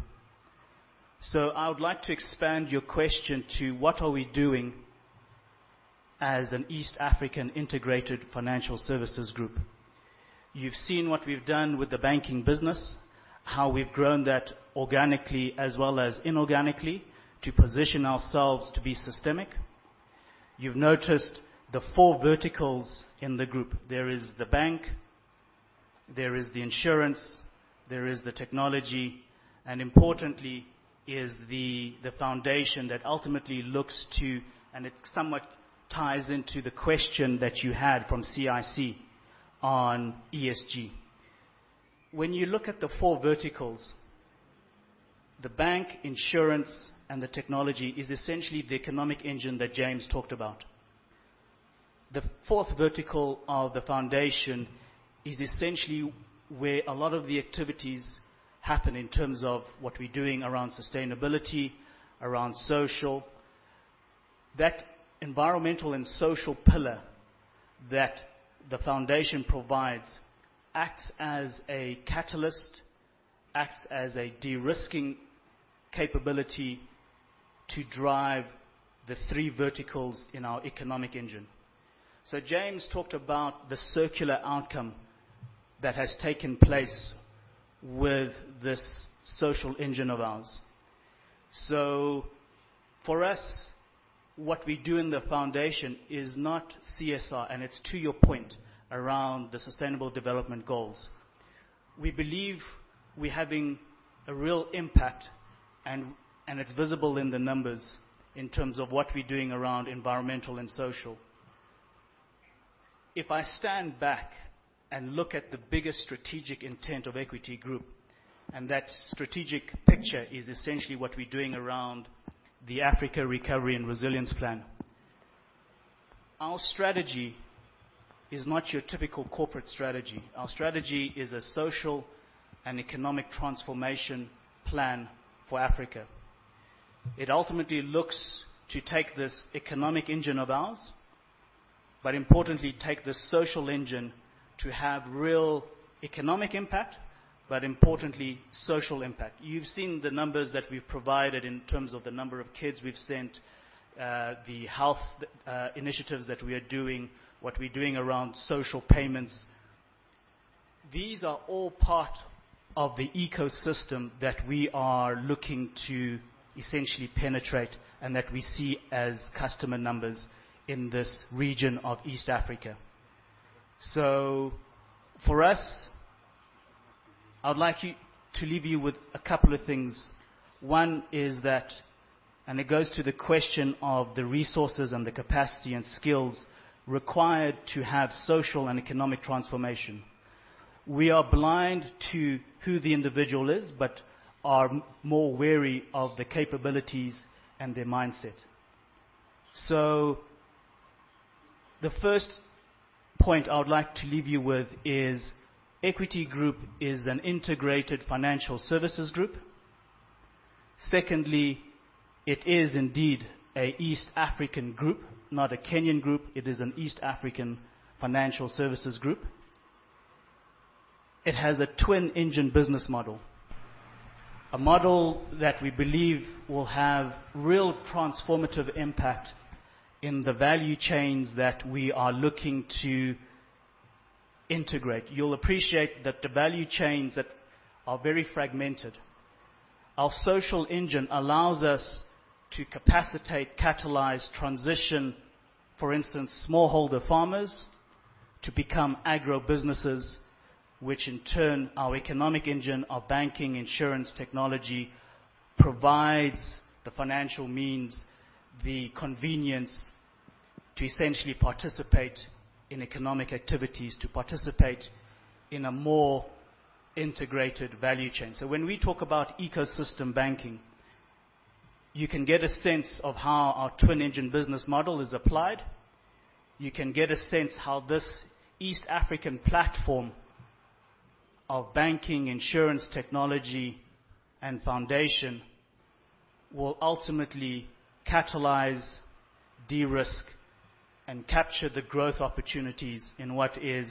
So I would like to expand your question to: what are we doing as an East African integrated financial services group? You've seen what we've done with the banking business, how we've grown that organically as well as inorganically, to position ourselves to be systemic. You've noticed the four verticals in the group. There is the bank, there is the insurance, there is the technology, and importantly, is the foundation that ultimately looks to, and it somewhat ties into the question that you had from CIC on ESG. When you look at the four verticals, the bank, insurance, and the technology is essentially the economic engine that James talked about. The fourth vertical of the foundation is essentially where a lot of the activities happen in terms of what we're doing around sustainability, around social. That environmental and social pillar that the foundation provides, acts as a catalyst, acts as a de-risking capability to drive the three verticals in our economic engine. So James talked about the circular outcome that has taken place with this social engine of ours. So for us, what we do in the foundation is not CSR, and it's to your point around the sustainable development goals. We believe we're having a real impact, and it's visible in the numbers in terms of what we're doing around environmental and social. If I stand back and look at the biggest strategic intent of Equity Group, and that strategic picture is essentially what we're doing around the Africa Recovery and Resilience Plan. Our strategy is not your typical corporate strategy. Our strategy is a social and economic transformation plan for Africa. It ultimately looks to take this economic engine of ours, but importantly, take the social engine to have real economic impact, but importantly, social impact. You've seen the numbers that we've provided in terms of the number of kids we've sent, the health initiatives that we are doing, what we're doing around social payments. These are all part of the ecosystem that we are looking to essentially penetrate, and that we see as customer numbers in this region of East Africa. So for us, I would like to leave you with a couple of things. One is that... And it goes to the question of the resources, and the capacity, and skills required to have social and economic transformation. We are blind to who the individual is, but are more wary of their capabilities and their mindset. So the first point I would like to leave you with is, Equity Group is an integrated financial services group. Secondly, it is indeed an East African group, not a Kenyan group. It is an East African financial services group. It has a twin-engine business model, a model that we believe will have real transformative impact in the value chains that we are looking to integrate. You'll appreciate that the value chains that are very fragmented. Our social engine allows us to capacitate, catalyze, transition, for instance, smallholder farmers to become agro businesses, which in turn, our economic engine, our banking, insurance, technology, provides the financial means, the convenience to essentially participate in economic activities, to participate in a more integrated value chain. So when we talk about ecosystem banking, you can get a sense of how our twin-engine business model is applied. You can get a sense how this East African platform of banking, insurance, technology, and foundation, will ultimately catalyze, de-risk, and capture the growth opportunities in what is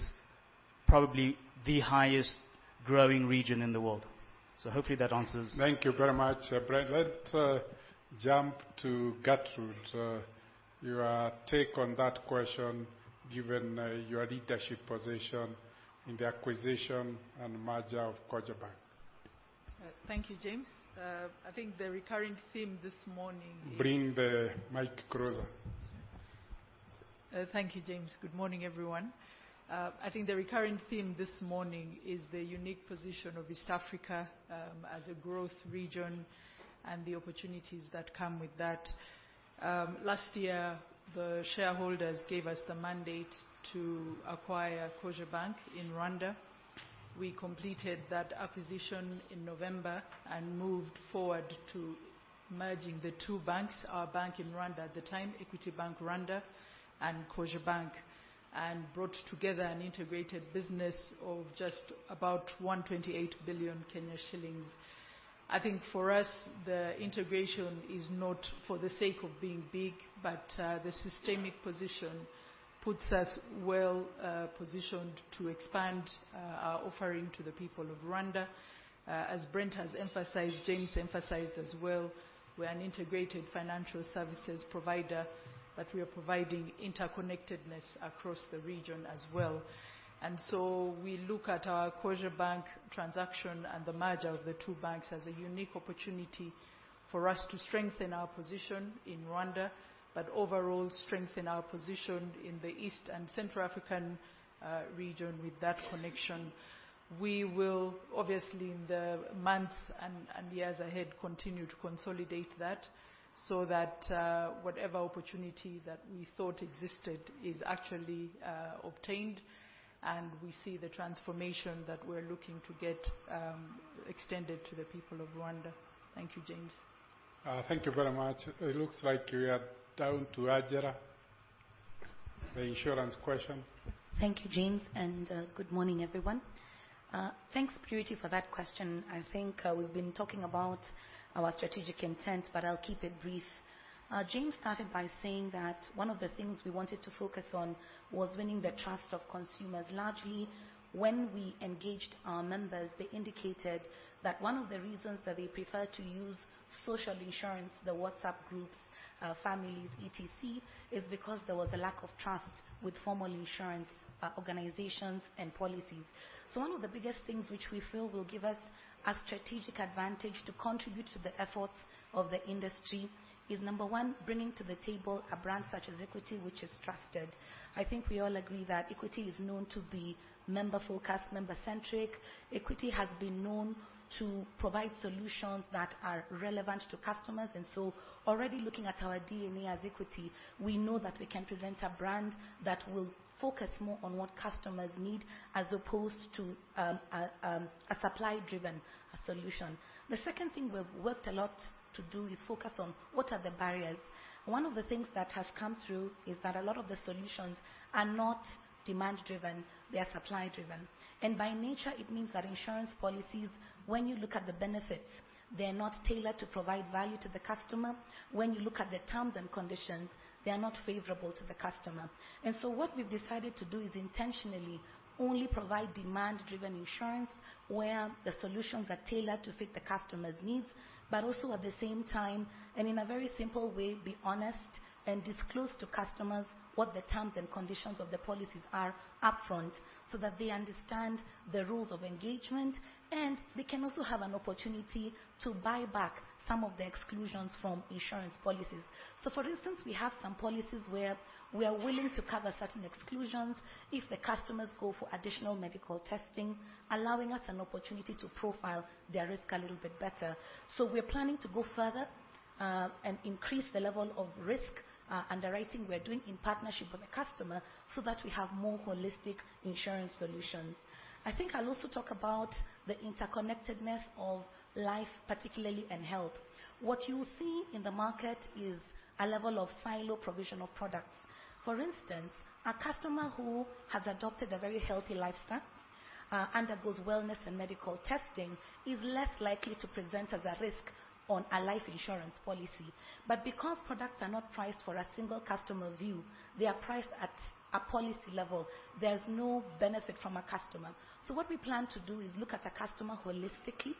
probably the highest growing region in the world. So hopefully that answers-
Thank you very much, Brent. Let's jump to Gertrude. Your take on that question, given your leadership position in the acquisition and merger of Cogebanque.
Thank you, James. I think the recurring theme this morning-
Bring the mic closer.
Thank you, James. Good morning, everyone. I think the recurring theme this morning is the unique position of East Africa as a growth region and the opportunities that come with that. Last year, the shareholders gave us the mandate to acquire Cogebanque in Rwanda. We completed that acquisition in November and moved forward to merging the two banks, our bank in Rwanda at the time, Equity Bank Rwanda, and Cogebanque, and brought together an integrated business of just about 128 billion shillings. I think for us, the integration is not for the sake of being big, but the systemic position puts us well positioned to expand our offering to the people of Rwanda. As Brent has emphasized, James emphasized as well, we are an integrated financial services provider, but we are providing interconnectedness across the region as well. And so we look at our Cogebanque transaction and the merger of the two banks as a unique opportunity for us to strengthen our position in Rwanda, but overall, strengthen our position in the East and Central African region with that connection. We will, obviously, in the months and years ahead, continue to consolidate that so that whatever opportunity that we thought existed is actually obtained, and we see the transformation that we're looking to get extended to the people of Rwanda. Thank you, James.
Thank you very much. It looks like we are down to Agera. The insurance question.
Thank you, James, and good morning, everyone. Thanks, Purity, for that question. I think we've been talking about our strategic intent, but I'll keep it brief. James started by saying that one of the things we wanted to focus on was winning the trust of consumers. Largely, when we engaged our members, they indicated that one of the reasons that they prefer to use social insurance, the WhatsApp groups, families, etc., is because there was a lack of trust with formal insurance organizations and policies. So one of the biggest things which we feel will give us a strategic advantage to contribute to the efforts of the industry is, number one, bringing to the table a brand such as Equity, which is trusted. I think we all agree that Equity is known to be member-focused, member-centric. Equity has been known to provide solutions that are relevant to customers, and so already looking at our DNA as Equity, we know that we can present a brand that will focus more on what customers need, as opposed to a supply-driven solution. The second thing we've worked a lot to do is focus on what are the barriers. One of the things that have come through is that a lot of the solutions are not demand-driven, they are supply-driven. And by nature, it means that insurance policies, when you look at the benefits, they're not tailored to provide value to the customer. When you look at the terms and conditions, they are not favorable to the customer. So what we've decided to do is intentionally only provide demand-driven insurance, where the solutions are tailored to fit the customer's needs, but also, at the same time, and in a very simple way, be honest and disclose to customers what the terms and conditions of the policies are upfront, so that they understand the rules of engagement, and they can also have an opportunity to buy back some of the exclusions from insurance policies. So, for instance, we have some policies where we are willing to cover certain exclusions if the customers go for additional medical testing, allowing us an opportunity to profile their risk a little bit better. So we're planning to go further, and increase the level of risk underwriting we're doing in partnership with the customer, so that we have more holistic insurance solutions. I think I'll also talk about the interconnectedness of life, particularly in health. What you'll see in the market is a level of silo provision of products. For instance, a customer who has adopted a very healthy lifestyle, undergoes wellness and medical testing, is less likely to present as a risk on a life insurance policy. But because products are not priced for a single customer view, they are priced at a policy level. There's no benefit from a customer. So what we plan to do is look at a customer holistically,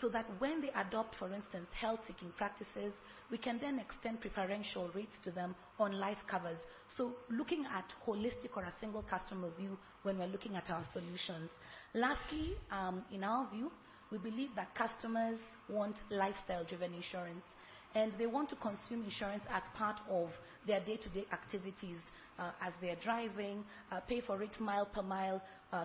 so that when they adopt, for instance, health-seeking practices, we can then extend preferential rates to them on life covers. So looking at holistic or a single customer view, when we're looking at our solutions. Lastly, in our view, we believe that customers want lifestyle-driven insurance, and they want to consume insurance as part of their day-to-day activities, as they are driving, pay for it mile per mile,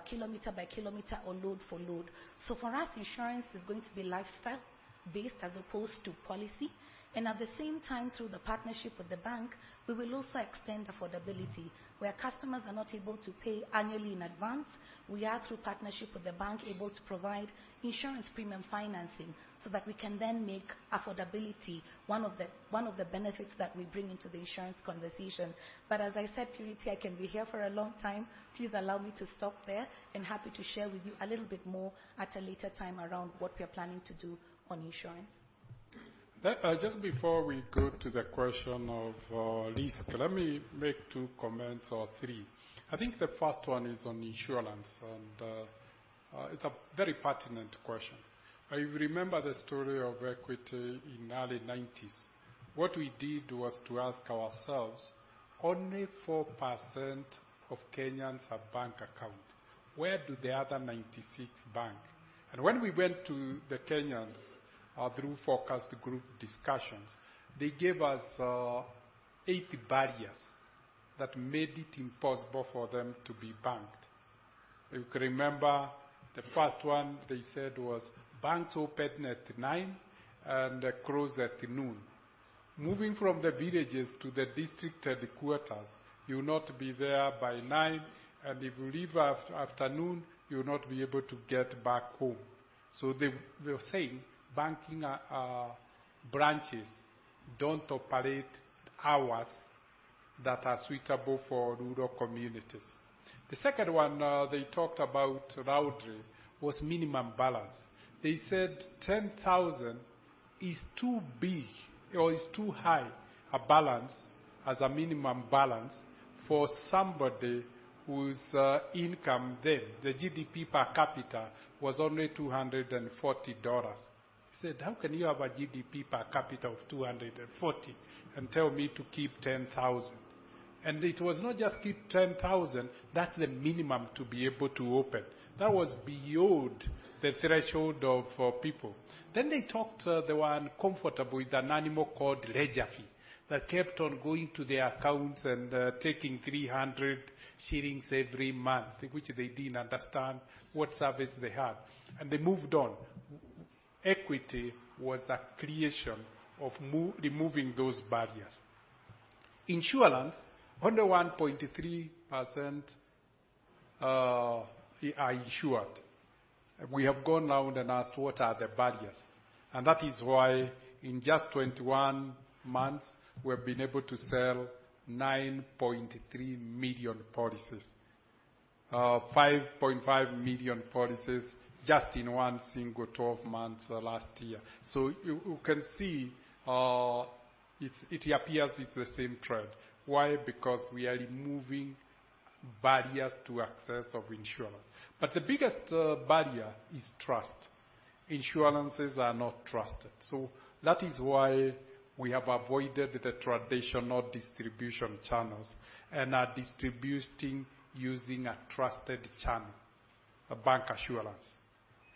kilometer by kilometer, or load for load. So for us, insurance is going to be lifestyle-based as opposed to policy, and at the same time, through the partnership with the bank, we will also extend affordability. Where customers are not able to pay annually in advance, we are, through partnership with the bank, able to provide insurance premium financing, so that we can then make affordability one of the, one of the benefits that we bring into the insurance conversation. But as I said, Purity, I can be here for a long time. Please allow me to stop there, and happy to share with you a little bit more at a later time around what we are planning to do on insurance.
Just before we go to the question of risk, let me make two comments or three. I think the first one is on insurance, and it's a very pertinent question. I remember the story of Equity in early 1990s. What we did was to ask ourselves, only 4% of Kenyans have bank account. Where do the other 96% bank? And when we went to the Kenyans through focus group discussions, they gave us 80 barriers that made it impossible for them to be banked. You could remember, the first one they said was, banks opened at 9:00 A.M. and closed at noon. Moving from the villages to the district headquarters, you'll not be there by 9:00 A.M., and if you leave after afternoon, you'll not be able to get back home. So they were saying banking branches don't operate hours that are suitable for rural communities. The second one they talked about loudly was minimum balance. They said 10,000 is too big or is too high a balance as a minimum balance for somebody whose income then, the GDP per capita was only $240. They said, "How can you have a GDP per capita of $240 and tell me to keep 10,000?" And it was not just keep 10,000, that's the minimum to be able to open. That was beyond the threshold of people. Then they talked, they were uncomfortable with an annual ledger fee that kept on going to their accounts and taking 300 shillings every month, which they didn't understand what service they had, and they moved on. Equity was a creation of removing those barriers. Insurance, only 1.3%, are insured. We have gone out and asked what are the barriers? And that is why in just 21 months, we have been able to sell 9.3 million policies, 5.5 million policies just in one single 12 months last year. So you, you can see, it's, it appears it's the same trend. Why? Because we are removing barriers to access of insurance. But the biggest, barrier is trust. Insurances are not trusted. So that is why we have avoided the traditional distribution channels and are distributing using a trusted channel, a bank assurance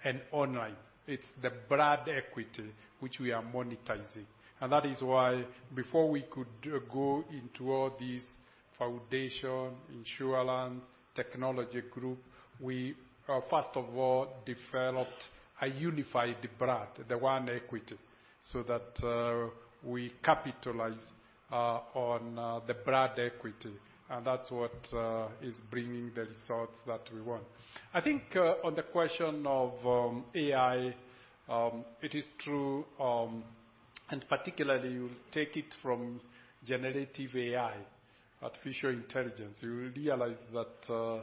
and online. It's the brand equity which we are monetizing. And that is why before we could go into all this foundation, insurance, technology group, we first of all developed a unified brand, the One Equity, so that we capitalize on the brand equity, and that's what is bringing the results that we want. I think on the question of AI, it is true, and particularly you take it from generative AI, artificial intelligence, you will realize that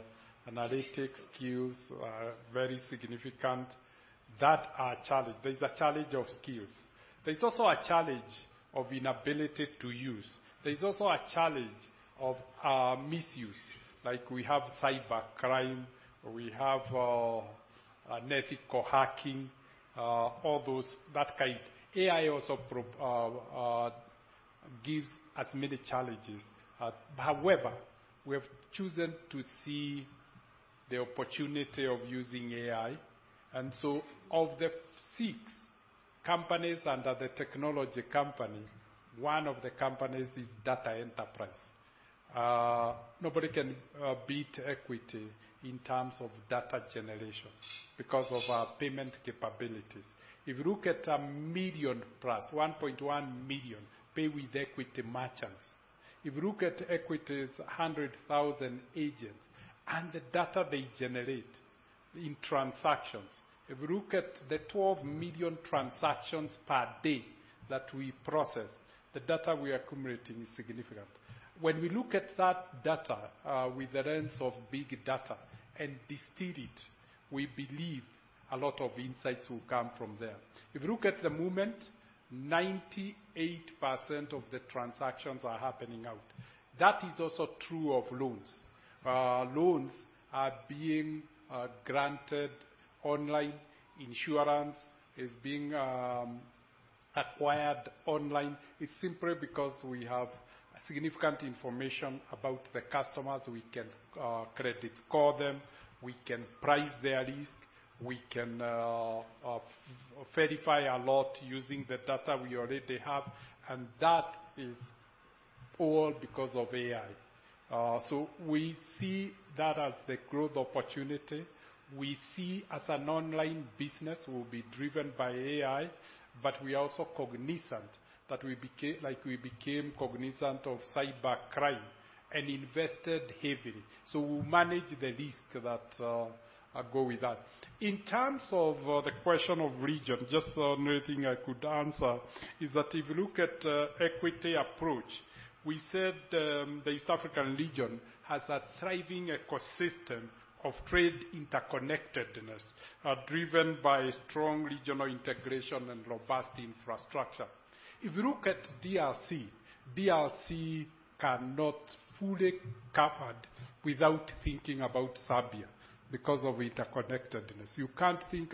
analytics skills are very significant. That is a challenge. There's a challenge of skills. There's also a challenge of inability to use. There's also a challenge of misuse, like we have cybercrime, we have unethical hacking, all those, that kind. AI also gives us many challenges. However, we have chosen to see the opportunity of using AI. Of the six companies under the technology company, one of the companies is data enterprise. Nobody can beat Equity in terms of data generation because of our payment capabilities. If you look at 1 million plus 1.1 million "Pay with Equity" merchants, if you look at Equity's 100,000 agents and the data they generate in transactions, if you look at the 12 million transactions per day that we process, the data we are accumulating is significant. When we look at that data with the lens of big data and distill it, we believe a lot of insights will come from there. If you look at the moment, 98% of the transactions are happening out. That is also true of loans. Loans are being granted online. Insurance is being acquired online. It's simply because we have significant information about the customers. We can credit score them, we can price their risk, we can verify a lot using the data we already have, and that is all because of AI. So we see that as the growth opportunity. We see as an online business will be driven by AI, but we are also cognizant that we became, like, we became cognizant of cybercrime and invested heavily. So we manage the risk that go with that. In terms of the question of region, just another thing I could answer, is that if you look at Equity approach, we said the East African region has a thriving ecosystem of trade interconnectedness driven by strong regional integration and robust infrastructure. If you look at DRC, DRC cannot fully covered without thinking about Zambia because of interconnectedness. You can't think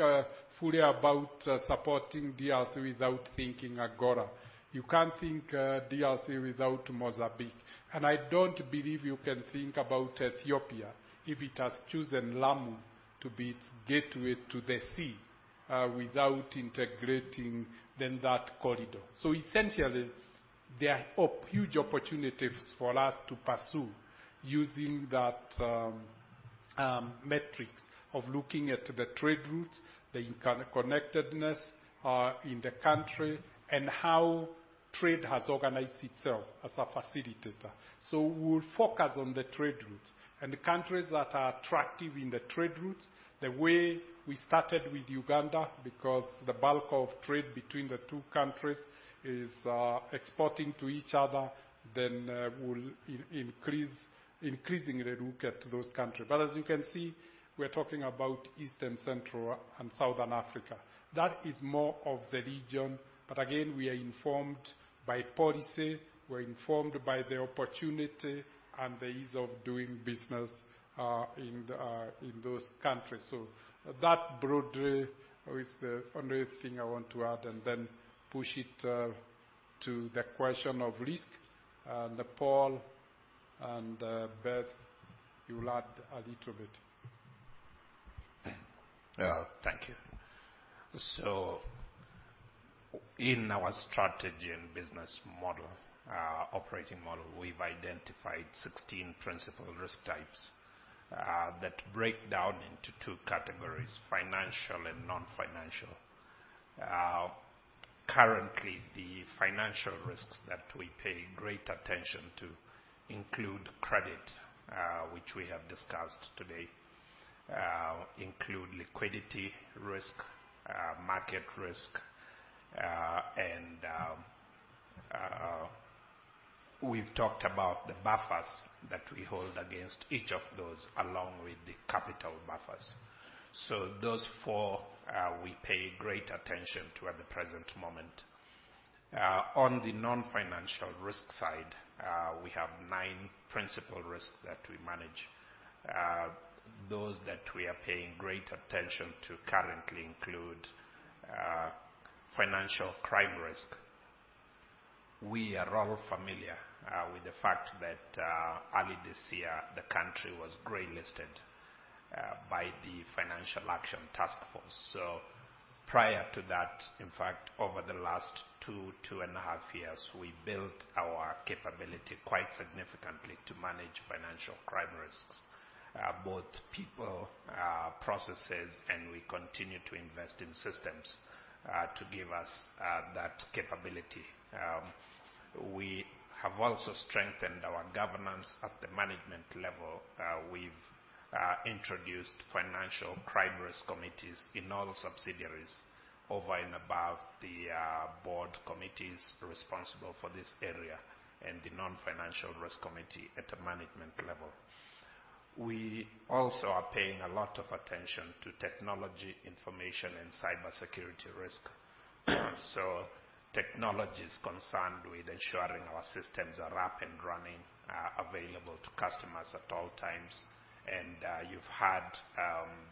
fully about supporting DRC without thinking Agora. You can't think DRC without Mozambique, and I don't believe you can think about Ethiopia if it has chosen Lamu to be its gateway to the sea without integrating that corridor. So essentially, there are huge opportunities for us to pursue using that metrics of looking at the trade routes, the connectedness in the country, and how trade has organized itself as a facilitator. So we'll focus on the trade routes and the countries that are attractive in the trade routes. The way we started with Uganda, because the bulk of trade between the two countries is exporting to each other, then we'll increase the look at those countries. But as you can see, we're talking about East and Central and Southern Africa. That is more of the region. But again, we are informed by policy, we're informed by the opportunity and the ease of doing business in those countries. So that broadly is the only thing I want to add, and then push it to the question of risk. Paul and Beth, you will add a little bit.
Thank you. So in our strategy and business model, operating model, we've identified 16 principal risk types that break down into two categories: financial and non-financial. Currently, the financial risks that we pay great attention to include credit, which we have discussed today, include liquidity risk, market risk, and we've talked about the buffers that we hold against each of those, along with the capital buffers. So those four we pay great attention to at the present moment. On the non-financial risk side, we have nine principal risks that we manage. Those that we are paying great attention to currently include financial crime risk. We are all familiar with the fact that early this year, the country was gray-listed by the Financial Action Task Force. So prior to that, in fact, over the last 2-2.5 years, we built our capability quite significantly to manage financial crime risks, both people, processes, and we continue to invest in systems to give us that capability. We have also strengthened our governance at the management level. We've introduced financial crime risk committees in all subsidiaries over and above the board committees responsible for this area and the non-financial risk committee at a management level. We also are paying a lot of attention to technology information and cybersecurity risk. So technology is concerned with ensuring our systems are up and running, available to customers at all times. And you've heard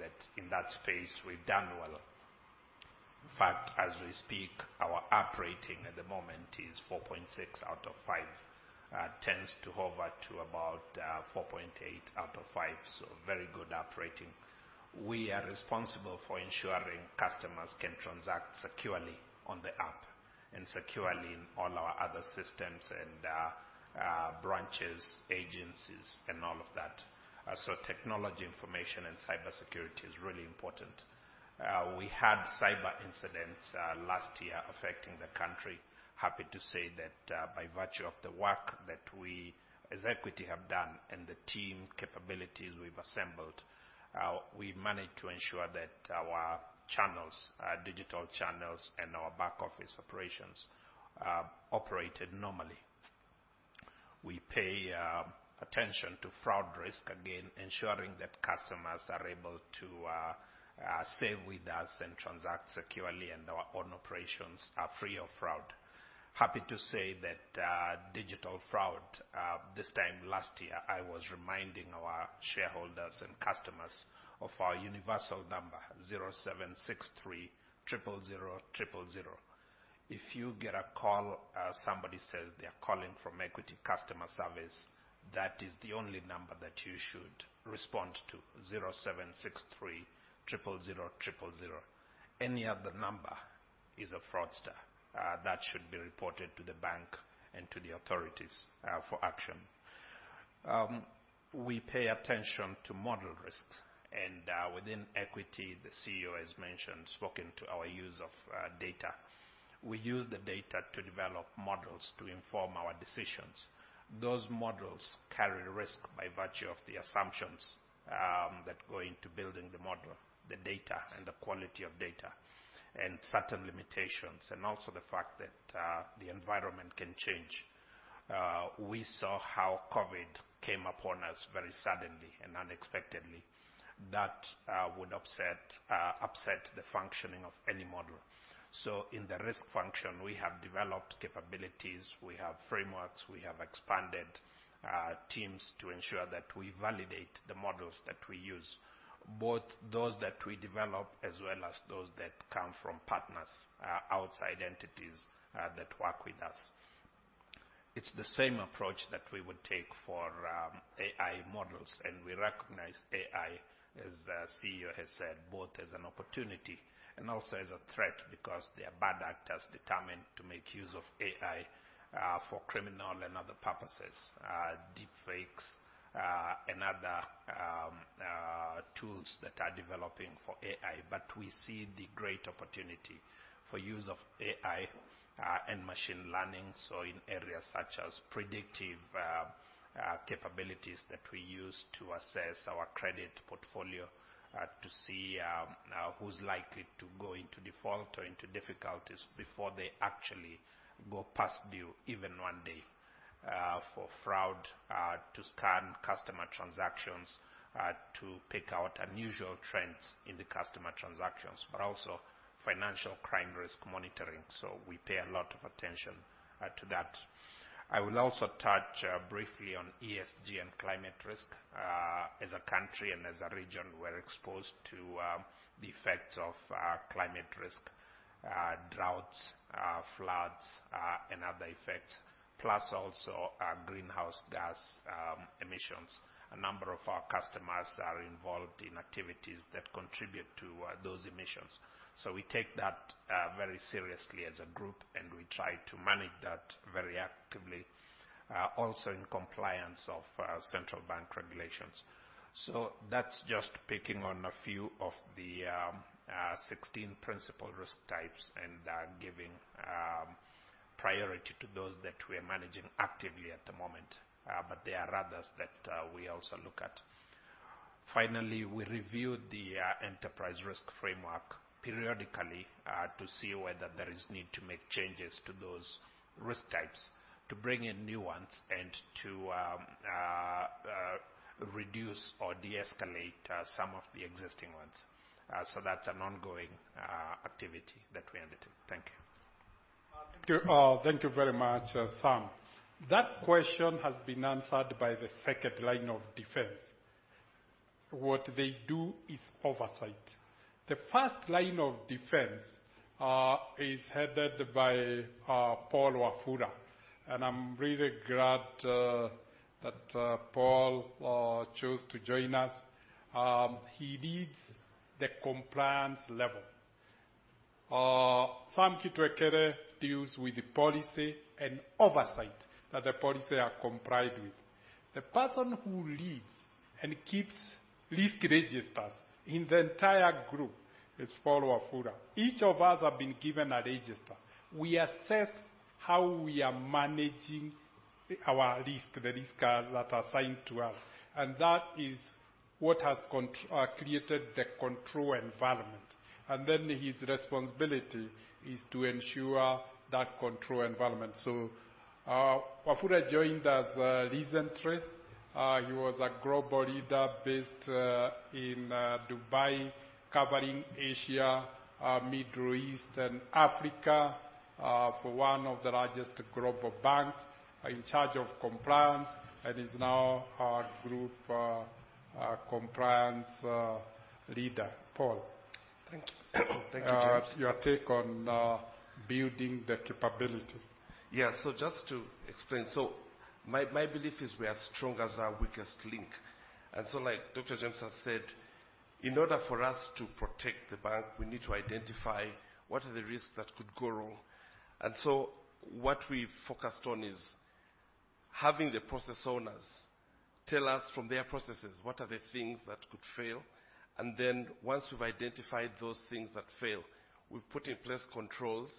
that in that space, we've done well. In fact, as we speak, our app rating at the moment is 4.6 out of 5. Tends to hover to about 4.8 out of 5, so very good app rating. We are responsible for ensuring customers can transact securely on the app and securely in all our other systems and, branches, agencies, and all of that. So technology information and cybersecurity is really important. We had cyber incidents last year affecting the country. Happy to say that, by virtue of the work that we as Equity have done and the team capabilities we've assembled, we managed to ensure that our channels, our digital channels and our back office operations, operated normally. We pay attention to fraud risk, again, ensuring that customers are able to save with us and transact securely, and our own operations are free of fraud. Happy to say that, digital fraud, this time last year, I was reminding our shareholders and customers of our universal number, 0763 000 000. If you get a call, somebody says they are calling from Equity Customer Service, that is the only number that you should respond to, 0763 000 000. Any other number is a fraudster. That should be reported to the bank and to the authorities, for action. We pay attention to model risks. Within Equity, the CEO has mentioned, spoken to our use of data. We use the data to develop models to inform our decisions. Those models carry risk by virtue of the assumptions that go into building the model, the data, and the quality of data, and certain limitations, and also the fact that the environment can change. We saw how COVID came upon us very suddenly and unexpectedly. That would upset the functioning of any model. So in the risk function, we have developed capabilities, we have frameworks, we have expanded teams to ensure that we validate the models that we use, both those that we develop as well as those that come from partners outside entities that work with us. It's the same approach that we would take for AI models, and we recognize AI-... As the CEO has said, both as an opportunity and also as a threat, because there are bad actors determined to make use of AI for criminal and other purposes, deepfakes, and other tools that are developing for AI. But we see the great opportunity for use of AI and machine learning. So in areas such as predictive capabilities that we use to assess our credit portfolio, to see who's likely to go into default or into difficulties before they actually go past due, even one day. For fraud, to scan customer transactions, to pick out unusual trends in the customer transactions, but also financial crime risk monitoring. So we pay a lot of attention to that. I will also touch briefly on ESG and climate risk. As a country and as a region, we're exposed to the effects of climate risk, droughts, floods, and other effects, plus also greenhouse gas emissions. A number of our customers are involved in activities that contribute to those emissions. So we take that very seriously as a group, and we try to manage that very actively, also in compliance of central bank regulations. So that's just picking on a few of the 16 principal risk types and giving priority to those that we're managing actively at the moment. But there are others that we also look at. Finally, we review the enterprise risk framework periodically to see whether there is need to make changes to those risk types, to bring in new ones and to reduce or de-escalate some of the existing ones. So that's an ongoing activity that we undertake. Thank you.
Thank you, thank you very much, Sam. That question has been answered by the second line of defense. What they do is oversight. The first line of defense is headed by Paul Wafula, and I'm really glad that Paul chose to join us. He leads the compliance level. Sam Kitwekere deals with the policy and oversight that the policy are complied with. The person who leads and keeps risk registers in the entire group is Paul Wafula. Each of us have been given a register. We assess how we are managing our risk, the risk that are assigned to us, and that is what has created the control environment. Then his responsibility is to ensure that control environment. Wafula joined us recently. He was a global leader based in Dubai, covering Asia, Middle East, and Africa, for one of the largest global banks, in charge of compliance, and is now our group compliance leader. Paul?
Thank you. Thank you, James.
Your take on building the capability?
Yeah, so just to explain. So my belief is we are as strong as our weakest link. And so like Dr. James has said, in order for us to protect the bank, we need to identify what are the risks that could go wrong. And so what we've focused on is having the process owners tell us from their processes, what are the things that could fail? And then once we've identified those things that fail, we've put in place controls,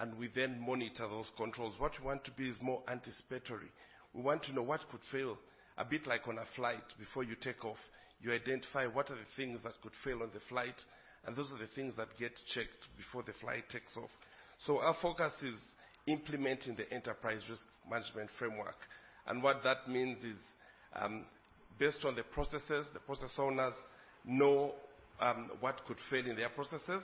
and we then monitor those controls. What we want to be is more anticipatory. We want to know what could fail. A bit like on a flight, before you take off, you identify what are the things that could fail on the flight, and those are the things that get checked before the flight takes off. So our focus is implementing the enterprise risk management framework, and what that means is, based on the processes, the process owners know, what could fail in their processes.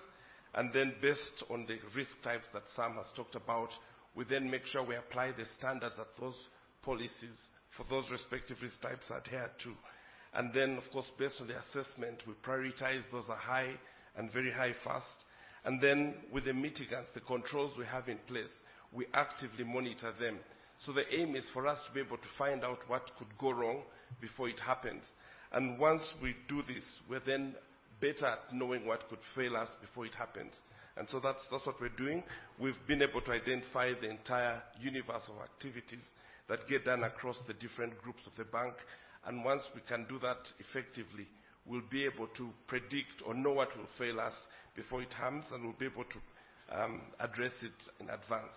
And then based on the risk types that Sam has talked about, we then make sure we apply the standards that those policies for those respective risk types adhere to. And then, of course, based on the assessment, we prioritize those are high and very high, fast. And then with the mitigants, the controls we have in place, we actively monitor them. So the aim is for us to be able to find out what could go wrong before it happens. And once we do this, we're then better at knowing what could fail us before it happens. And so that's, that's what we're doing. We've been able to identify the entire universe of activities that get done across the different groups of the bank, and once we can do that effectively, we'll be able to predict or know what will fail us before it comes, and we'll be able to address it in advance.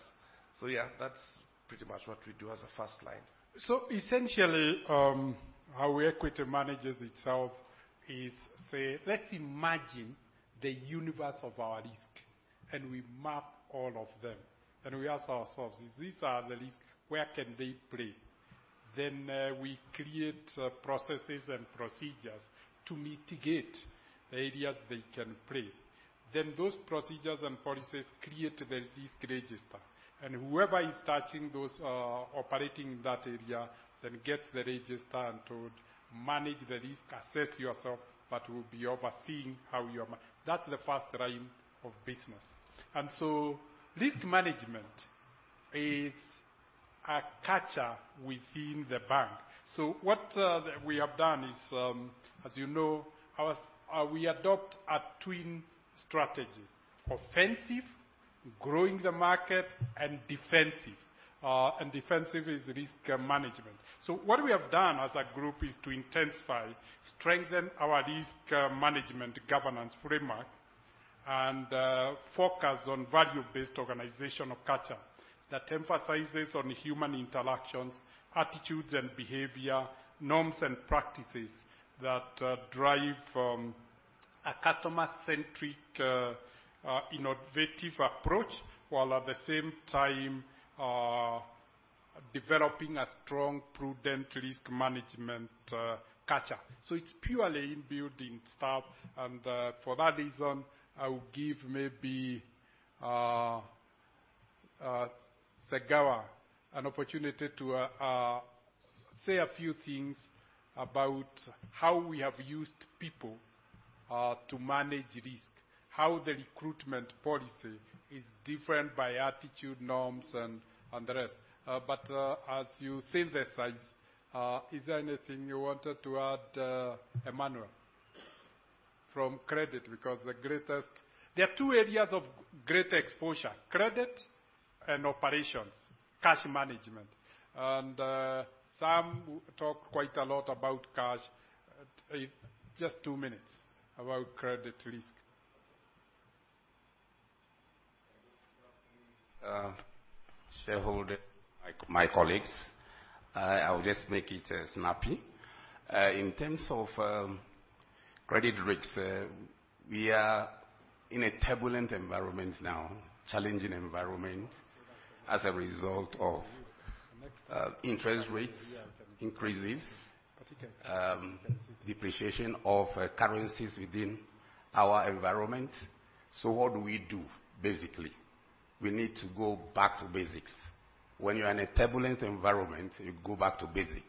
So yeah, that's pretty much what we do as a first line.
So essentially, how Equity manages itself is, say, let's imagine the universe of our risk, and we map all of them. And we ask ourselves, "If these are the risk, where can they play?" Then, we create processes and procedures to mitigate the areas they can play. Then those procedures and policies create the risk register, and whoever is touching those, operating in that area, then gets the register and told, "Manage the risk, assess yourself, but we'll be overseeing how you are ma-" That's the first line of business. And so risk management is a culture within the bank. So what that we have done is, as you know, our, we adopt a twin strategy: offensive, growing the market, and defensive. And defensive is risk management. So what we have done as a group is to intensify, strengthen our risk management governance framework, and focus on value-based organizational culture that emphasizes on human interactions, attitudes and behavior, norms, and practices that drive a customer-centric innovative approach, while at the same time developing a strong, prudent risk management culture. So it's purely in building staff, and for that reason, I will give maybe Ssegawa an opportunity to say a few things about how we have used people to manage risk. How the recruitment policy is different by attitude, norms, and the rest. But as you synthesize, is there anything you wanted to add, Emmanuel, from credit? Because the greatest- There are two areas of great exposure: credit and operations, cash management. Sam talked quite a lot about cash. Just two minutes about credit risk.
Shareholder, like my colleagues, I will just make it snappy. In terms of credit risks, we are in a turbulent environment now, challenging environment, as a result of interest rates increases, depreciation of currencies within our environment. So what do we do, basically? We need to go back to basics. When you're in a turbulent environment, you go back to basic,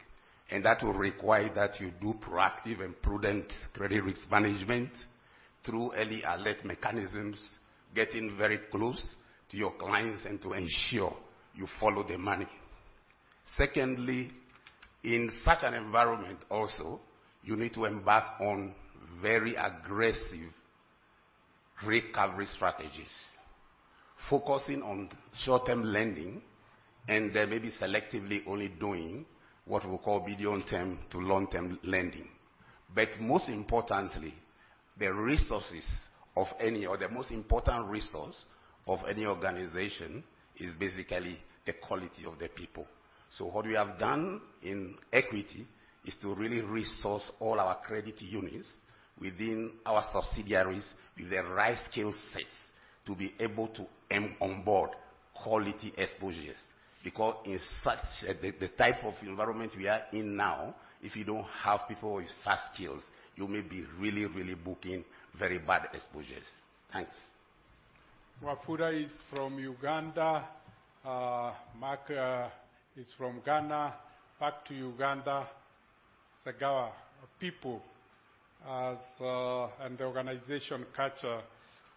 and that will require that you do proactive and prudent credit risk management through early alert mechanisms, getting very close to your clients, and to ensure you follow the money. Secondly, in such an environment also, you need to embark on very aggressive recovery strategies, focusing on short-term lending, and then maybe selectively only doing what we call medium-term to long-term lending. But most importantly, the resources of any or the most important resource of any organization is basically the quality of the people. So what we have done in Equity is to really resource all our credit units within our subsidiaries with the right skill sets, to be able to onboard quality exposures. Because in such a... the type of environment we are in now, if you don't have people with soft skills, you may be really, really booking very bad exposures. Thanks.
Wafula is from Uganda, Mark is from Ghana. Back to Uganda, Ssegawa, people as an organization culture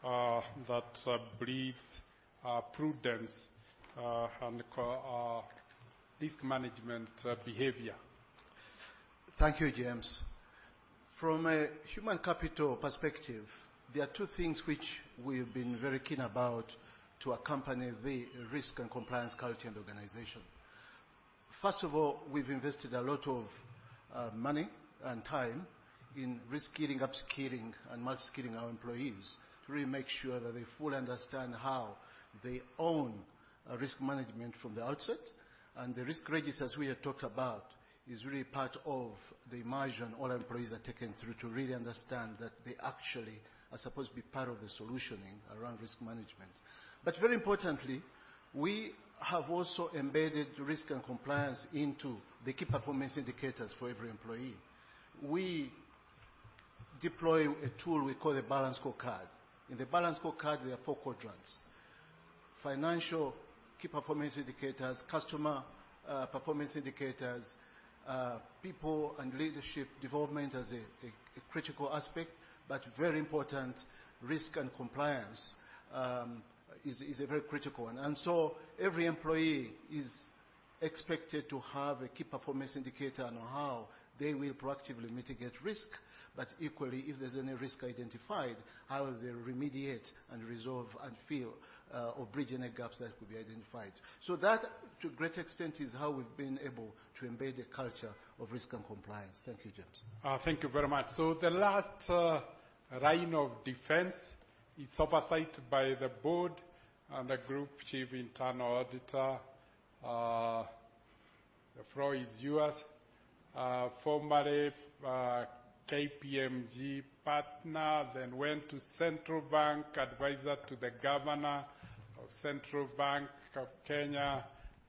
that breeds prudence and co- risk management behavior. Thank you, James. From a human capital perspective, there are two things which we've been very keen about to accompany the risk and compliance culture in the organization. First of all, we've invested a lot of money and time in reskilling, upskilling, and multiskilling our employees, to really make sure that they fully understand how they own risk management from the outset. And the risk register, as we have talked about, is really part of the immersion all employees are taken through to really understand that they actually are supposed to be part of the solutioning around risk management. But very importantly, we have also embedded risk and compliance into the key performance indicators for every employee. We deploy a tool we call a balanced scorecard. In the balanced scorecard, there are four quadrants: financial key performance indicators, customer performance indicators, people and leadership development as a critical aspect. But very important, risk and compliance is a very critical one. And so every employee is expected to have a key performance indicator on how they will proactively mitigate risk. But equally, if there's any risk identified, how will they remediate and resolve and fill, or bridge any gaps that could be identified. So that, to a great extent, is how we've been able to embed a culture of risk and compliance. Thank you, James. Thank you very much. So the last line of defense is oversight by the board and the Group Chief Internal Auditor. Floy Ziuas, formerly KPMG partner, then went to Central Bank, advisor to the Governor of Central Bank of Kenya,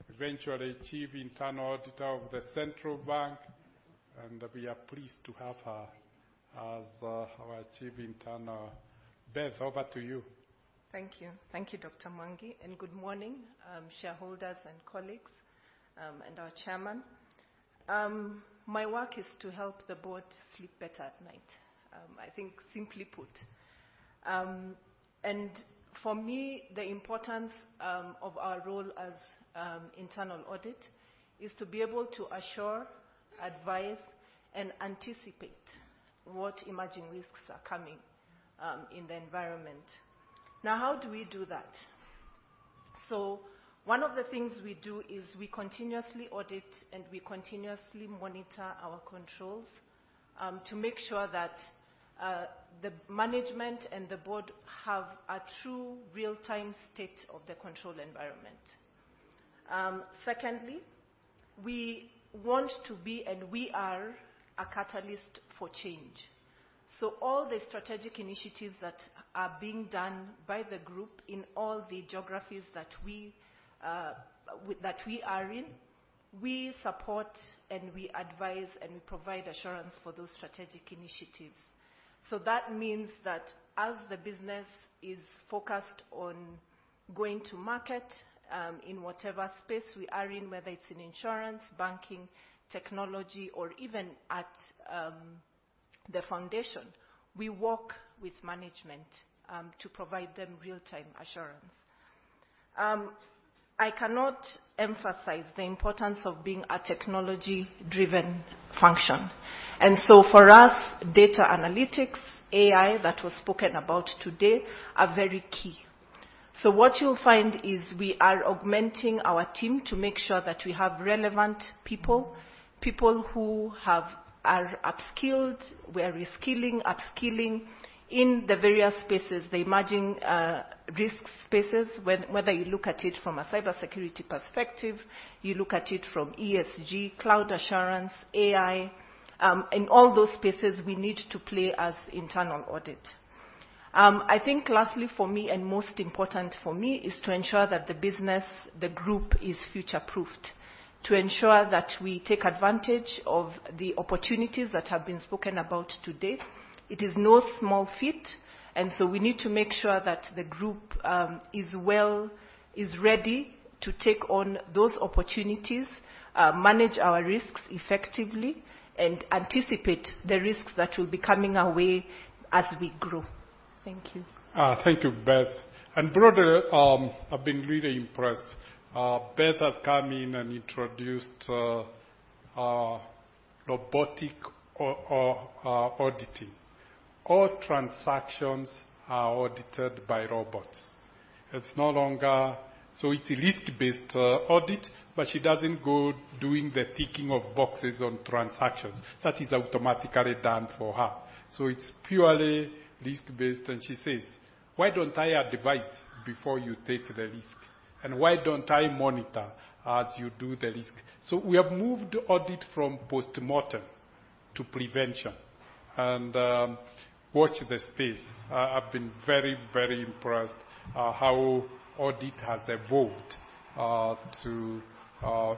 eventually Chief Internal Auditor of the Central Bank, and we are pleased to have her as our chief internal. Beth, over to you.
Thank you. Thank you, Dr. Mwangi, and good morning, shareholders and colleagues, and our chairman. My work is to help the board sleep better at night. I think simply put.... And for me, the importance of our role as internal audit is to be able to assure, advise, and anticipate what emerging risks are coming in the environment. Now, how do we do that? So one of the things we do is we continuously audit, and we continuously monitor our controls to make sure that the management and the board have a true real-time state of the control environment. Secondly, we want to be, and we are, a catalyst for change. So all the strategic initiatives that are being done by the group in all the geographies that we are in, we support, and we advise, and we provide assurance for those strategic initiatives. So that means that as the business is focused on going to market in whatever space we are in, whether it's in insurance, banking, technology, or even at the foundation, we work with management to provide them real-time assurance. I cannot emphasize the importance of being a technology-driven function, and so for us, data analytics, AI, that was spoken about today, are very key. So what you'll find is we are augmenting our team to make sure that we have relevant people, people who are upskilled. We are reskilling, upskilling in the various spaces, the emerging risk spaces, whether you look at it from a cybersecurity perspective, you look at it from ESG, cloud assurance, AI. In all those spaces, we need to play as internal audit. I think lastly, for me, and most important for me, is to ensure that the business, the group, is future-proofed. To ensure that we take advantage of the opportunities that have been spoken about today. It is no small feat, and so we need to make sure that the group is ready to take on those opportunities, manage our risks effectively, and anticipate the risks that will be coming our way as we grow. Thank you.
Thank you, Beth. And broadly, I've been really impressed. Beth has come in and introduced robotic automation auditing. All transactions are audited by robots. It's no longer... So it's a risk-based audit, but she doesn't go doing the ticking of boxes on transactions. That is automatically done for her, so it's purely risk-based. And she says: "Why don't I advise before you take the risk? And why don't I monitor as you do the risk?" So we have moved audit from post-mortem to prevention and watch this space. I've been very, very impressed how audit has evolved to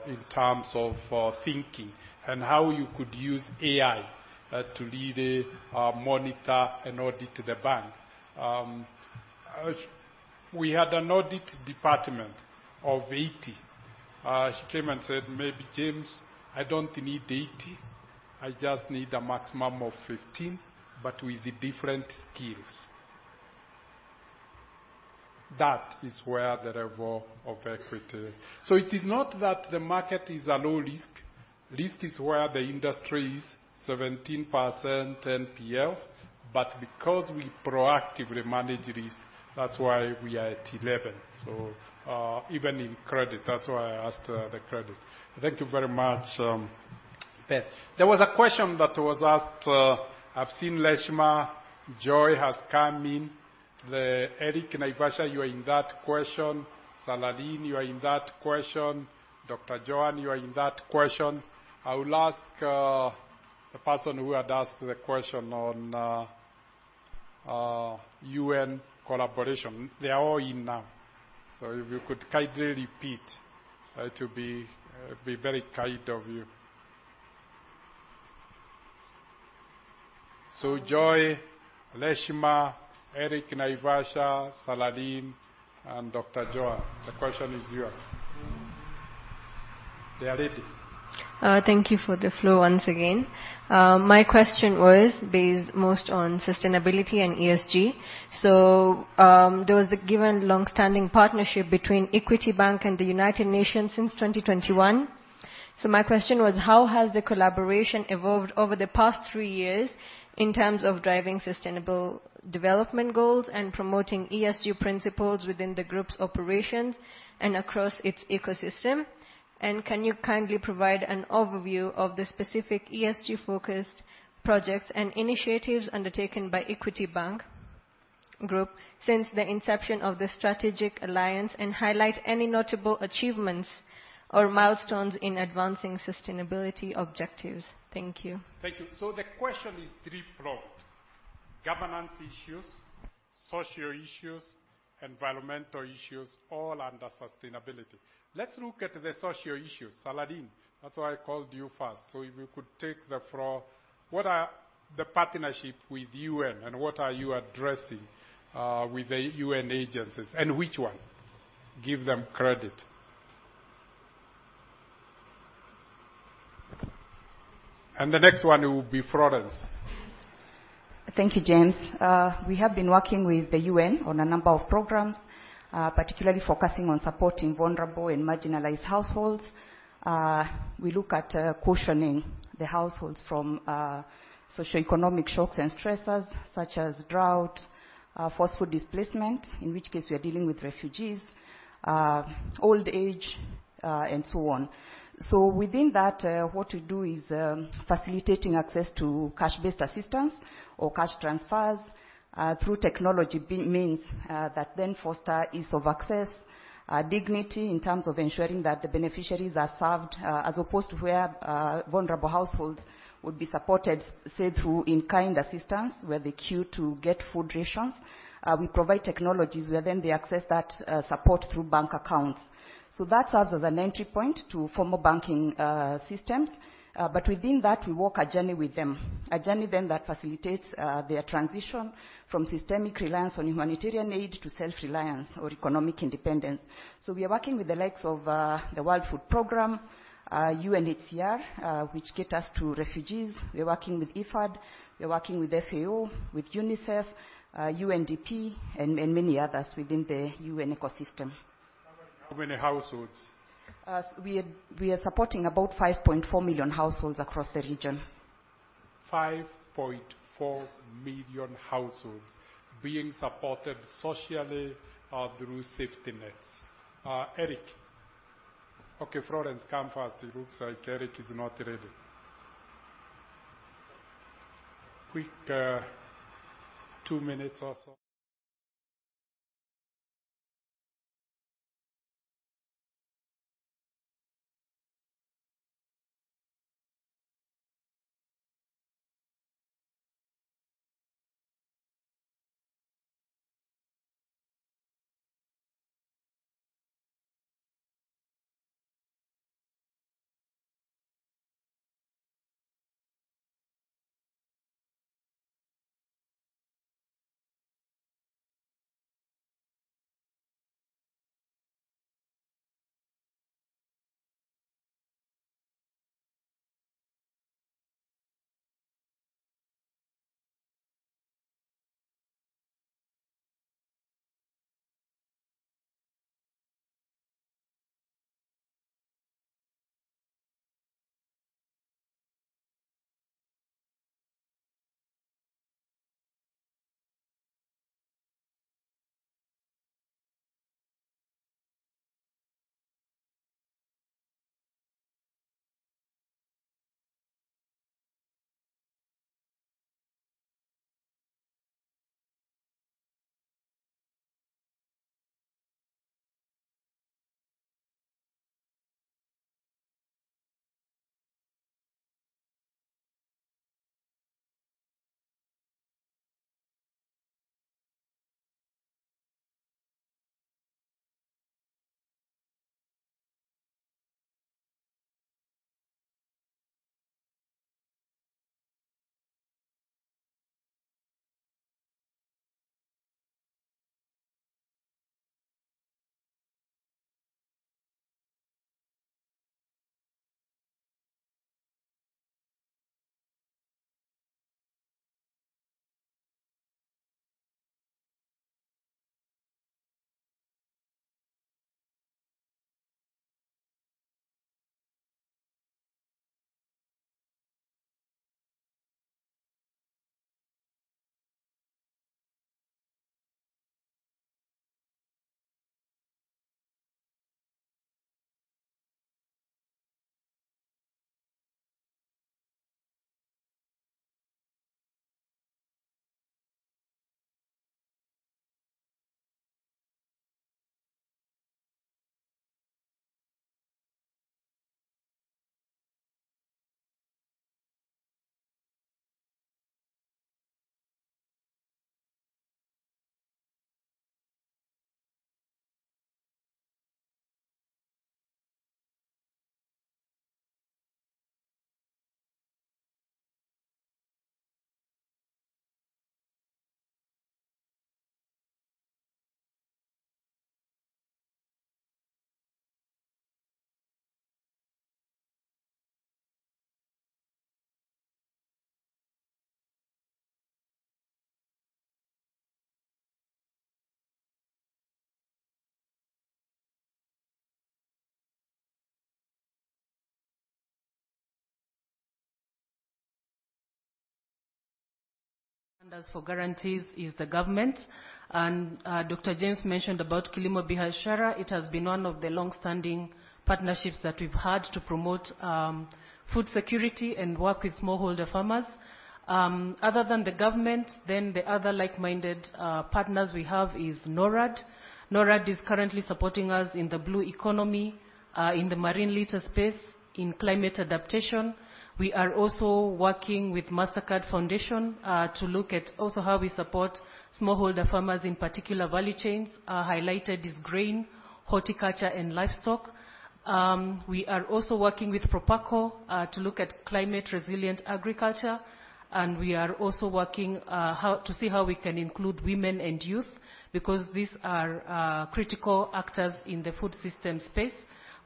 in terms of thinking and how you could use AI to really monitor and audit the bank. We had an audit department of 80. She came and said: "Maybe, James, I don't need 80. I just need a maximum of 15, but with different skills." That is where the level of Equity. So it is not that the market is a low risk. Risk is where the industry is 17% NPL, but because we proactively manage risk, that's why we are at 11, so, even in credit. That's why I asked, the credit. Thank you very much, Beth. There was a question that was asked... I've seen Leshma, Joy has come in. Eric Naivasha, you are in that question. Saladin, you are in that question. Dr. Joan, you are in that question. I will ask, the person who had asked the question on, UN collaboration. They are all in now. So if you could kindly repeat, to be very kind of you. So Joy, Leshma, Eric Naivasha, Saladin, and Dr. Joan, the question is yours. They are ready.
Thank you for the floor once again. My question was based most on sustainability and ESG. So, there was a given long-standing partnership between Equity Bank and the United Nations since 2021. So my question was: How has the collaboration evolved over the past three years in terms of driving sustainable development goals and promoting ESG principles within the group's operations and across its ecosystem? And can you kindly provide an overview of the specific ESG-focused projects and initiatives undertaken by Equity Bank Group since the inception of the strategic alliance, and highlight any notable achievements or milestones in advancing sustainability objectives? Thank you.
Thank you. So the question is three-pronged: governance issues, social issues, environmental issues, all under sustainability. Let's look at the social issues. Saladin, that's why I called you first. So if you could take the floor, what are the partnership with UN, and what are you addressing, with the UN agencies, and which one? Give them credit.... The next one will be Florence.
Thank you, James. We have been working with the UN on a number of programs, particularly focusing on supporting vulnerable and marginalized households. We look at cushioning the households from socioeconomic shocks and stressors, such as drought, forceful displacement, in which case we are dealing with refugees, old age, and so on. So within that, what we do is facilitating access to cash-based assistance or cash transfers through technology-based means that then foster ease of access, dignity in terms of ensuring that the beneficiaries are served, as opposed to where vulnerable households would be supported, say, through in-kind assistance, where they queue to get food rations. We provide technologies, where then they access that support through bank accounts. So that serves as an entry point to formal banking systems. But within that, we walk a journey with them. A journey then that facilitates their transition from systemic reliance on humanitarian aid to self-reliance or economic independence. So we are working with the likes of the World Food Program, UNHCR, which get us to refugees. We're working with IFAD, we're working with FAO, with UNICEF, UNDP, and many others within the UN ecosystem.
How many, how many households?
We are supporting about 5.4 million households across the region.
5.4 million households being supported socially, through safety nets. Eric? Okay, Florence, come first. It looks like Eric is not ready. Quick, 2 minutes or so.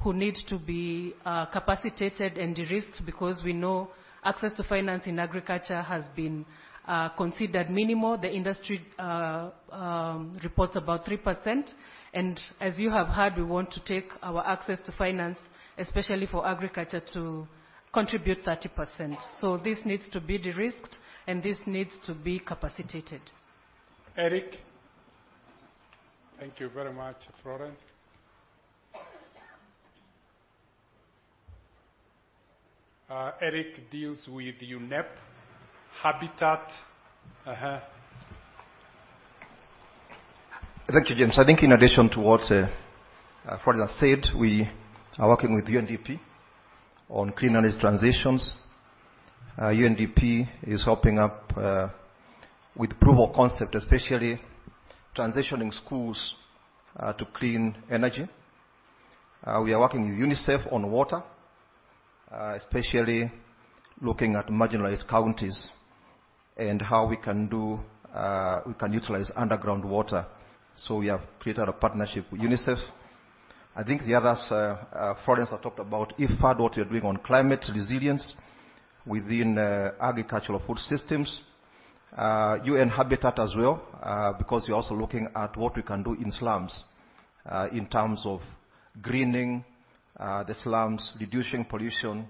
who need to be capacitated and de-risked because we know access to finance in agriculture has been considered minimal. The industry reports about 3%, and as you have heard, we want to take our access to finance, especially for agriculture, to contribute 30%. So this needs to be de-risked, and this needs to be capacitated.
Eric? Thank you very much, Florence. Eric deals with UN-Habitat.
Thank you, James. I think in addition to what Florence has said, we are working with UNDP on clean energy transitions. UNDP is helping with proof of concept, especially transitioning schools to clean energy. We are working with UNICEF on water, especially looking at marginalized counties and how we can utilize underground water. So we have created a partnership with UNICEF. I think the others Florence has talked about IFAD, what we are doing on climate resilience within agricultural food systems. UN-Habitat as well, because we are also looking at what we can do in slums in terms of greening the slums, reducing pollution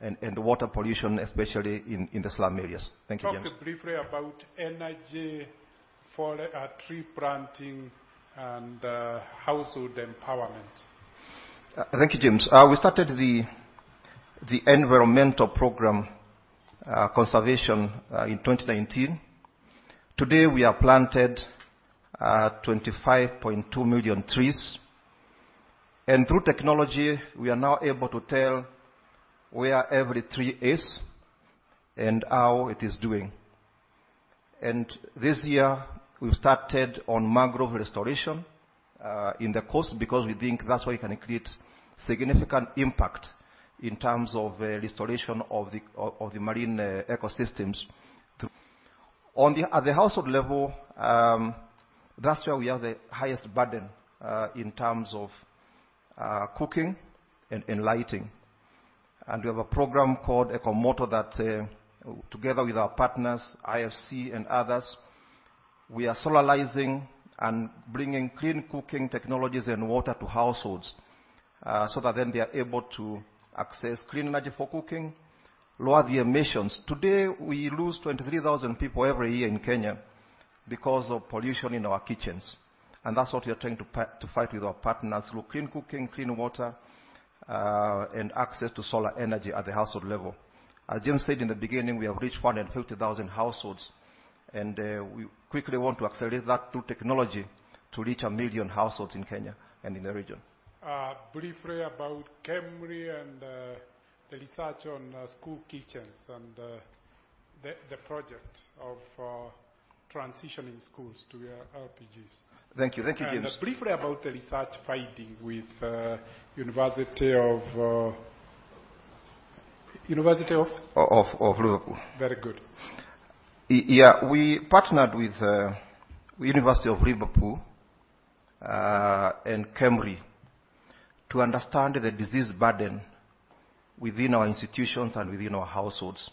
and water pollution, especially in the slum areas. Thank you, James.
Talk briefly about energy for tree planting and household empowerment.
Thank you, James. We started the environmental program, conservation, in 2019. Today, we have planted 25.2 million trees, and through technology, we are now able to tell where every tree is and how it is doing. This year, we started on mangrove restoration in the coast, because we think that's where we can create significant impact in terms of restoration of the marine ecosystems. At the household level, that's where we have the highest burden in terms of cooking and lighting. We have a program called EcoMoto that, together with our partners, IFC and others, we are solarizing and bringing clean cooking technologies and water to households, so that then they are able to access clean energy for cooking, lower the emissions. Today, we lose 23,000 people every year in Kenya because of pollution in our kitchens, and that's what we are trying to fight with our partners, through clean cooking, clean water, and access to solar energy at the household level. As James said in the beginning, we have reached 150,000 households, and, we quickly want to accelerate that through technology to reach 1 million households in Kenya and in the region.
Briefly about KEMRI and the research on school kitchens and the project of transitioning schools to LPGs.
Thank you. Thank you, James.
Briefly about the research fighting with University of University of?
Of Liverpool.
Very good.
Yeah. We partnered with University of Liverpool and KEMRI to understand the disease burden within our institutions and within our households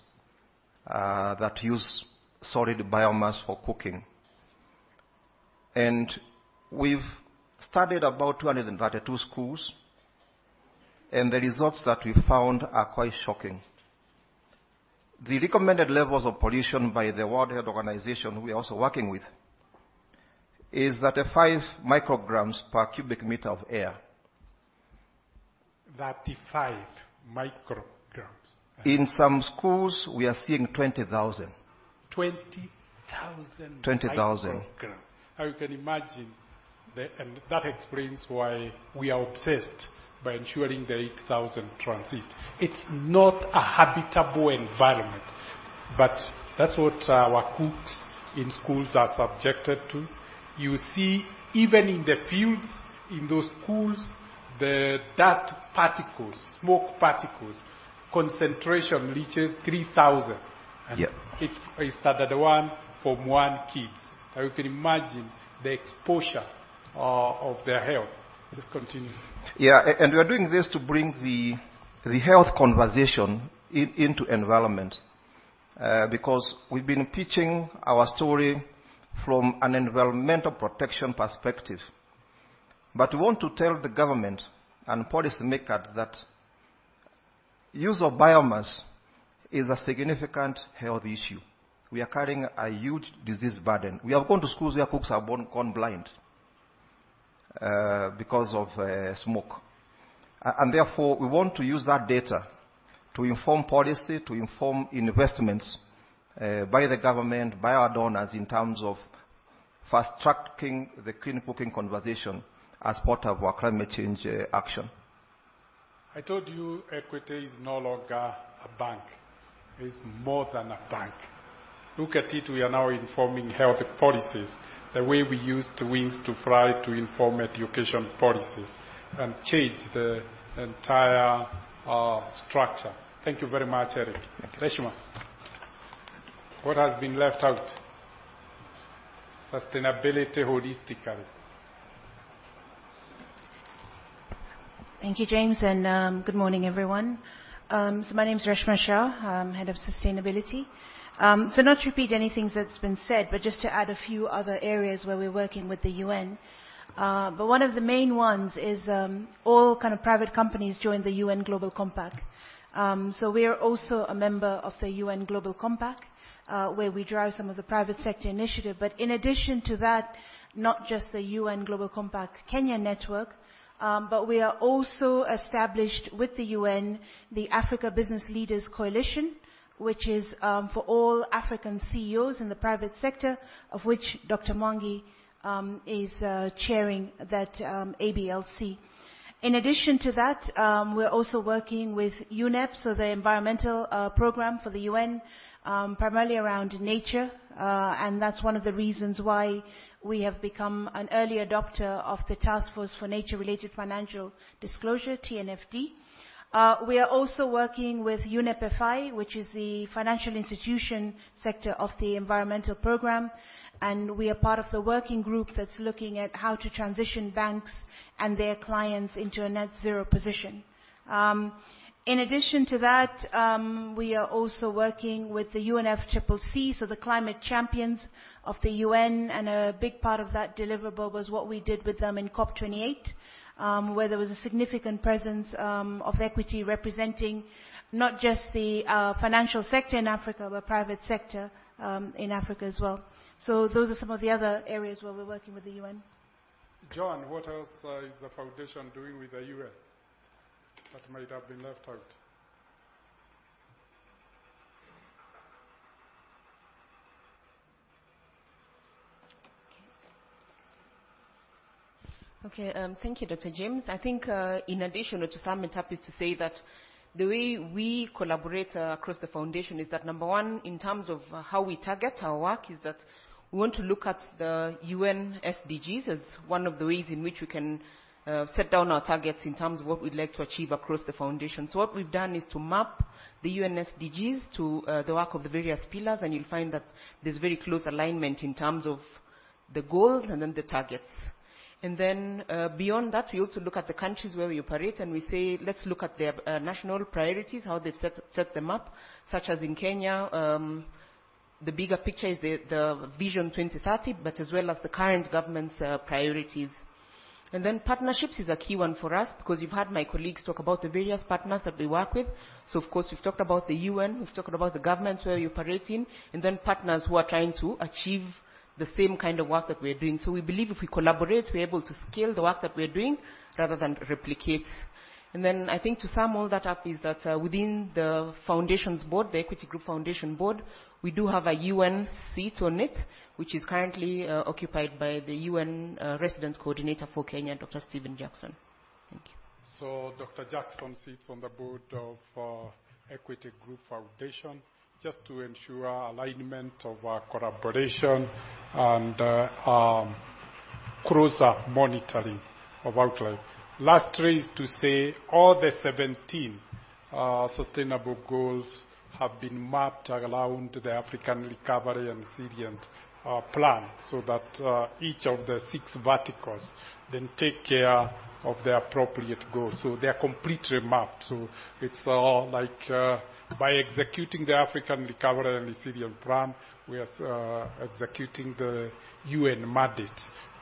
that use solid biomass for cooking. And we've studied about 232 schools, and the results that we found are quite shocking. The recommended levels of pollution by the World Health Organization, we are also working with, is 35 micrograms per cubic meter of air.
Thirty-five micrograms?
In some schools, we are seeing 20,000.
Twenty thousand-
Twenty thousand.
Micrograms. Now, you can imagine the... And that explains why we are obsessed by ensuring the 8,000 transit. It's not a habitable environment, but that's what our cooks in schools are subjected to. You see, even in the fields, in those schools, the dust particles, smoke particles, concentration reaches 3,000.
Yeah.
It started from one kid. Now, you can imagine the exposure of their health. Please continue.
Yeah. And we are doing this to bring the health conversation into environment, because we've been pitching our story from an environmental protection perspective. But we want to tell the government and policymakers that use of biomass is a significant health issue. We are carrying a huge disease burden. We have gone to schools where cooks are born gone blind, because of smoke. And therefore, we want to use that data to inform policy, to inform investments by the government, by our donors, in terms of fast-tracking the clean cooking conversation as part of our climate change action.
I told you Equitel is no longer a bank. It's more than a bank. Look at it, we are now informing health policies, the way we used Wings to Fly to inform education policies and change the entire structure. Thank you very much, Eric.
Thank you.
Reshma, what has been left out?... sustainability holistically.
Thank you, James, and good morning, everyone. So my name is Reshma Shah. I'm head of sustainability. So not to repeat anything that's been said, but just to add a few other areas where we're working with the UN. But one of the main ones is all kind of private companies join the UN Global Compact. We are also a member of the UN Global Compact, where we drive some of the private sector initiative. But in addition to that, not just the UN Global Compact Kenya network, but we are also established with the UN, the Africa Business Leaders Coalition, which is for all African CEOs in the private sector, of which Dr. Mwangi is chairing that ABLC. In addition to that, we're also working with UNEP, so the environmental program for the UN, primarily around nature. That's one of the reasons why we have become an early adopter of the Taskforce on Nature-related Financial Disclosure, TNFD. We are also working with UNEP FI, which is the financial institution sector of the environmental program, and we are part of the working group that's looking at how to transition banks and their clients into a net zero position. In addition to that, we are also working with the UNFCCC, so the climate champions of the UN, and a big part of that deliverable was what we did with them in COP 28, where there was a significant presence of equity representing not just the financial sector in Africa, but private sector in Africa as well. Those are some of the other areas where we're working with the UN.
Joan, what else, is the foundation doing with the UN that might have been left out?
Okay, thank you, Dr. James. I think, in addition, or to sum it up, is to say that the way we collaborate across the foundation is that, number one, in terms of how we target our work, is that we want to look at the UN SDGs as one of the ways in which we can set down our targets in terms of what we'd like to achieve across the foundation. So what we've done is to map the UN SDGs to the work of the various pillars, and you'll find that there's very close alignment in terms of the goals and then the targets. And then, beyond that, we also look at the countries where we operate, and we say, "Let's look at their national priorities, how they've set them up," such as in Kenya. The bigger picture is the Vision 2030, but as well as the current government's priorities. Partnerships is a key one for us because you've heard my colleagues talk about the various partners that we work with. So of course, we've talked about the UN, we've talked about the governments where we operate in, and then partners who are trying to achieve the same kind of work that we are doing. So we believe if we collaborate, we're able to scale the work that we're doing rather than replicate. And then I think to sum all that up is that, within the foundation's board, the Equity Group Foundation Board, we do have a UN seat on it, which is currently occupied by the UN Resident Coordinator for Kenya, Dr. Stephen Jackson. Thank you.
So Dr. Jackson sits on the board of Equity Group Foundation just to ensure alignment of our collaboration and closer monitoring of outlay. Lastly, is to say all the 17 sustainable goals have been mapped around the Africa Recovery and Resilience Plan, so that each of the six verticals then take care of the appropriate goals. So they're completely mapped. So it's like by executing the Africa Recovery and Resilience Plan, we are executing the UN mandate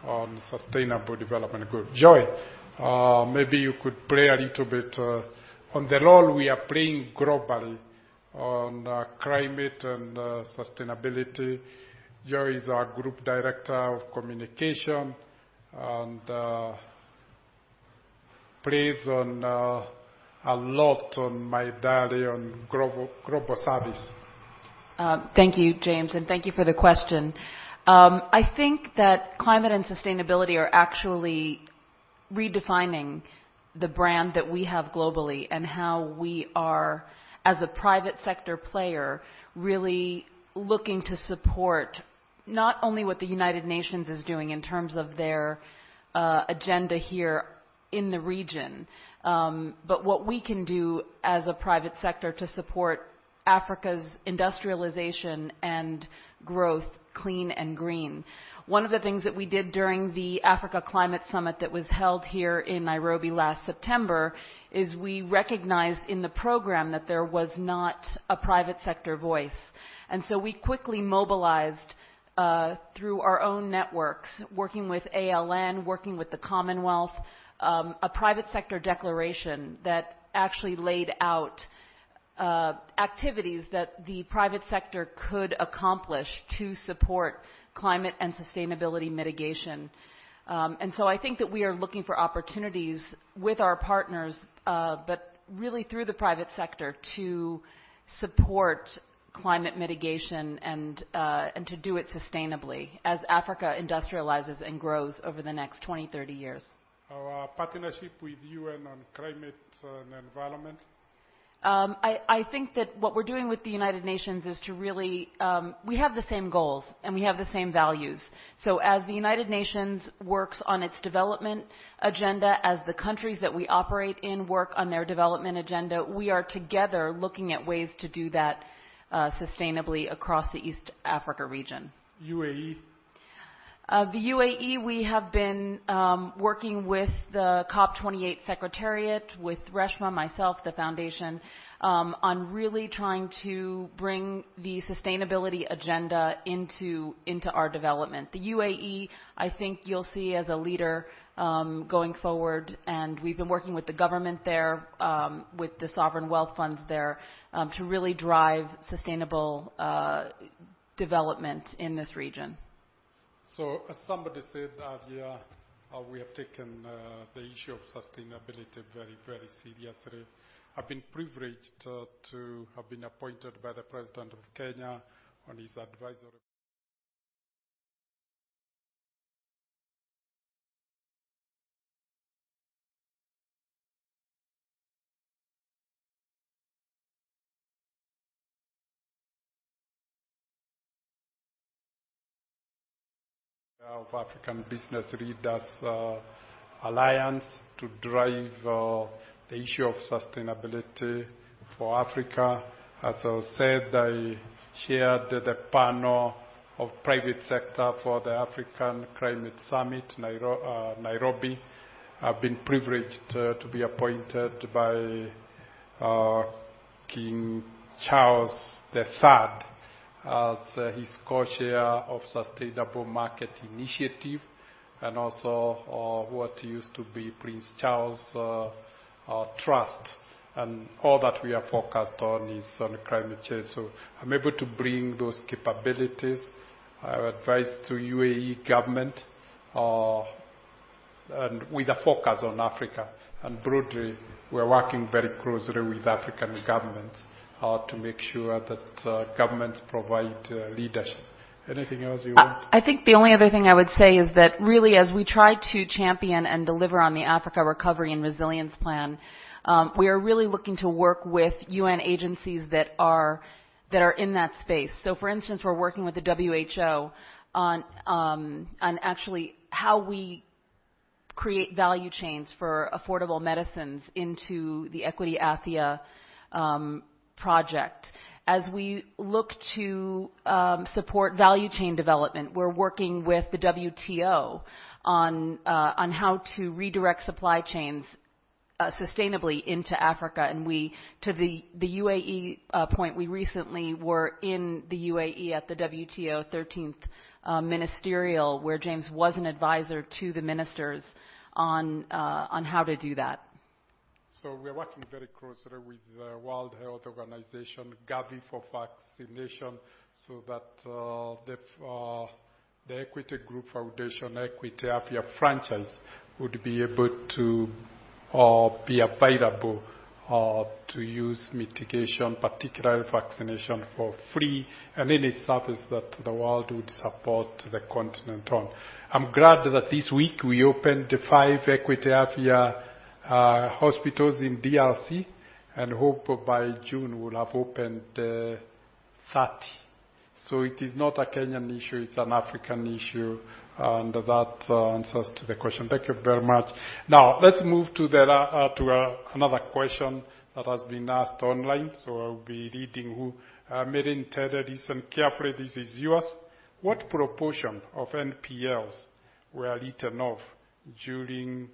on sustainable development goals. Joy, maybe you could play a little bit on the role we are playing globally on climate and sustainability. Joy is our Group Director of Communication and plays on a lot on my diary on global global service.
Thank you, James, and thank you for the question. I think that climate and sustainability are actually redefining the brand that we have globally, and how we are, as a private sector player, really looking to support not only what the United Nations is doing in terms of their agenda here in the region, but what we can do as a private sector to support Africa's industrialization and growth, clean and green. One of the things that we did during the Africa Climate Summit that was held here in Nairobi last September is we recognized in the program that there was not a private sector voice. And so we quickly mobilized through our own networks, working with ALN, working with the Commonwealth, a private sector declaration that actually laid out activities that the private sector could accomplish to support climate and sustainability mitigation. I think that we are looking for opportunities with our partners, but really through the private sector, to support climate mitigation and to do it sustainably as Africa industrializes and grows over the next 20, 30 years.
Our partnership with UN on climate and environment?
I think that what we're doing with the United Nations is to really... We have the same goals, and we have the same values. So as the United Nations works on its development agenda, as the countries that we operate in work on their development agenda, we are together looking at ways to do that, sustainably across the East Africa region.
UAE? ...
The UAE, we have been working with the COP28 Secretariat, with Reshma, myself, the foundation, on really trying to bring the sustainability agenda into our development. The UAE, I think you'll see as a leader going forward, and we've been working with the government there, with the sovereign wealth funds there, to really drive sustainable development in this region.
So as somebody said, Avia, we have taken the issue of sustainability very, very seriously. I've been privileged to have been appointed by the President of Kenya on his advisory of African Business Leaders Alliance to drive the issue of sustainability for Africa. As I said, I chaired the panel of private sector for the African Climate Summit, Nairobi. I've been privileged to be appointed by King Charles III, as his co-chair of Sustainable Market Initiative, and also, what used to be Prince Charles Trust, and all that we are focused on is on climate change. So I'm able to bring those capabilities, advice to UAE government, and with a focus on Africa. And broadly, we're working very closely with African governments to make sure that governments provide leadership. Anything else you want?
I think the only other thing I would say is that really, as we try to champion and deliver on the Africa Recovery and Resilience Plan, we are really looking to work with UN agencies that are, that are in that space. So for instance, we're working with the WHO on actually how we create value chains for affordable medicines into the Equity Afya project. As we look to support value chain development, we're working with the WTO on how to redirect supply chains sustainably into Africa. To the UAE point, we recently were in the UAE at the WTO Thirteenth Ministerial, where James was an advisor to the ministers on how to do that.
So we're working very closely with the World Health Organization, Gavi for vaccination, so that the Equity Group Foundation, Equity Afya franchise, would be able to be available to use mitigation, particularly vaccination, for free, and any service that the world would support the continent on. I'm glad that this week we opened the 5 Equity Afya hospitals in DRC, and hope by June we'll have opened 30. So it is not a Kenyan issue, it's an African issue, and that answers to the question. Thank you very much. Now, let's move to another question that has been asked online. So I'll be reading who... Mary Ntedi, listen carefully, this is yours. What proportion of NPLs were written off during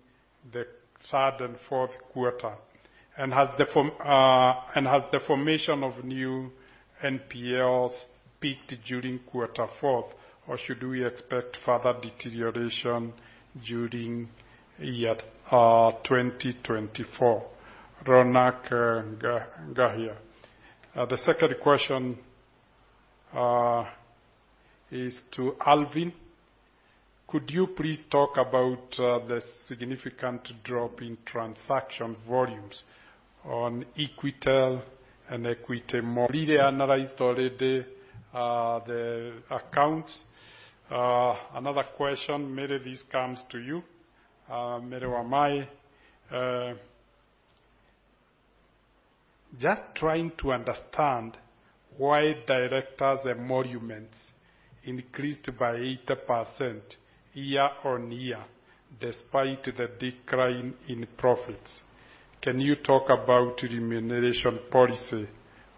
the third and fourth quarter? Has the formation of new NPLs peaked during fourth quarter, or should we expect further deterioration during 2024? Ronak Gadhia. The second question is to Alvin: Could you please talk about the significant drop in transaction volumes on Equitel and Equity Mobile? Really analyzed already the accounts. Another question, Mary, this comes to you, Mary Wamae. Just trying to understand why directors' emoluments increased by 8% year-on-year, despite the decline in profits. Can you talk about remuneration policy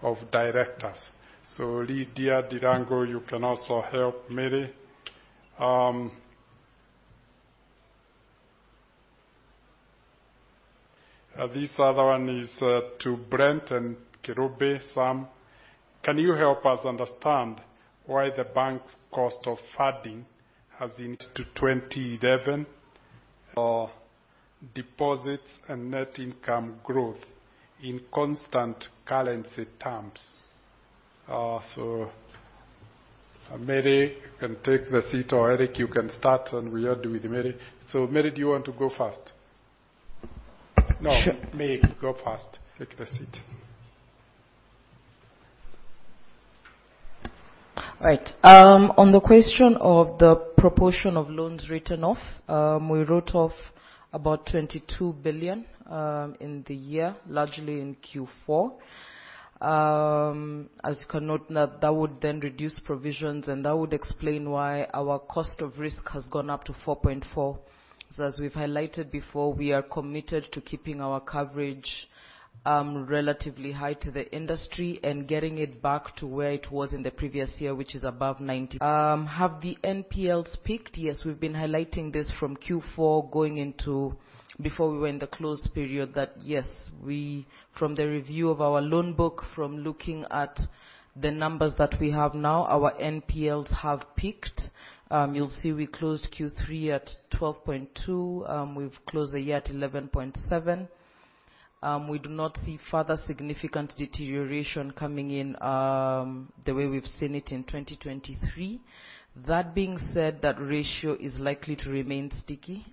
of directors? So Lydia Dirango, you can also help Mary. This other one is to Brent and Kirubi Sam: Can you help us understand why the bank's cost of funding has increased to 27%, deposits and net income growth in constant currency terms? So, Mary, you can take the seat, or Eric, you can start, and we end with Mary. So, Mary, do you want to go first? No, Mary, go first. Take the seat.
All right. On the question of the proportion of loans written off, we wrote off about 22 billion in the year, largely in Q4.... As you can note, now that would then reduce provisions, and that would explain why our cost of risk has gone up to 4.4%. So as we've highlighted before, we are committed to keeping our coverage, relatively high to the industry and getting it back to where it was in the previous year, which is above 90%. Have the NPLs peaked? Yes, we've been highlighting this from Q4 going into before we were in the close period, that yes, from the review of our loan book, from looking at the numbers that we have now, our NPLs have peaked. You'll see we closed Q3 at 12.2%. We've closed the year at 11.7%. We do not see further significant deterioration coming in, the way we've seen it in 2023. That being said, that ratio is likely to remain sticky.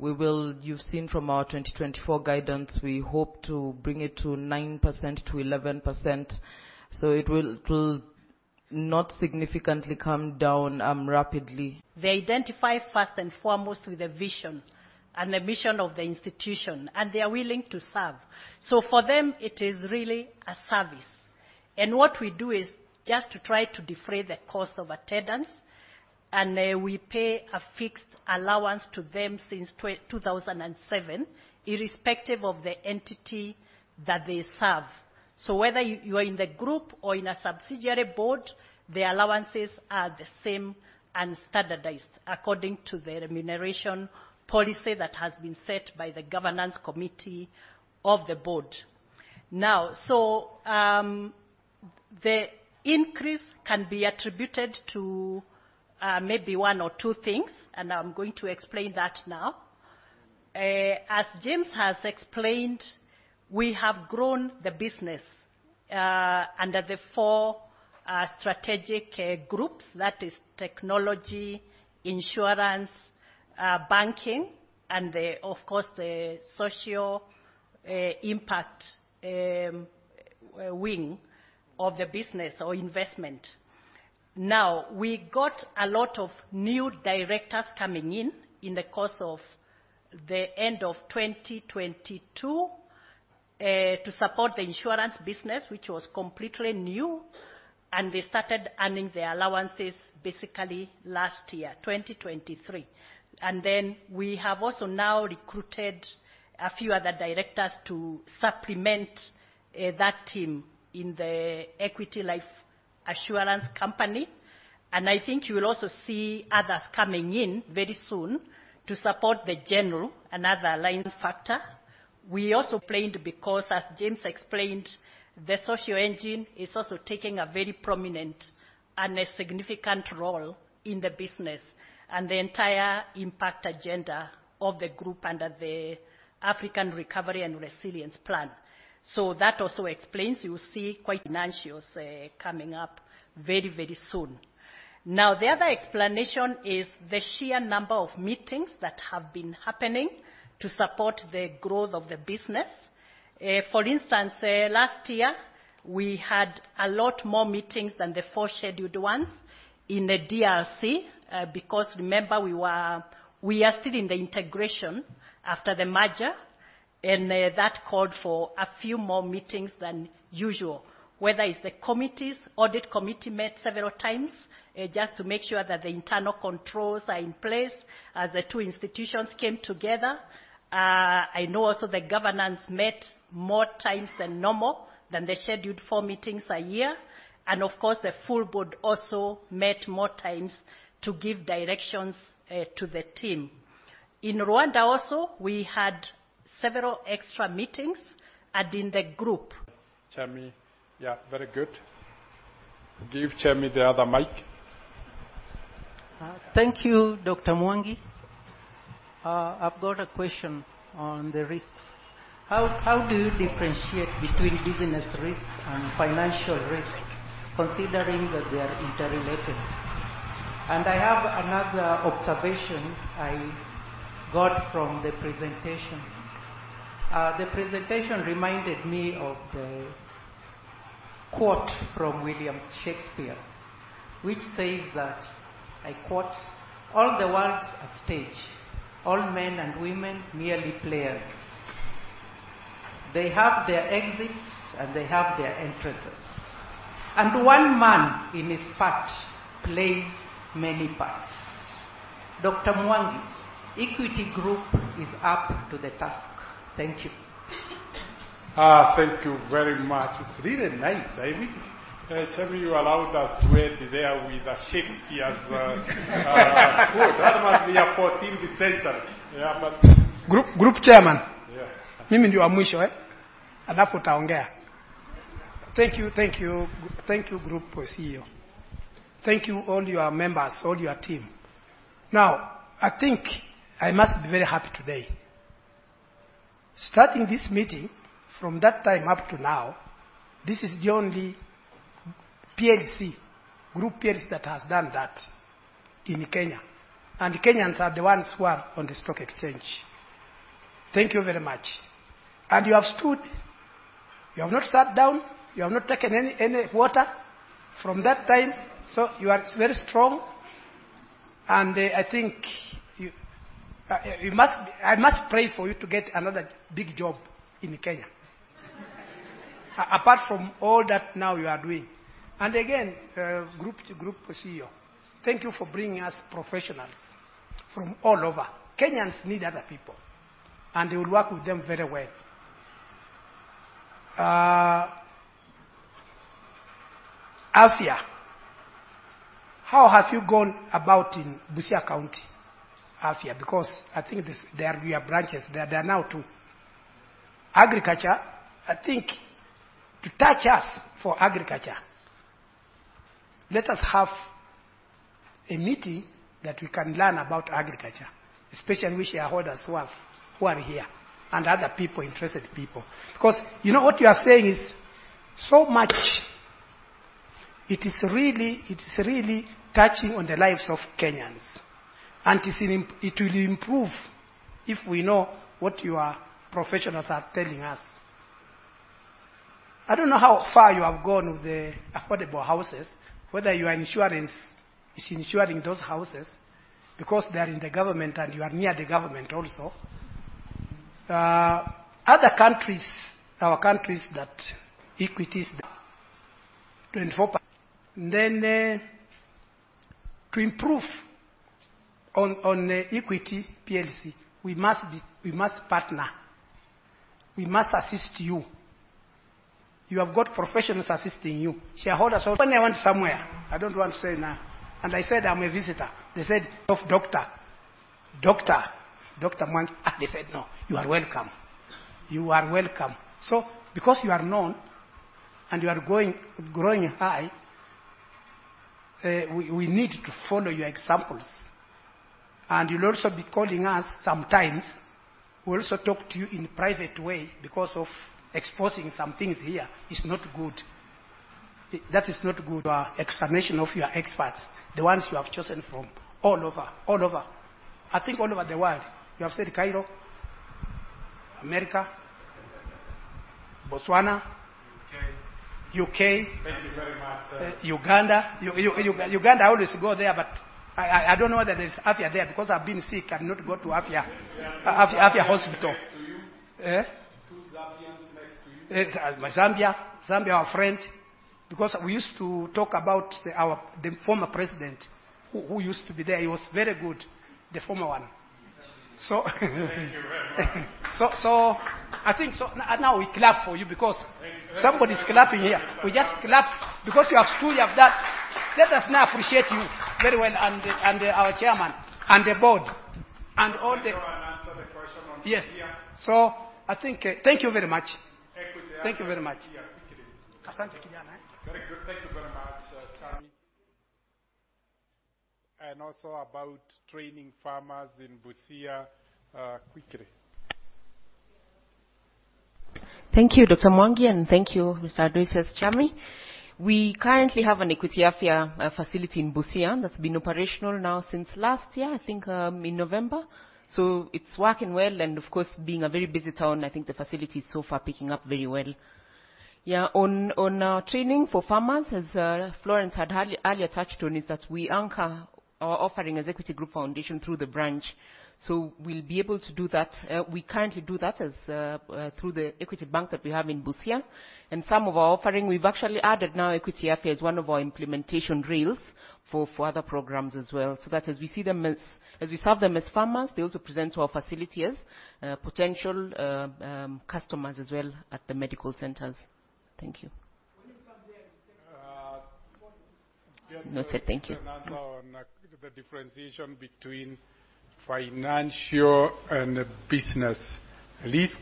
You've seen from our 2024 guidance, we hope to bring it to 9%-11%, so it will not significantly come down rapidly. They identify first and foremost with the vision and the mission of the institution, and they are willing to serve. So for them, it is really a service, and what we do is just to try to defray the cost of attendance, and we pay a fixed allowance to them since 2007, irrespective of the entity that they serve. So whether you are in the group or in a subsidiary board, the allowances are the same and standardized according to the remuneration policy that has been set by the Governance Committee of the board. Now, the increase can be attributed to maybe one or two things, and I'm going to explain that now. As James has explained, we have grown the business under the four strategic groups, that is technology, insurance, banking, and, of course, the social impact wing of the business or investment. Now, we got a lot of new directors coming in in the course of the end of 2022 to support the insurance business, which was completely new, and they started earning their allowances basically last year, 2023. I think you will also see others coming in very soon to support the general, another line factor. We also planned because, as James explained, the social engine is also taking a very prominent and a significant role in the business and the entire impact agenda of the group under the African Recovery and Resilience Plan. So that also explains, you will see quite financials coming up very, very soon. Now, the other explanation is the sheer number of meetings that have been happening to support the growth of the business. For instance, last year, we had a lot more meetings than the 4 scheduled ones in the DRC, because remember, we are still in the integration after the merger, and that called for a few more meetings than usual. Whether it's the committees, audit committee met several times, just to make sure that the internal controls are in place as the two institutions came together. I know also the governance met more times than normal, than the scheduled 4 meetings a year, and of course, the full board also met more times to give directions to the team. In Rwanda also, we had several extra meetings and in the group-
Chami, yeah, very good. Give Chami the other mic.
Thank you, Dr. Mwangi. I've got a question on the risks. How do you differentiate between business risk and financial risk, considering that they are interrelated? I have another observation I got from the presentation. The presentation reminded me of the quote from William Shakespeare, which says that, I quote: "All the world's a stage, all men and women merely players. They have their exits, and they have their entrances, and one man in his part plays many parts." Dr. Mwangi, Equity Group is up to the task. Thank you.
Ah, thank you very much. It's really nice, I mean, Chami, you allowed us to end there with a Shakespeare's quote. That must be a fourteenth century, yeah, but-
Group, Group Chairman?
Yeah.
Thank you, thank you, thank you, Group CEO. Thank you, all your members, all your team. Now, I think I must be very happy today. Starting this meeting from that time up to now, this is the only PLC, group PLC that has done that in Kenya, and Kenyans are the ones who are on the stock exchange. Thank you very much. And you have stood. You have not sat down. You have not taken any, any water from that time. So you are very strong. And, I think you, you must—I must pray for you to get another big job in Kenya. Apart from all that now you are doing. And again, group, group CEO, thank you for bringing us professionals from all over. Kenyans need other people, and they will work with them very well. Afya, how have you gone about in Busia County, Afya? Because I think this, there are your branches there, there are now two. Agriculture, I think, to touch us for agriculture, let us have a meeting that we can learn about agriculture, especially we shareholders who have who are here and other people, interested people. Because, you know, what you are saying is so much, it is really, it's really touching on the lives of Kenyans, and it will, it will improve if we know what you are professionals are telling us. I don't know how far you have gone with the affordable houses, whether your insurance is insuring those houses, because they are in the government and you are near the government also. Other countries, our countries that equities 24%... Then, to improve on, on, Equity PLC, we must be, we must partner. We must assist you. You have got professionals assisting you, shareholders. When I went somewhere, I don't want to say now, and I said I'm a visitor. They said, "Oh, doctor. Doctor, Doctor Mwangi?" They said, "No, you are welcome. You are welcome." So because you are known and you are going, growing high, we need to follow your examples. And you'll also be calling us sometimes. We'll also talk to you in private way because of exposing some things here is not good. That is not good, explanation of your experts, the ones you have chosen from all over, all over. I think all over the world. You have said Cairo, America, Botswana-
UK.
UK.
Thank you very much, sir.
Uganda. Uganda, I always go there, but I don't know whether it's Afya there, because I've been sick. I've not go to Afya, Afya Hospital.
Next to you.
Eh?
Two Zambians next to you.
Yes, Zambia. Zambia, our friend. Because we used to talk about our the former president who used to be there. He was very good, the former one. So
Thank you very much.
So, I think so. Now, we clap for you because- Thank you. Somebody is clapping here. We just clapped because you have truly have done. Let us now appreciate you very well and, and our chairman and the board, and all the-
Answer the question on Afya. Yes. So I think, thank you very much. Equity, Afya- Thank you very much. Quickly. Asante sana. Very good. Thank you very much, Chami. And also about training farmers in Busia, quickly.
Thank you, Dr. Mwangi, and thank you, Mr. Adosses Chami. We currently have an Equity Afya facility in Busia that's been operational now since last year, I think, in November. So it's working well, and of course, being a very busy town, I think the facility is so far picking up very well. Yeah, on our training for farmers, as Florence had earlier touched on, is that we anchor our offering as Equity Group Foundation through the branch. So we'll be able to do that. We currently do that through the Equity Bank that we have in Busia. Some of our offering, we've actually added now Equity Afya as one of our implementation rails for other programs as well, so that as we serve them as farmers, they also present to our facility as potential customers as well at the medical centers. Thank you. When you come there- No, sir. Thank you. On the differentiation between financial and business risk,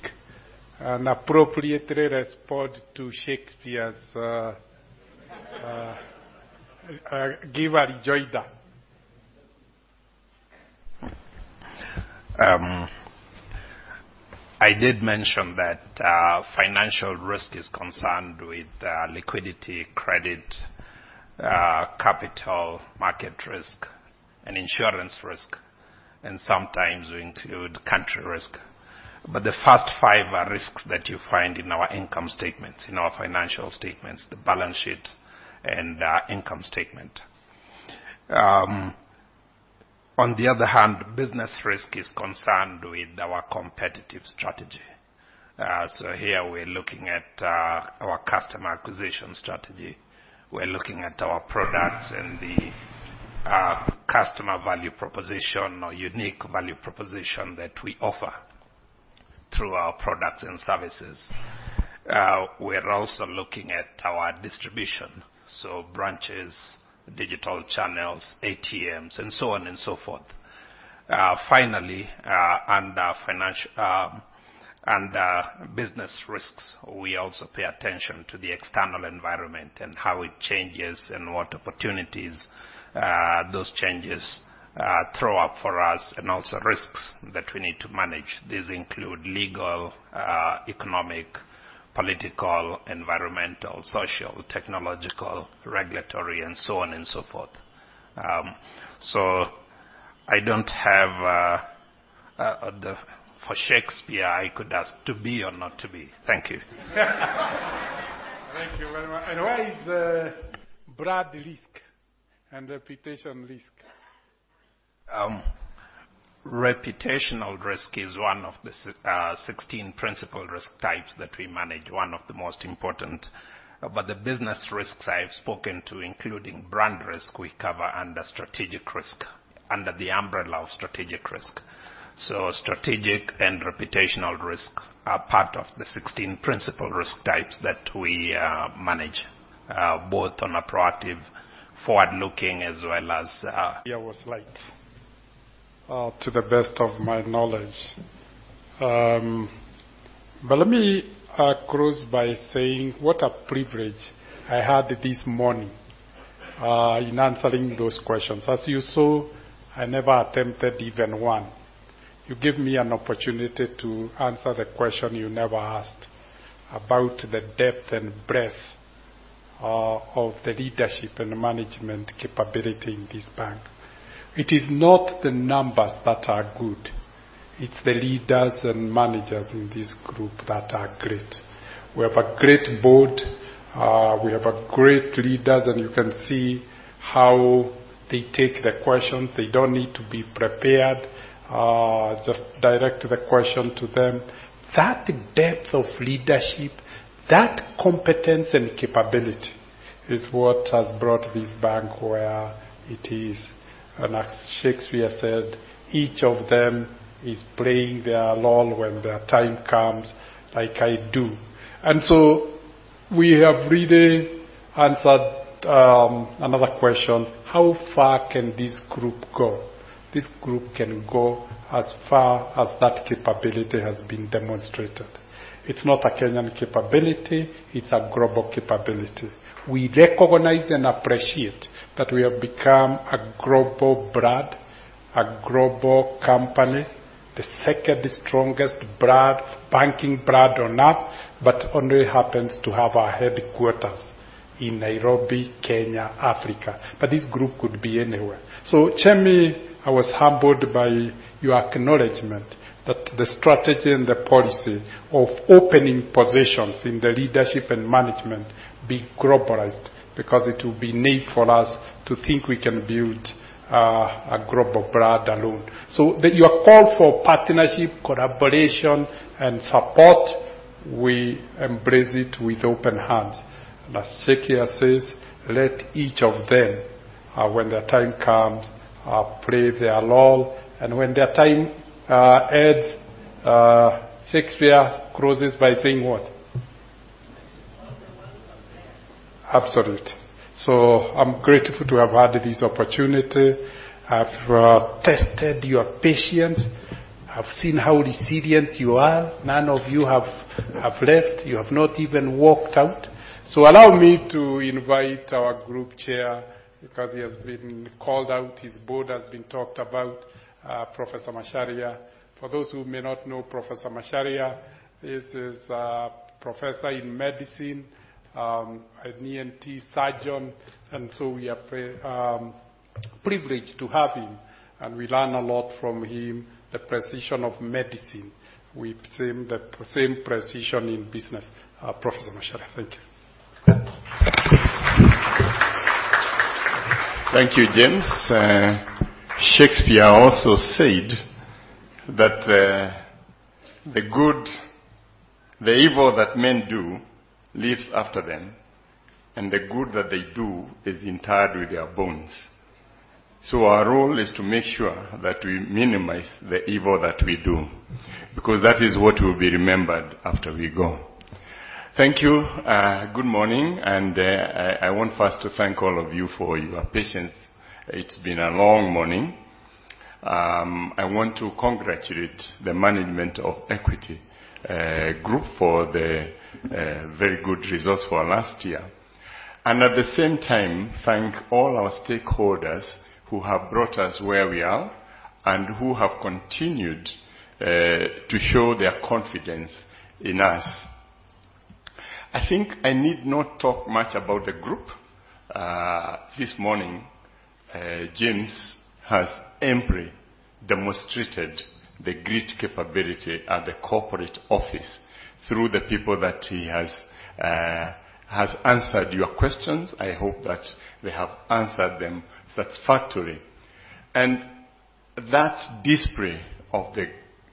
an appropriate response to Shakespeare's give a joy da.
I did mention that, financial risk is concerned with, liquidity, credit, capital market risk and insurance risk, and sometimes we include country risk. But the first five are risks that you find in our income statements, in our financial statements, the balance sheet and, income statement. On the other hand, business risk is concerned with our competitive strategy. So here we're looking at, our customer acquisition strategy. We're looking at our products and the, customer value proposition or unique value proposition that we offer through our products and services. We're also looking at our distribution, so branches, digital channels, ATMs, and so on and so forth. Finally, under financial, under business risks, we also pay attention to the external environment and how it changes and what opportunities, those changes, throw up for us and also risks that we need to manage. These include legal, economic, political, environmental, social, technological, regulatory, and so on and so forth. So I don't have. For Shakespeare, I could ask, to be or not to be. Thank you....
Thank you very much. And where is, brand risk and reputational risk?
Reputational risk is one of the 16 principal risk types that we manage, one of the most important. But the business risks I have spoken to, including brand risk, we cover under strategic risk, under the umbrella of strategic risk. So strategic and reputational risk are part of the 16 principal risk types that we manage both on a proactive, forward-looking, as well as-
Yeah, was light, to the best of my knowledge. But let me close by saying what a privilege I had this morning in answering those questions. As you saw, I never attempted even one. You gave me an opportunity to answer the question you never asked about the depth and breadth of the leadership and management capability in this bank. It is not the numbers that are good, it's the leaders and managers in this group that are great. We have a great board, we have great leaders, and you can see how they take the questions. They don't need to be prepared, just direct the question to them. That depth of leadership, that competence and capability, is what has brought this bank where it is. And as Shakespeare said, "Each of them is playing their role when their time comes, like I do." And so we have really answered another question: How far can this group go? This group can go as far as that capability has been demonstrated. It's not a Kenyan capability, it's a global capability. We recognize and appreciate that we have become a global brand, a global company, the second strongest brand, banking brand on Earth, but only happens to have our headquarters in Nairobi, Kenya, Africa. But this group could be anywhere. So, Jamie, I was humbled by your acknowledgment that the strategy and the policy of opening positions in the leadership and management be globalized, because it will be naive for us to think we can build a global brand alone. So your call for partnership, collaboration, and support, we embrace it with open hands. As Shakespeare says, "Let each of them, when their time comes, play their role," and when their time ends, Shakespeare closes by saying what? Absolutely. So I'm grateful to have had this opportunity. I've tested your patience. I've seen how resilient you are. None of you have left. You have not even walked out. So allow me to invite our group chair, because he has been called out, his board has been talked about, Professor Macharia. For those who may not know Professor Macharia, this is a professor in medicine, an ENT surgeon, and so we are privileged to have him, and we learn a lot from him. The precision of medicine, we've seen the same precision in business. Professor Macharia, thank you.
Thank you, James. Shakespeare also said that, "The evil that men do lives after them, and the good that they do is interred with their bones." So our role is to make sure that we minimize the evil that we do, because that is what will be remembered after we go. Thank you. Good morning, and I want first to thank all of you for your patience. It's been a long morning. I want to congratulate the management of Equity Group for the very good results for last year. And at the same time, thank all our stakeholders who have brought us where we are and who have continued to show their confidence in us. I think I need not talk much about the group. This morning, James has amply demonstrated the great capability at the corporate office through the people that he has answered your questions. I hope that they have answered them satisfactorily. That display of the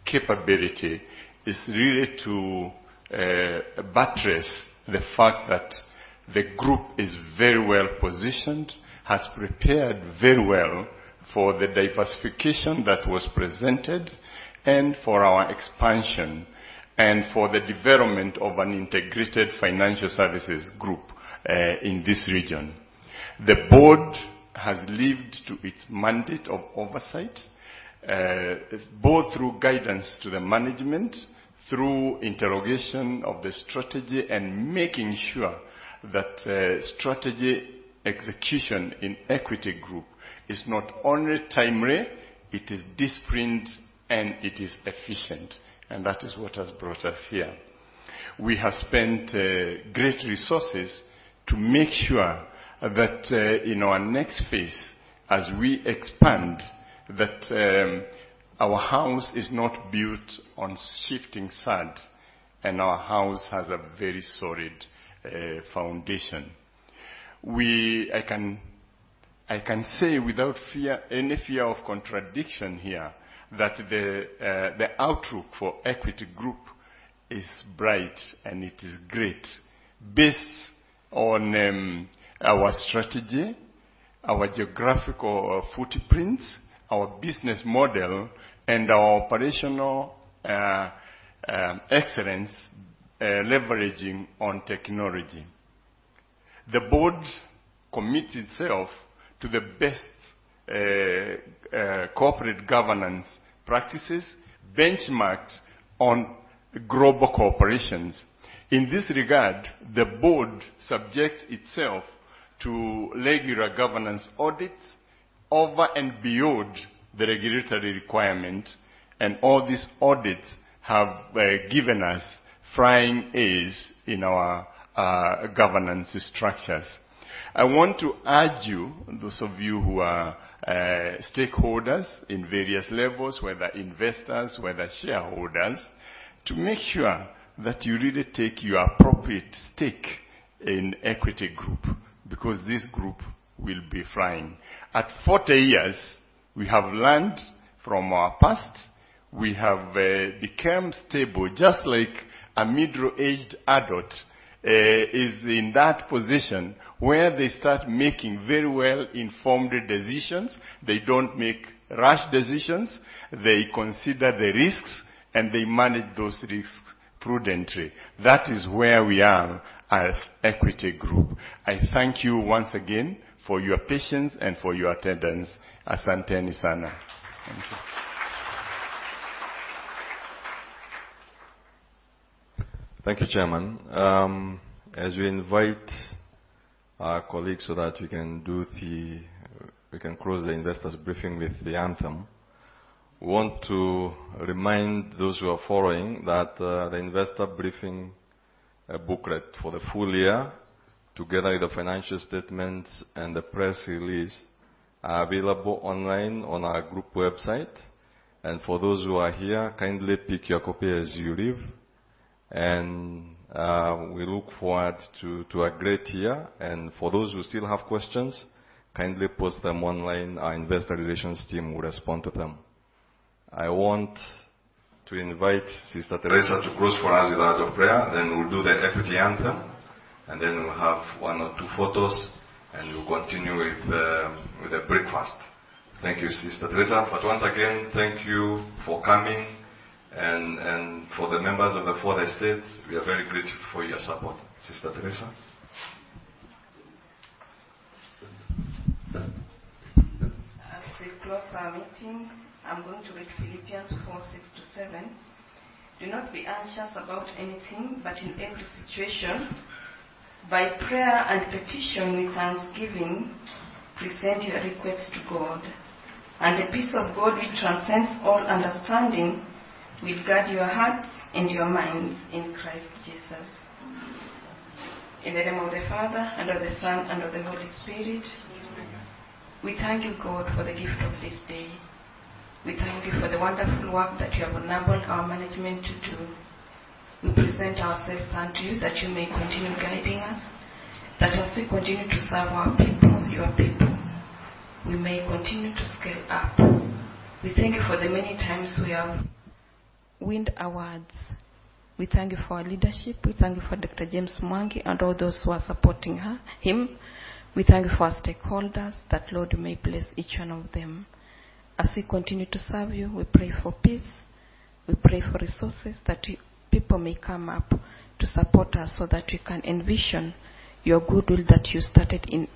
capability is really to buttress the fact that the group is very well-positioned, has prepared very well for the diversification that was presented and for our expansion, and for the development of an integrated financial services group in this region. The board has lived to its mandate of oversight both through guidance to the management, through interrogation of the strategy, and making sure that strategy execution in Equity Group is not only timely, it is disciplined, and it is efficient, and that is what has brought us here. We have spent great resources... To make sure that in our next phase, as we expand, that our house is not built on shifting sand, and our house has a very solid foundation. I can say without fear, any fear of contradiction here, that the outlook for Equity Group is bright and it is great. Based on our strategy, our geographical footprints, our business model, and our operational excellence, leveraging on technology. The board commits itself to the best corporate governance practices benchmarked on global corporations. In this regard, the board subjects itself to regular governance audits over and beyond the regulatory requirement, and all these audits have given us flying A's in our governance structures. I want to urge you, those of you who are, stakeholders in various levels, whether investors, whether shareholders, to make sure that you really take your appropriate stake in Equity Group, because this group will be flying. At 40 years, we have learned from our past. We have, become stable, just like a middle-aged adult, is in that position where they start making very well-informed decisions. They don't make rash decisions, they consider the risks, and they manage those risks prudently. That is where we are as Equity Group. I thank you once again for your patience and for your attendance. Asante sana.
Thank you, Chairman. As we invite our colleagues so that we can close the investors briefing with the anthem, we want to remind those who are following that the investor briefing booklet for the full year, together with the financial statements and the press release, are available online on our group website. For those who are here, kindly pick your copy as you leave. We look forward to a great year. For those who still have questions, kindly post them online. Our investor relations team will respond to them. I want to invite Sister Theresa to close for us with our prayer, then we'll do the Equity anthem, and then we'll have one or two photos, and we'll continue with the breakfast. Thank you, Sister Theresa.
Once again, thank you for coming and for the members of the Fourth Estate, we are very grateful for your support. Sister Theresa? As we close our meeting, I'm going to read Philippians four, six to seven: "Do not be anxious about anything, but in every situation, by prayer and petition, with thanksgiving, present your requests to God. And the peace of God, which transcends all understanding, will guard your hearts and your minds in Christ Jesus." In the name of the Father, and of the Son, and of the Holy Spirit. Amen. We thank you, God, for the gift of this day. We thank you for the wonderful work that you have enabled our management to do. We present ourselves unto you, that you may continue guiding us, that as we continue to serve our people, your people, we may continue to scale up. We thank you for the many times we have win awards. We thank you for our leadership. We thank you for Dr. James Mwangi and all those who are supporting her, him. We thank you for our stakeholders, that Lord may bless each one of them. As we continue to serve you, we pray for peace, we pray for resources that people may come up to support us, so that we can envision your good will that you started in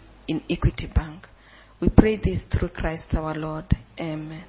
Equity Bank. We pray this through Christ our Lord. Amen.